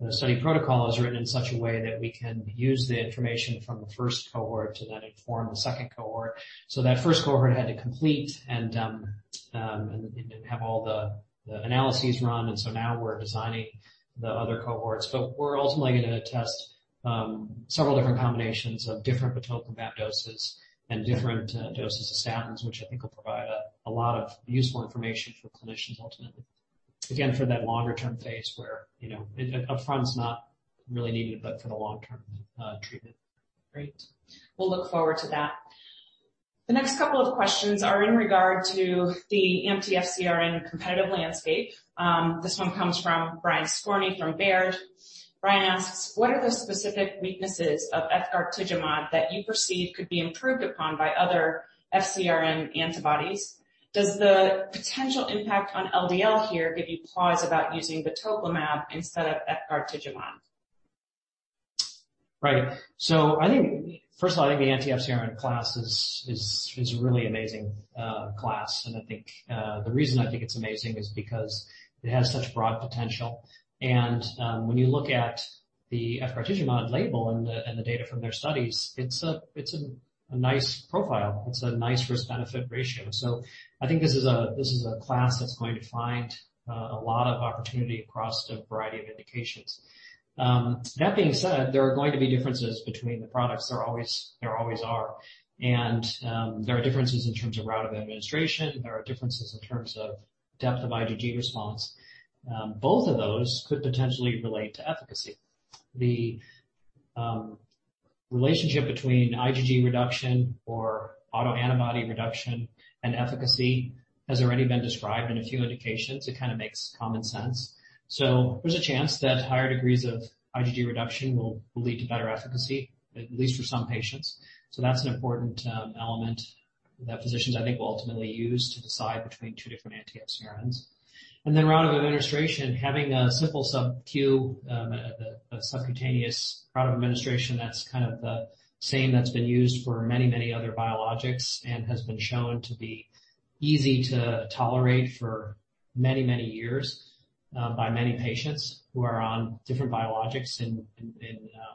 The study protocol is written in such a way that we can use the information from the first cohort to then inform the second cohort. That first cohort had to complete and have all the analyses run. Now we're designing the other cohorts. We're ultimately going to test several different combinations of different batoclimab doses and different doses of statins, which I think will provide a lot of useful information for clinicians ultimately. Again, for that longer-term phase where, you know, up front is not really needed but for the long-term, treatment. Great. We'll look forward to that. The next couple of questions are in regard to the anti-FcRn competitive landscape. This one comes from Brian Skorney from Baird. Brian asks, what are the specific weaknesses of efgartigimod that you perceive could be improved upon by other FcRn antibodies? Does the potential impact on LDL here give you pause about using batoclimab instead of efgartigimod? Right. I think, first of all, I think the anti-FcRn class is a really amazing class. I think the reason I think it's amazing is because it has such broad potential. When you look at the efgartigimod label and the data from their studies, it's a nice profile. It's a nice risk-benefit ratio. I think this is a class that's going to find a lot of opportunity across a variety of indications. That being said, there are going to be differences between the products. There always are. There are differences in terms of route of administration. There are differences in terms of depth of IgG response. Both of those could potentially relate to efficacy. The relationship between IgG reduction or autoantibody reduction and efficacy has already been described in a few indications. It kind of makes common sense. There's a chance that higher degrees of IgG reduction will lead to better efficacy, at least for some patients. That's an important element that physicians, I think, will ultimately use to decide between two different anti-FcRns. Route of administration, having a simple sub-Q subcutaneous route of administration, that's kind of the same that's been used for many, many other biologics and has been shown to be easy to tolerate for many, many years by many patients who are on different biologics in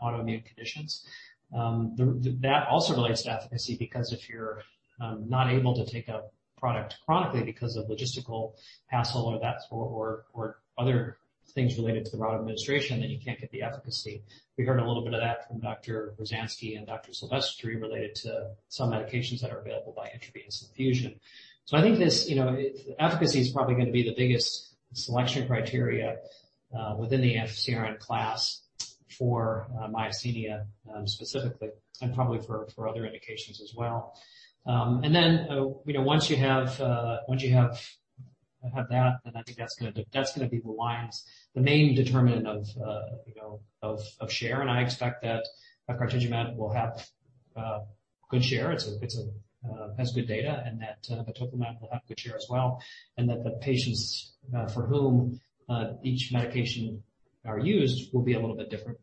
autoimmune conditions. That also relates to efficacy because if you're not able to take a product chronically because of logistical hassle or other things related to the route of administration, then you can't get the efficacy. We heard a little bit of that from Dr. Ruzhansky and Dr. Silvestri related to some medications that are available by intravenous infusion. I think this, you know, efficacy is probably going to be the biggest selection criteria within the FcRn class for myasthenia specifically, and probably for other indications as well. You know, once you have that, then I think that's going to be the main determinant of share. I expect that efgartigimod will have good share. It has good data and that batoclimab will have good share as well, and that the patients for whom each medication are used will be a little bit different.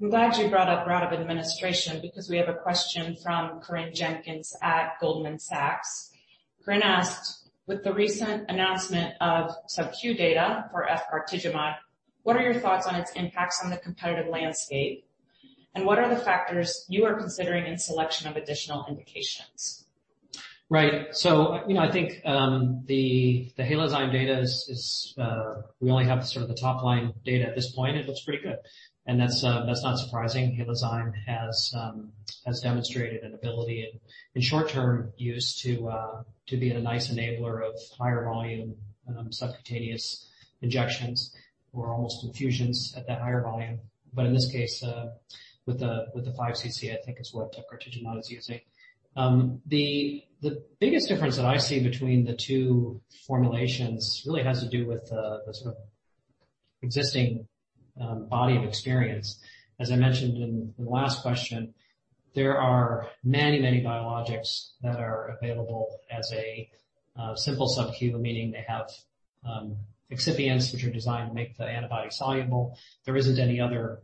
I'm glad you brought up route of administration because we have a question from Corinne Jenkins at Goldman Sachs. Corinne asked, with the recent announcement of sub-Q data for efgartigimod, what are your thoughts on its impacts on the competitive landscape? And what are the factors you are considering in selection of additional indications? Right. You know, I think the Halozyme data is we only have sort of the top line data at this point. It looks pretty good. That's not surprising. Halozyme has demonstrated an ability in short-term use to be a nice enabler of higher volume subcutaneous injections or almost infusions at that higher volume. In this case, with the 5 cc I think is what teprotumumab is using. The biggest difference that I see between the two formulations really has to do with the sort of existing body of experience. As I mentioned in the last question, there are many biologics that are available as a simple subcu, meaning they have excipients which are designed to make the antibody soluble. There isn't any other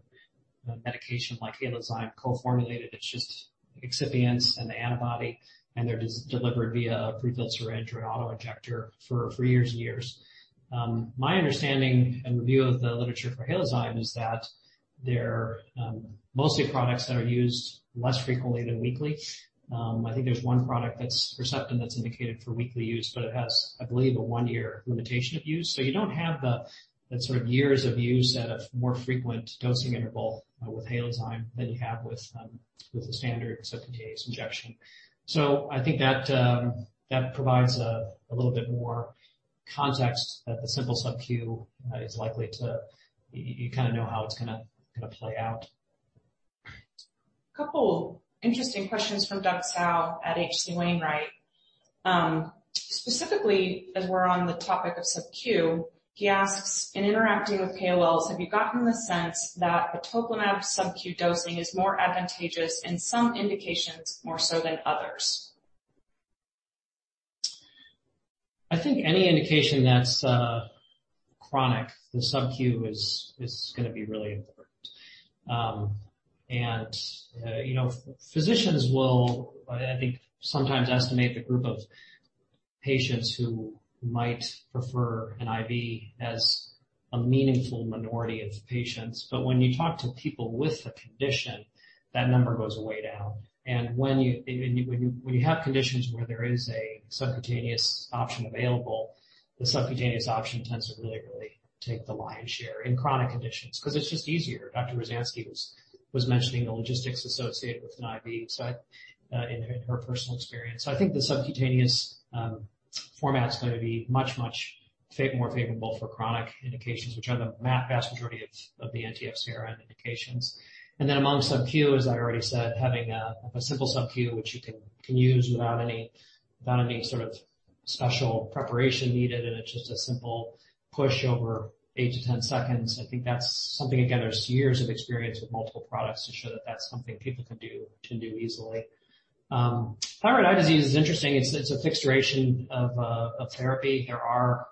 medication like Halozyme co-formulated. It's just excipients and the antibody, and they're delivered via a prefilled syringe or an auto-injector for years and years. My understanding and review of the literature for Halozyme is that they're mostly products that are used less frequently than weekly. I think there's one product that's Herceptin that's indicated for weekly use, but it has, I believe, a one-year limitation of use. You don't have that sort of years of use at a more frequent dosing interval with Halozyme than you have with the standard subcutaneous injection. I think that provides a little bit more context that the simple subcu is likely to. You kind of know how it's going to play out. A couple interesting questions from Doug Tsao at H.C. Wainwright. Specifically as we're on the topic of subcu, he asks, in interacting with KOLs, have you gotten the sense that atezolizumab subcu dosing is more advantageous in some indications more so than others? I think any indication that's chronic, the subcu is going to be really important. You know, physicians will, I think, sometimes estimate the group of patients who might prefer an IV as a meaningful minority of patients. When you talk to people with the condition, that number goes way down. When you have conditions where there is a subcutaneous option available, the subcutaneous option tends to really, really take the lion's share in chronic conditions because it's just easier. Dr. Ruzhansky was mentioning the logistics associated with an IV side in her personal experience. I think the subcutaneous format is going to be much more favorable for chronic indications, which are the vast majority of the anti-FcRn indications. Among subcu, as I already said, having a simple subcu which you can use without any sort of special preparation needed, and it's just a simple push over 8-10 seconds. I think that's something, again, there's years of experience with multiple products to show that that's something people can do easily. Thyroid eye disease is interesting. It's a fixed duration of therapy. There are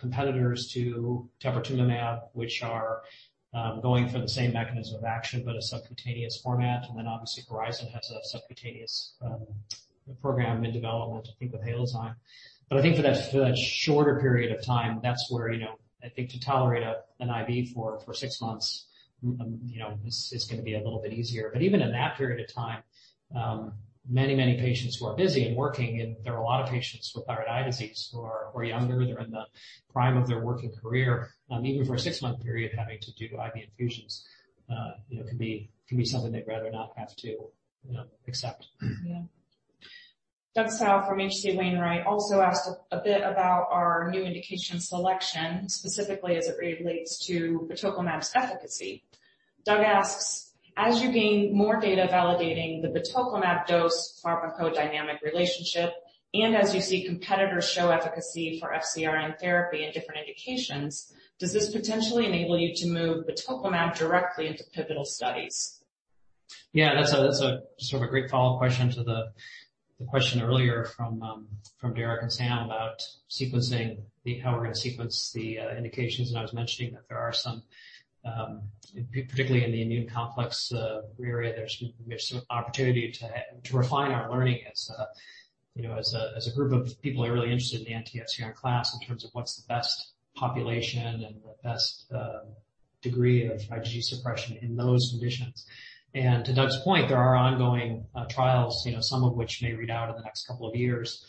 competitors to teprotumumab which are going for the same mechanism of action but a subcutaneous format. Obviously Horizon has a subcutaneous program in development, I think with Halozyme. I think for that shorter period of time, that's where, you know, I think to tolerate an IV for 6 months, you know, is going to be a little bit easier. Even in that period of time, many patients who are busy and working, and there are a lot of patients with thyroid eye disease who are younger, they're in the prime of their working career, even for a six-month period, having to do IV infusions, you know, can be something they'd rather not have to, you know, accept. Yeah. Doug Tsao from H.C. Wainwright also asked a bit about our new indication selection, specifically as it relates to batoclimab's efficacy. Doug asks, as you gain more data validating the batoclimab dose pharmacodynamic relationship and as you see competitors show efficacy for FcRn therapy in different indications, does this potentially enable you to move batoclimab directly into pivotal studies? Yeah, that's a sort of a great follow-up question to the question earlier from Derek and Sam about sequencing how we're going to sequence the indications. I was mentioning that there are some particularly in the immune complex area, there's we have some opportunity to refine our learning as a you know as a group of people who are really interested in the anti-FcRn class in terms of what's the best population and the best degree of IgG suppression in those conditions. To Doug's point, there are ongoing trials, you know, some of which may read out in the next couple of years.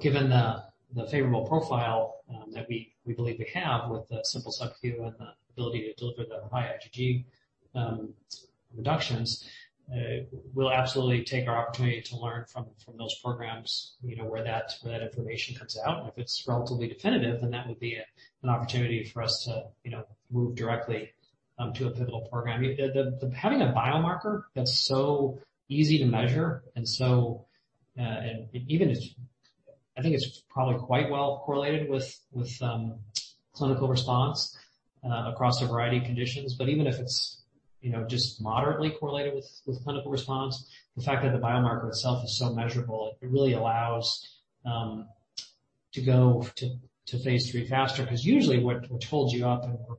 Given the favorable profile that we believe we have with the simple subcu and the ability to deliver the high IgG reductions, we'll absolutely take our opportunity to learn from those programs, you know, where that information comes out. If it's relatively definitive, then that would be an opportunity for us to, you know, move directly to a pivotal program. Having a biomarker that's so easy to measure and even if I think it's probably quite well correlated with clinical response across a variety of conditions. Even if it's, you know, just moderately correlated with clinical response, the fact that the biomarker itself is so measurable, it really allows to go to phase III faster. Because usually what holds you up and what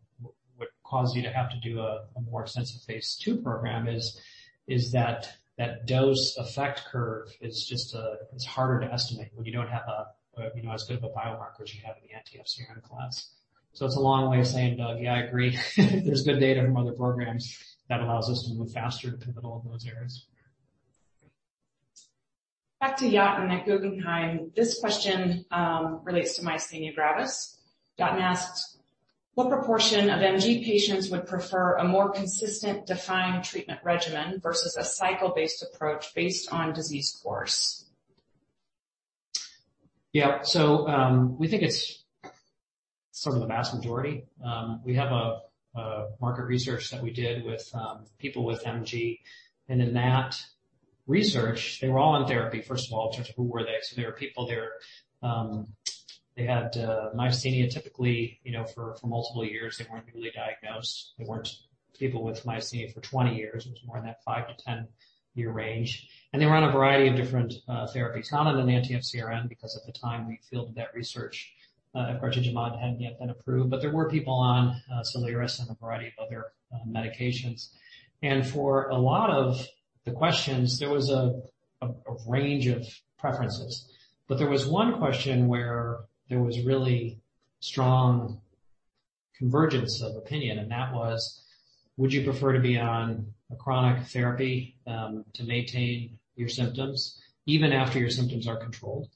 causes you to have to do a more extensive phase II program is that dose effect curve is just it's harder to estimate when you don't have you know as good of a biomarker as you have in the anti-FcRn class. It's a long way of saying, Doug, yeah, I agree. If there's good data from other programs, that allows us to move faster to pivotal in those areas. Back to Yatin at Guggenheim. This question relates to myasthenia gravis. Yatin asks, what proportion of MG patients would prefer a more consistent defined treatment regimen versus a cycle-based approach based on disease course? Yeah. We think it's sort of the vast majority. We have a market research that we did with people with MG, and in that research, they were all in therapy, first of all, in terms of who were they. They were people there, they had myasthenia typically, you know, for multiple years. They weren't newly diagnosed. They weren't people with myasthenia for 20 years. It was more in that 5-10-year range. They were on a variety of different therapies. None of them anti-FcRn because at the time we fielded that research, efgartigimod hadn't yet been approved. There were people on Soliris and a variety of other medications. For a lot of the questions, there was a range of preferences. There was one question where there was really strong convergence of opinion, and that was, would you prefer to be on a chronic therapy to maintain your symptoms even after your symptoms are controlled?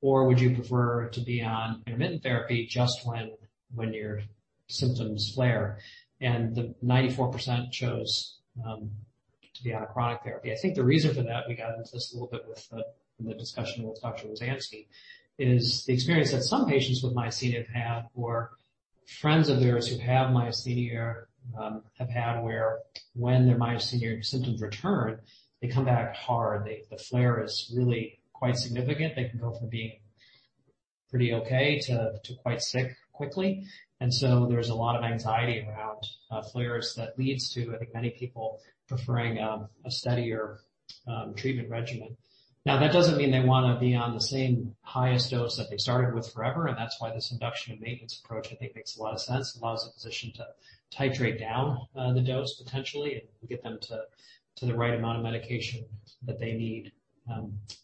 Or would you prefer to be on intermittent therapy just when your symptoms flare? And the 94% chose to be on a chronic therapy. I think the reason for that, we got into this a little bit with the discussion with Dr. Ruzhansky, is the experience that some patients with myasthenia have had or friends of theirs who have myasthenia have had where when their myasthenia symptoms return, they come back hard. The flare is really quite significant. They can go from being pretty okay to quite sick quickly. There's a lot of anxiety around flares that leads to, I think, many people preferring a steadier treatment regimen. Now, that doesn't mean they wanna be on the same highest dose that they started with forever, and that's why this induction and maintenance approach, I think, makes a lot of sense. It allows the physician to titrate down the dose potentially and get them to the right amount of medication that they need.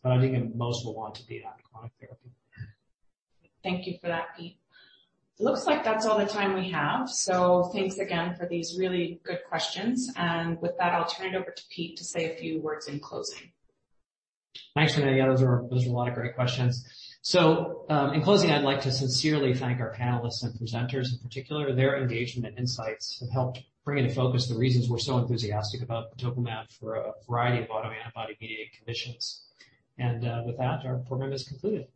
I think most will want to be on chronic therapy. Thank you for that, Pete. Looks like that's all the time we have. Thanks again for these really good questions. With that, I'll turn it over to Pete to say a few words in closing. Thanks, Danielle. Those were a lot of great questions. In closing, I'd like to sincerely thank our panelists and presenters in particular. Their engagement and insights have helped bring into focus the reasons we're so enthusiastic about tocilizumab for a variety of autoantibody-mediated conditions. With that, our program is concluded.